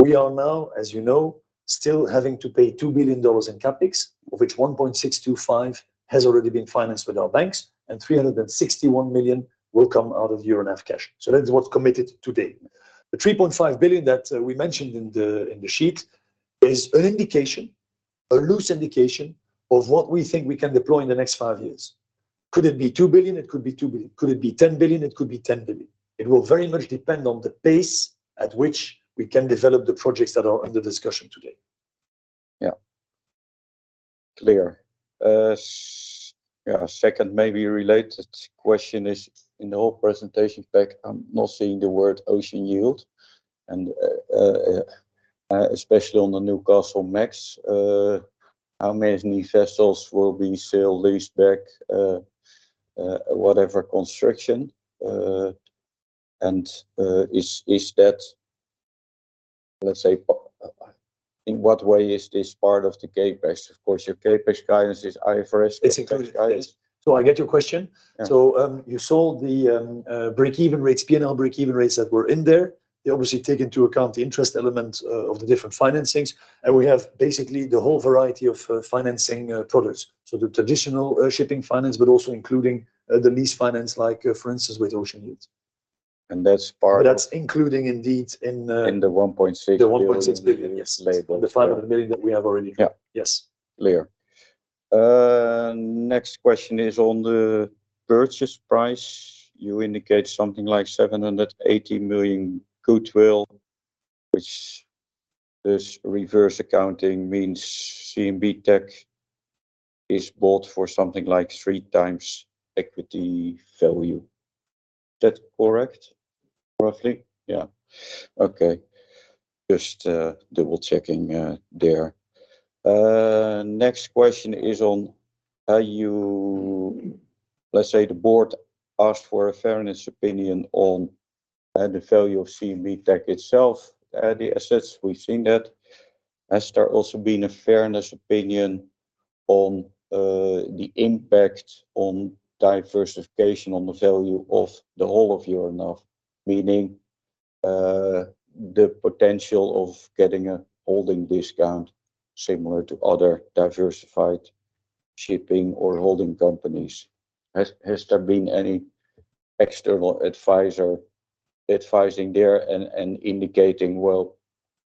we are now, as you know, still having to pay $2 billion in CapEx, of which $1.625 billion has already been financed with our banks, and $361 million will come out of Euronav cash. So that is what's committed today. The $3.5 billion that, we mentioned in the, in the sheet is an indication, a loose indication of what we think we can deploy in the next five years. Could it be $2 billion? It could be $2 billion. Could it be $10 billion? It could be $10 billion. It will very much depend on the pace at which we can develop the projects that are under discussion today. Yeah. Clear. Yeah, second, maybe related question is, in the whole presentation pack, I'm not seeing the word Ocean Yield, and, especially on the Newcastlemax, how many vessels will be sell leased back, whatever construction, and, is that, let's say, in what way is this part of the CapEx? Of course, your CapEx guidance is IFRS- It's included. Guidance. I get your question. Yeah. So, you saw the break-even rates, P&L break-even rates that were in there. They obviously take into account the interest element of the different financings, and we have basically the whole variety of financing products. So the traditional shipping finance, but also including the lease finance, like, for instance, with Ocean Yield. And that's part- But that's including indeed in, In the $1.6 billion- The $1.6 billion, yes. Label. The $500 million that we have already. Yeah. Yes. Clear. Next question is on the purchase price. You indicate something like $780 million goodwill, which this reverse accounting means CMB.TECH is bought for something like 3x equity value. Is that correct, roughly? Yeah. Okay, just, double-checking, there. Next question is on how you... Let's say the board asked for a fairness opinion on, the value of CMB.TECH itself, the assets. We've seen that. Has there also been a fairness opinion on, the impact on diversification, on the value of the whole of Euronav, meaning, the potential of getting a holding discount similar to other diversified shipping or holding companies? Has, has there been any external advisor advising there and, and indicating, well-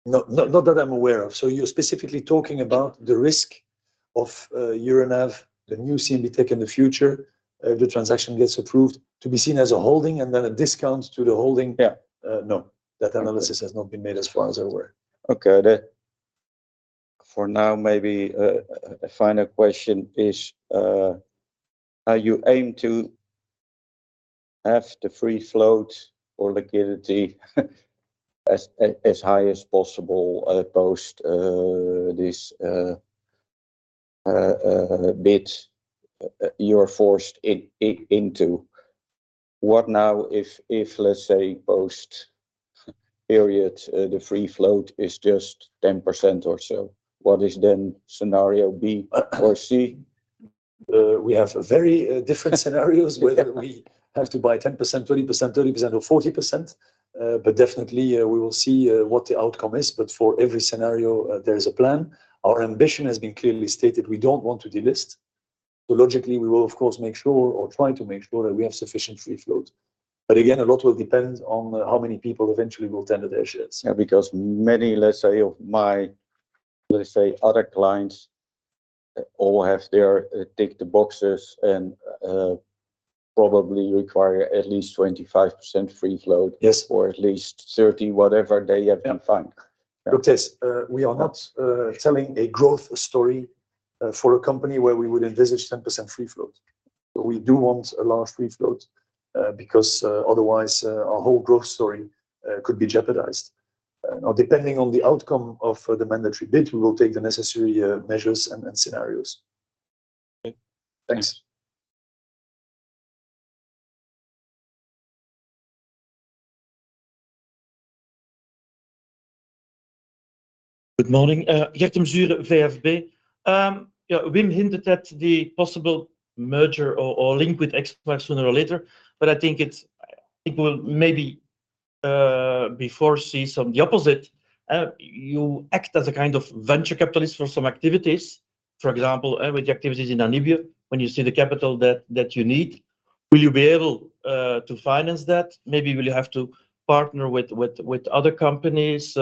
No, not, not that I'm aware of. So you're specifically talking about the risk of, Euronav, the new CMB.TECH in the future, if the transaction gets approved, to be seen as a holding and then a discount to the holding? Yeah. No. That analysis has not been made as far as I'm aware. Okay. Then for now, maybe, a final question is, how you aim to have the free float or liquidity as high as possible, post this bid you are forced into. What now if, let's say, post-period, the free float is just 10% or so, what is then scenario B or C? We have very different scenarios- Yeah. whether we have to buy 10%, 20%, 30%, or 40%. But definitely, we will see what the outcome is. But for every scenario, there is a plan. Our ambition has been clearly stated. We don't want to delist, so logically, we will of course, make sure or try to make sure that we have sufficient free float. But again, a lot will depend on how many people eventually will tender their shares. Yeah, because many, let's say, of my, let's say, other clients, all have their... tick the boxes, and probably require at least 25% free float. Yes. Or at least 30, whatever they have been fined. Look, this, we are not telling a growth story for a company where we would envisage 10% free float. But we do want a large free float, because otherwise our whole growth story could be jeopardized. Now, depending on the outcome of the mandatory bid, we will take the necessary measures and, and scenarios. Okay, thanks. Good morning. Gert De Mesure, VFB. Yeah, Wim hinted at the possible merger or link with Exmar sooner or later, but I think it's- it will maybe before see some of the opposite, you act as a kind of venture capitalist for some activities. For example, with the activities in Namibia, when you see the capital that you need, will you be able to finance that? Maybe will you have to partner with other companies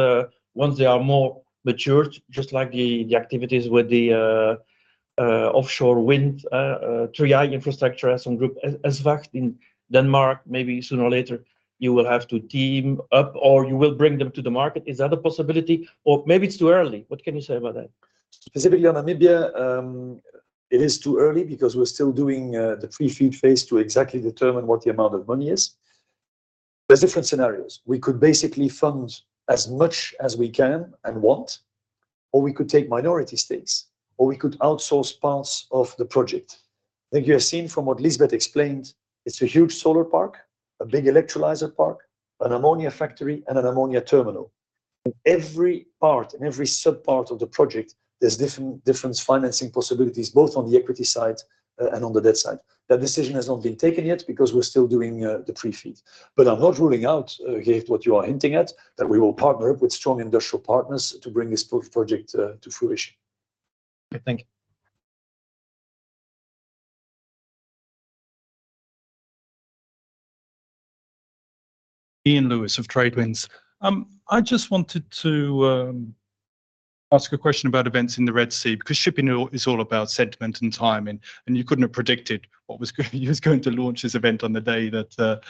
once they are more matured, just like the activities with the offshore wind 3i Infrastructure as some group, ESVAGT in Denmark, maybe sooner or later you will have to team up or you will bring them to the market. Is that a possibility, or maybe it's too early? What can you say about that? Specifically on Namibia, it is too early because we're still doing the pre-FEED phase to exactly determine what the amount of money is. There's different scenarios. We could basically fund as much as we can and want, or we could take minority stakes, or we could outsource parts of the project. I think you have seen from what Liesbeth explained, it's a huge solar park, a big electrolyzer park, an ammonia factory, and an ammonia terminal. In every part, in every sub-part of the project, there's different financing possibilities, both on the equity side and on the debt side. That decision has not been taken yet because we're still doing the pre-FEED. But I'm not ruling out, Gert, what you are hinting at, that we will partner up with strong industrial partners to bring this project to fruition. Okay, thank you. Ian Lewis of TradeWinds. I just wanted to ask a question about events in the Red Sea, because shipping is all about sentiment and timing, and you couldn't have predicted what was going to launch this event on the day that the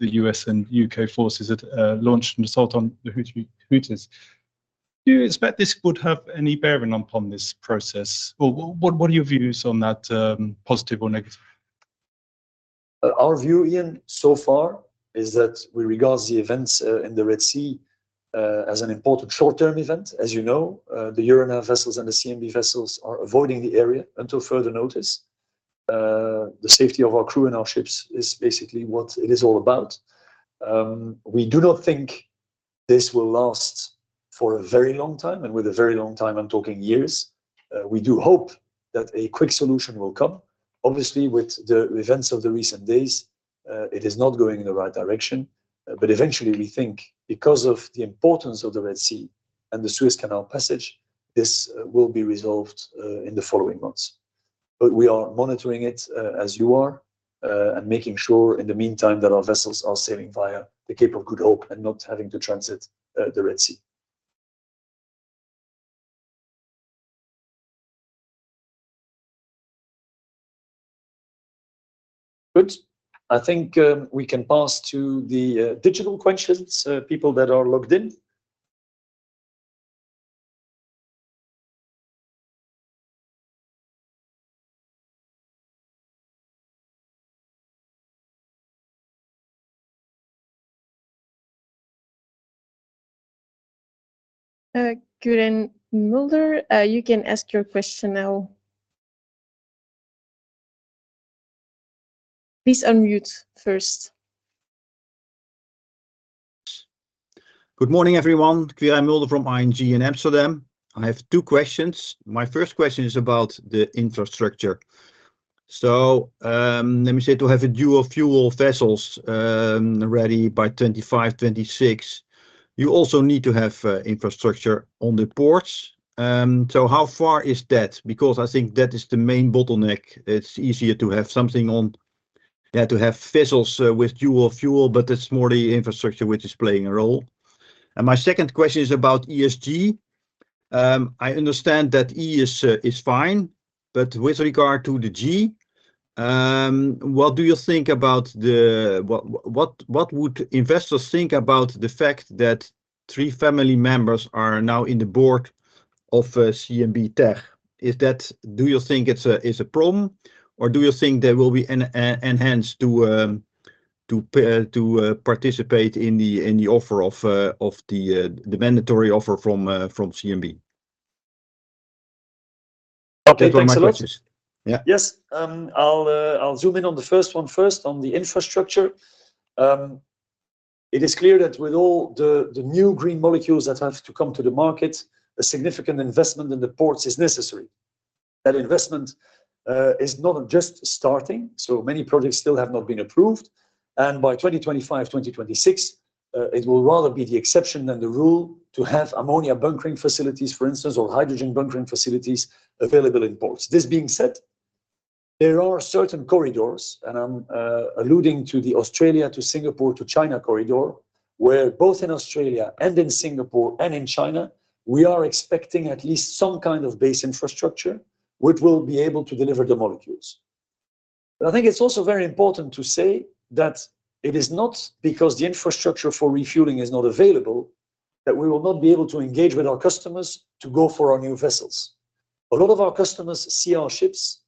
U.S. and U.K. forces had launched an assault on the Houthis. Do you expect this would have any bearing upon this process? Or what are your views on that, positive or negative? Our view, Ian, so far, is that we regard the events in the Red Sea as an important short-term event. As you know, the Euronav vessels and the CMB vessels are avoiding the area until further notice. The safety of our crew and our ships is basically what it is all about. We do not think this will last for a very long time, and with a very long time, I'm talking years. We do hope that a quick solution will come. Obviously, with the events of the recent days, it is not going in the right direction. But eventually, we think because of the importance of the Red Sea and the Suez Canal passage, this will be resolved in the following months.... But we are monitoring it, as you are, and making sure in the meantime that our vessels are sailing via the Cape of Good Hope and not having to transit the Red Sea. Good. I think we can pass to the digital questions, people that are logged in. Quirijn Mulder, you can ask your question now. Please unmute first. Good morning, everyone. Quirijn Mulder from ING in Amsterdam. I have two questions. My first question is about the infrastructure. So, let me say, to have a dual-fuel vessels, ready by 2025, 2026, you also need to have, infrastructure on the ports. So how far is that? Because I think that is the main bottleneck. It's easier to have something on- yeah, to have vessels, with dual-fuel, but it's more the infrastructure which is playing a role. And my second question is about ESG. I understand that E is, is fine, but with regard to the G, what do you think about the... What would investors think about the fact that three family members are now in the board of, CMB.TECH? Is that a problem, or do you think they will be enhanced to participate in the offer of the mandatory offer from CMB? Those are my questions. Okay, thanks a lot. Yeah. Yes. I'll zoom in on the first one first, on the infrastructure. It is clear that with all the new green molecules that have to come to the market, a significant investment in the ports is necessary. That investment is not just starting, so many projects still have not been approved, and by 2025, 2026, it will rather be the exception than the rule to have ammonia bunkering facilities, for instance, or hydrogen bunkering facilities available in ports. This being said, there are certain corridors, and I'm alluding to the Australia to Singapore to China corridor, where both in Australia and in Singapore and in China, we are expecting at least some kind of base infrastructure which will be able to deliver the molecules. But I think it's also very important to say that it is not because the infrastructure for refueling is not available, that we will not be able to engage with our customers to go for our new vessels. A lot of our customers see our ships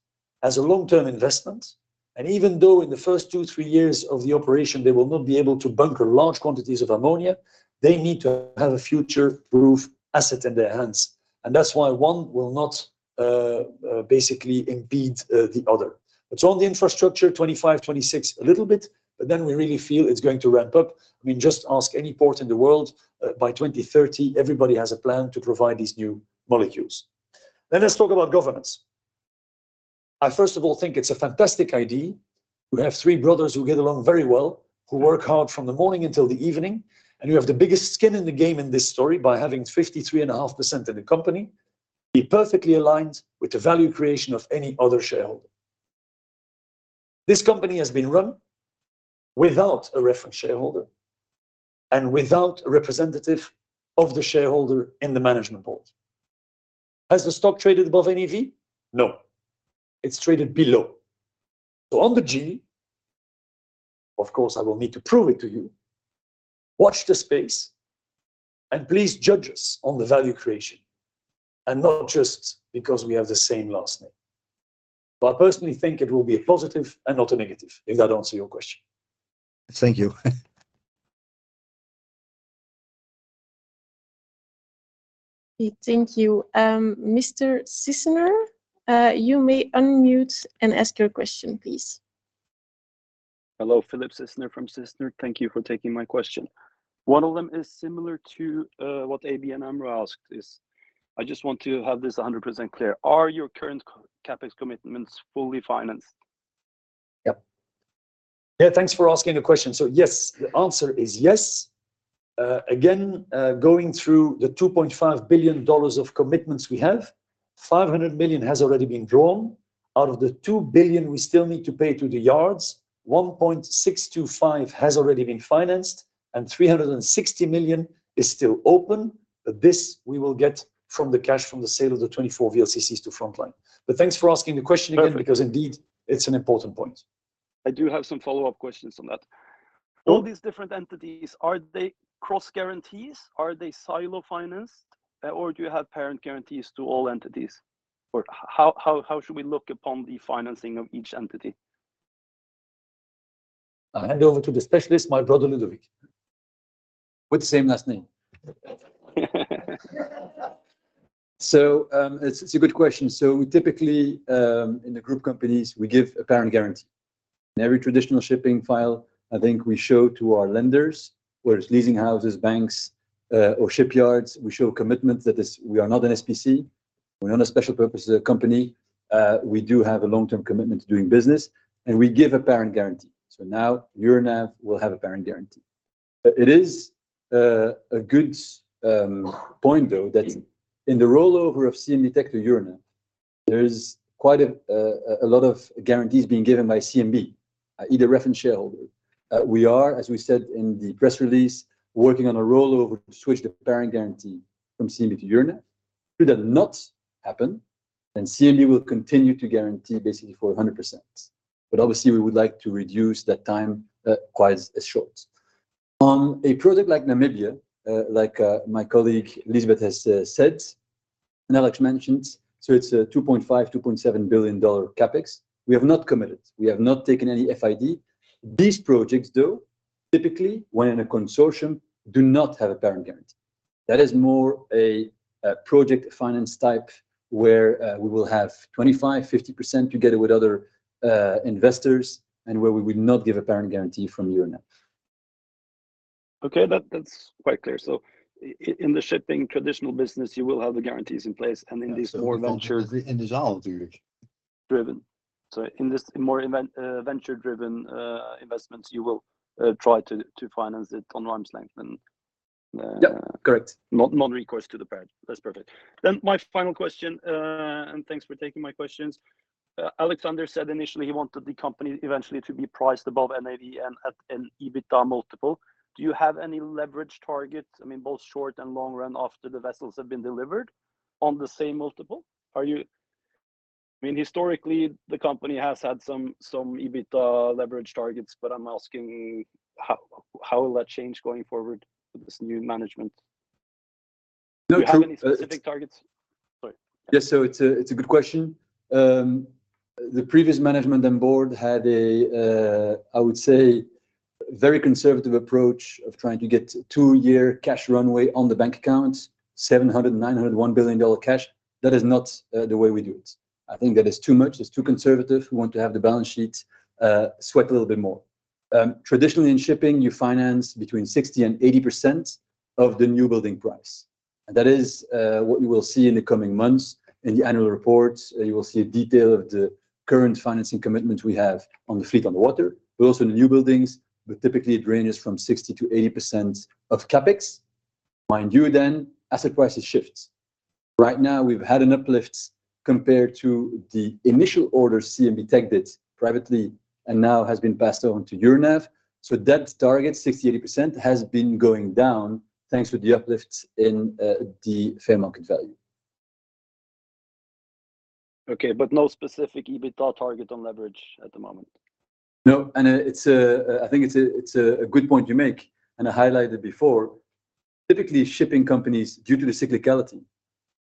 as a long-term investment, and even though in the first two, three years of the operation, they will not be able to bunker large quantities of ammonia, they need to have a future-proof asset in their hands, and that's why one will not basically impede the other. It's on the infrastructure, 25, 26, a little bit, but then we really feel it's going to ramp up. I mean, just ask any port in the world. By 2030, everybody has a plan to provide these new molecules. Then let's talk about governance. I first of all think it's a fantastic idea. We have three brothers who get along very well, who work hard from the morning until the evening, and who have the biggest skin in the game in this story by having 53.5% in the company, be perfectly aligned with the value creation of any other shareholder. This company has been run without a reference shareholder and without a representative of the shareholder in the management board. Has the stock traded above NAV? No. It's traded below. So on the G, of course, I will need to prove it to you. Watch this space, and please judge us on the value creation, and not just because we have the same last name. But I personally think it will be a positive and not a negative, if that answers your question. Thank you. Thank you. Mr. Sissener, you may unmute and ask your question, please. Hello, Philippe Sissener from Sissener. Thank you for taking my question. One of them is similar to what ABN AMRO asked, is I just want to have this 100% clear. Are your current CapEx commitments fully financed? Yep. Yeah, thanks for asking the question. So yes, the answer is yes. Again, going through the $2.5 billion of commitments we have, $500 million has already been drawn. Out of the $2 billion we still need to pay to the yards, $1.625 billion has already been financed, and $360 million is still open, but this we will get from the cash from the sale of the 24 VLCCs to Frontline. But thanks for asking the question. Perfect Again, because indeed, it's an important point. I do have some follow-up questions on that. Sure. All these different entities, are they cross guarantees? Are they silo financed, or do you have parent guarantees to all entities? Or how, how, how should we look upon the financing of each entity? I'll hand over to the specialist, my brother, Ludovic, with the same last name. So, it's a good question. So typically, in the group companies, we give a parent guarantee. In every traditional shipping file, I think we show to our lenders, whether it's leasing houses, banks, or shipyards, we show commitment that is, we are not an SPC. We're not a special purpose company. We do have a long-term commitment to doing business, and we give a parent guarantee. So now, Euronav will have a parent guarantee. But it is a good point, though, that in the rollover of CMB.TECH to Euronav, there is quite a lot of guarantees being given by CMB, either as parent and shareholder. We are, as we said in the press release, working on a rollover to switch the parent guarantee from CMB to Euronav. Should that not happen, then CMB will continue to guarantee basically for 100%. But obviously, we would like to reduce that time quite as short. On a project like Namibia, like my colleague Elizabeth has said, and Alex mentioned, so it's a $2.5 billion-$2.7 billion CapEx. We have not committed. We have not taken any FID. These projects, though, typically, when in a consortium, do not have a parent guarantee. That is more a project finance type where we will have 25%-50% together with other investors, and where we will not give a parent guarantee from Euronav. Okay, that's quite clear. So in the shipping traditional business, you will have the guarantees in place, and in these more venture- In the all ventures. Driven. So in this more venture-driven investments, you will try to finance it on arm's length, then, Yeah, correct. Non-recourse to the parent. That's perfect. Then my final question, and thanks for taking my questions. Alexander said initially he wanted the company eventually to be priced above NAV and at an EBITDA multiple. Do you have any leverage target, I mean, both short and long run, after the vessels have been delivered on the same multiple? Are you... I mean, historically, the company has had some EBITDA leverage targets, but I'm asking, how will that change going forward with this new management? No, true- Do you have any specific targets? Sorry. Yes, so it's a, it's a good question. The previous management and board had a, I would say, very conservative approach of trying to get two-year cash runway on the bank account, $700, $900, $1 billion cash. That is not the way we do it. I think that is too much. It's too conservative. We want to have the balance sheet sweat a little bit more. Traditionally, in shipping, you finance between 60% and 80% of the newbuilding price. And that is what you will see in the coming months. In the annual reports, you will see a detail of the current financing commitment we have on the fleet on the water, but also in the newbuildings, but typically it ranges from 60% to 80% of CapEx. Mind you, then, asset prices shifts. Right now, we've had an uplift compared to the initial order CMB.TECH did privately, and now has been passed on to Euronav. So that target, 60%-80%, has been going down, thanks to the uplifts in the fair market value. Okay, but no specific EBITDA target on leverage at the moment? No, and I think it's a good point you make, and I highlighted before. Typically, shipping companies, due to the cyclicality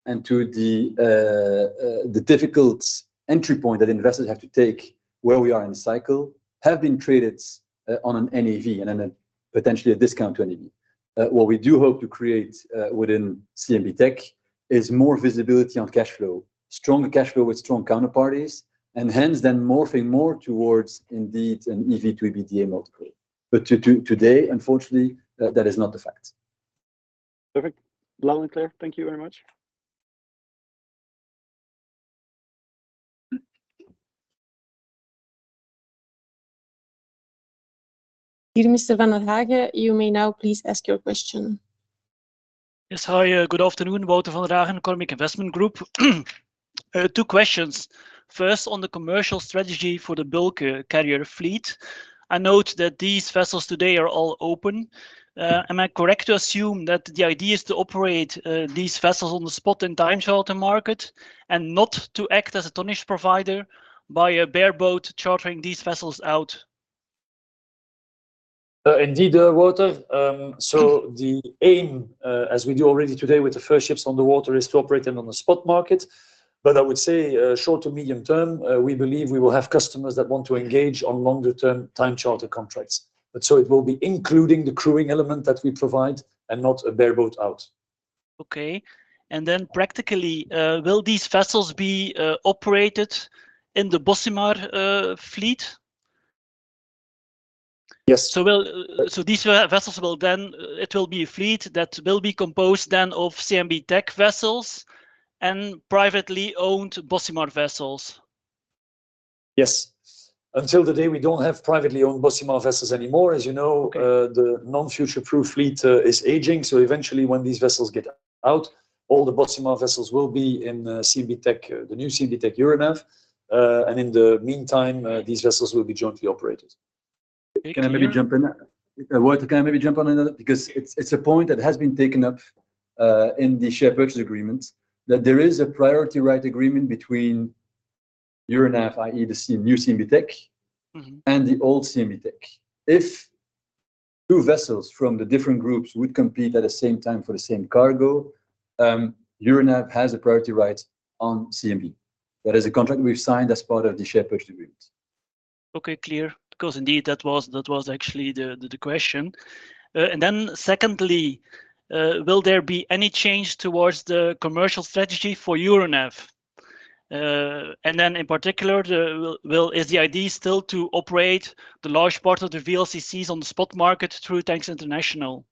and to the difficult entry point that investors have to take where we are in the cycle, have been traded on an NAV and then potentially a discount to NAV. What we do hope to create within CMB.TECH is more visibility on cash flow, stronger cash flow with strong counterparties, and hence then morphing more towards indeed an EV-to-EBITDA multiple. But today, unfortunately, that is not the fact. Perfect. Loud and clear. Thank you very much. Dear Mr. van der Hagen, you may now please ask your question. Yes. Hi, good afternoon. Wouter van der Hagen, Kempen Investment Group. Two questions. First, on the commercial strategy for the bulk carrier fleet, I note that these vessels today are all open. Am I correct to assume that the idea is to operate these vessels on the spot in time charter market and not to act as a tonnage provider by bareboat chartering these vessels out? Indeed, Wouter. So the aim, as we do already today with the first ships on the water, is to operate them on the spot market. But I would say, short to medium term, we believe we will have customers that want to engage on longer-term time charter contracts. But so it will be including the crewing element that we provide and not a bareboat out. Okay. And then practically, will these vessels be operated in the Bocimar fleet? Yes. So these vessels will then, it will be a fleet that will be composed then of CMB.TECH vessels and privately owned Bocimar vessels? Yes. Until the day, we don't have privately owned Bocimar vessels anymore. As you know- Okay The non-future-proof fleet is aging, so eventually, when these vessels get out, all the Bocimar vessels will be in CMB.TECH, the new CMB.TECH Euronav. And in the meantime, these vessels will be jointly operated. Can I maybe jump in there? Okay. Wouter, can I maybe jump on another? Because it's, it's a point that has been taken up in the share purchase agreement, that there is a priority right agreement between Euronav, i.e., the CMB, new CMB.TECH- Mm-hmm And the old CMB.TECH. If two vessels from the different groups would compete at the same time for the same cargo, Euronav has a priority right on CMB. That is a contract we've signed as part of the share purchase agreement. Okay, clear. Because indeed, that was actually the question. And then secondly, will there be any change towards the commercial strategy for Euronav? And then in particular, is the idea still to operate the large part of the VLCCs on the spot market through Tankers International?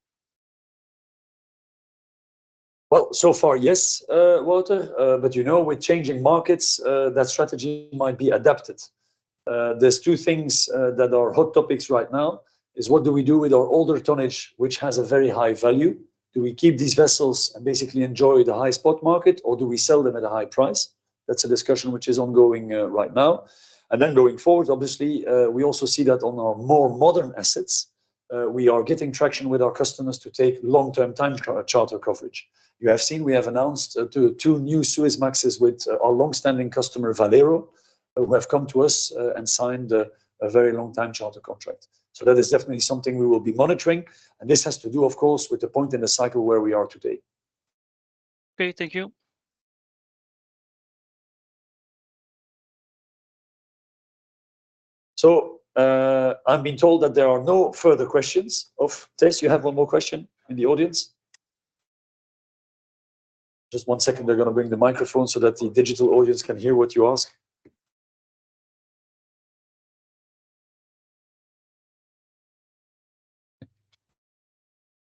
Well, so far, yes, Wouter, but you know, with changing markets, that strategy might be adapted. There's two things that are hot topics right now, is what do we do with our older tonnage, which has a very high value? Do we keep these vessels and basically enjoy the high spot market, or do we sell them at a high price? That's a discussion which is ongoing, right now. And then going forward, obviously, we also see that on our more modern assets, we are getting traction with our customers to take long-term time charter coverage. You have seen we have announced, 2 new Suezmaxes with our long-standing customer, Valero, who have come to us, and signed a very long-time charter contract. That is definitely something we will be monitoring, and this has to do, of course, with the point in the cycle where we are today. Okay, thank you. So, I've been told that there are no further questions of... Thijs, you have one more question in the audience? Just one second, they're gonna bring the microphone so that the digital audience can hear what you ask.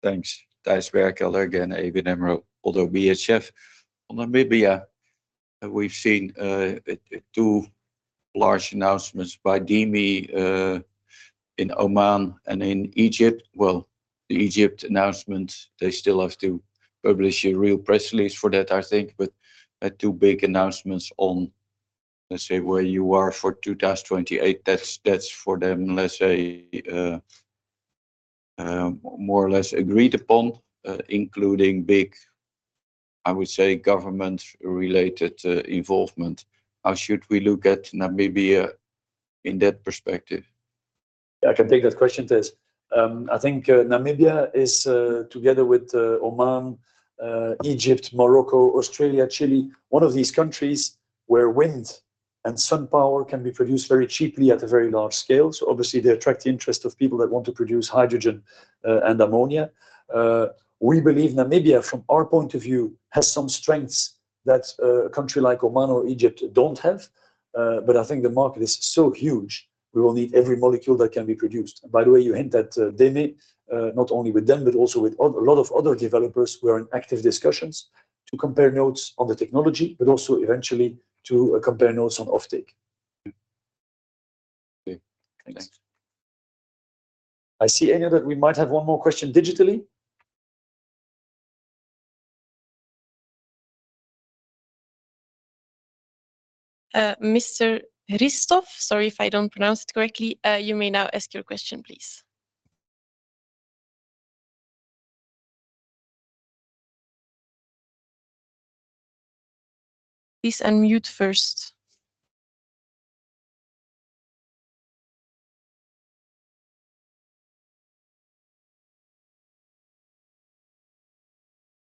Thanks. Thijs Berkelder again, ABN AMRO, although BHF. On Namibia, we've seen, two large announcements by DEME, in Oman and in Egypt. Well, the Egypt announcement, they still have to publish a real press release for that, I think, but, two big announcements on, let's say, where you are for 2028. That's, that's for them, let's say, more or less agreed upon, including big, I would say, government-related, involvement. How should we look at Namibia in that perspective? I can take that question, Thijs. I think, Namibia is, together with, Oman, Egypt, Morocco, Australia, Chile, one of these countries where wind and sun power can be produced very cheaply at a very large scale. So obviously, they attract the interest of people that want to produce hydrogen, and ammonia. We believe Namibia, from our point of view, has some strengths that a country like Oman or Egypt don't have. But I think the market is so huge, we will need every molecule that can be produced. By the way, you hint that, they may, not only with them, but also with a lot of other developers, we're in active discussions to compare notes on the technology, but also eventually to, compare notes on offtake. Okay. Thanks. I see, Enya, that we might have one more question digitally. Mr. Hristov, sorry if I don't pronounce it correctly, you may now ask your question, please. Please unmute first.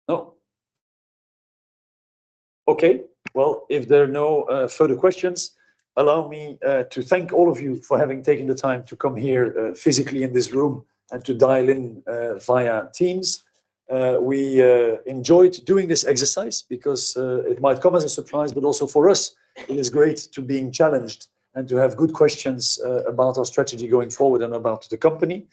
No? Okay, well, if there are no further questions, allow me to thank all of you for having taken the time to come here physically in this room and to dial in via Teams. We enjoyed doing this exercise because it might come as a surprise, but also for us, it is great to being challenged and to have good questions about our strategy going forward and about the company.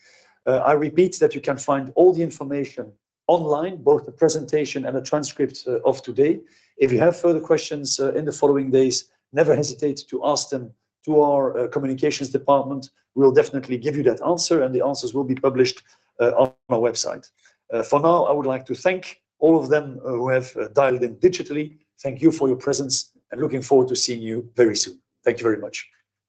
I repeat that you can find all the information online, both the presentation and the transcript of today. If you have further questions in the following days, never hesitate to ask them to our communications department. We'll definitely give you that answer, and the answers will be published on our website. For now, I would like to thank all of them who have dialed in digitally. Thank you for your presence, I'm looking forward to seeing you very soon. Thank you very much.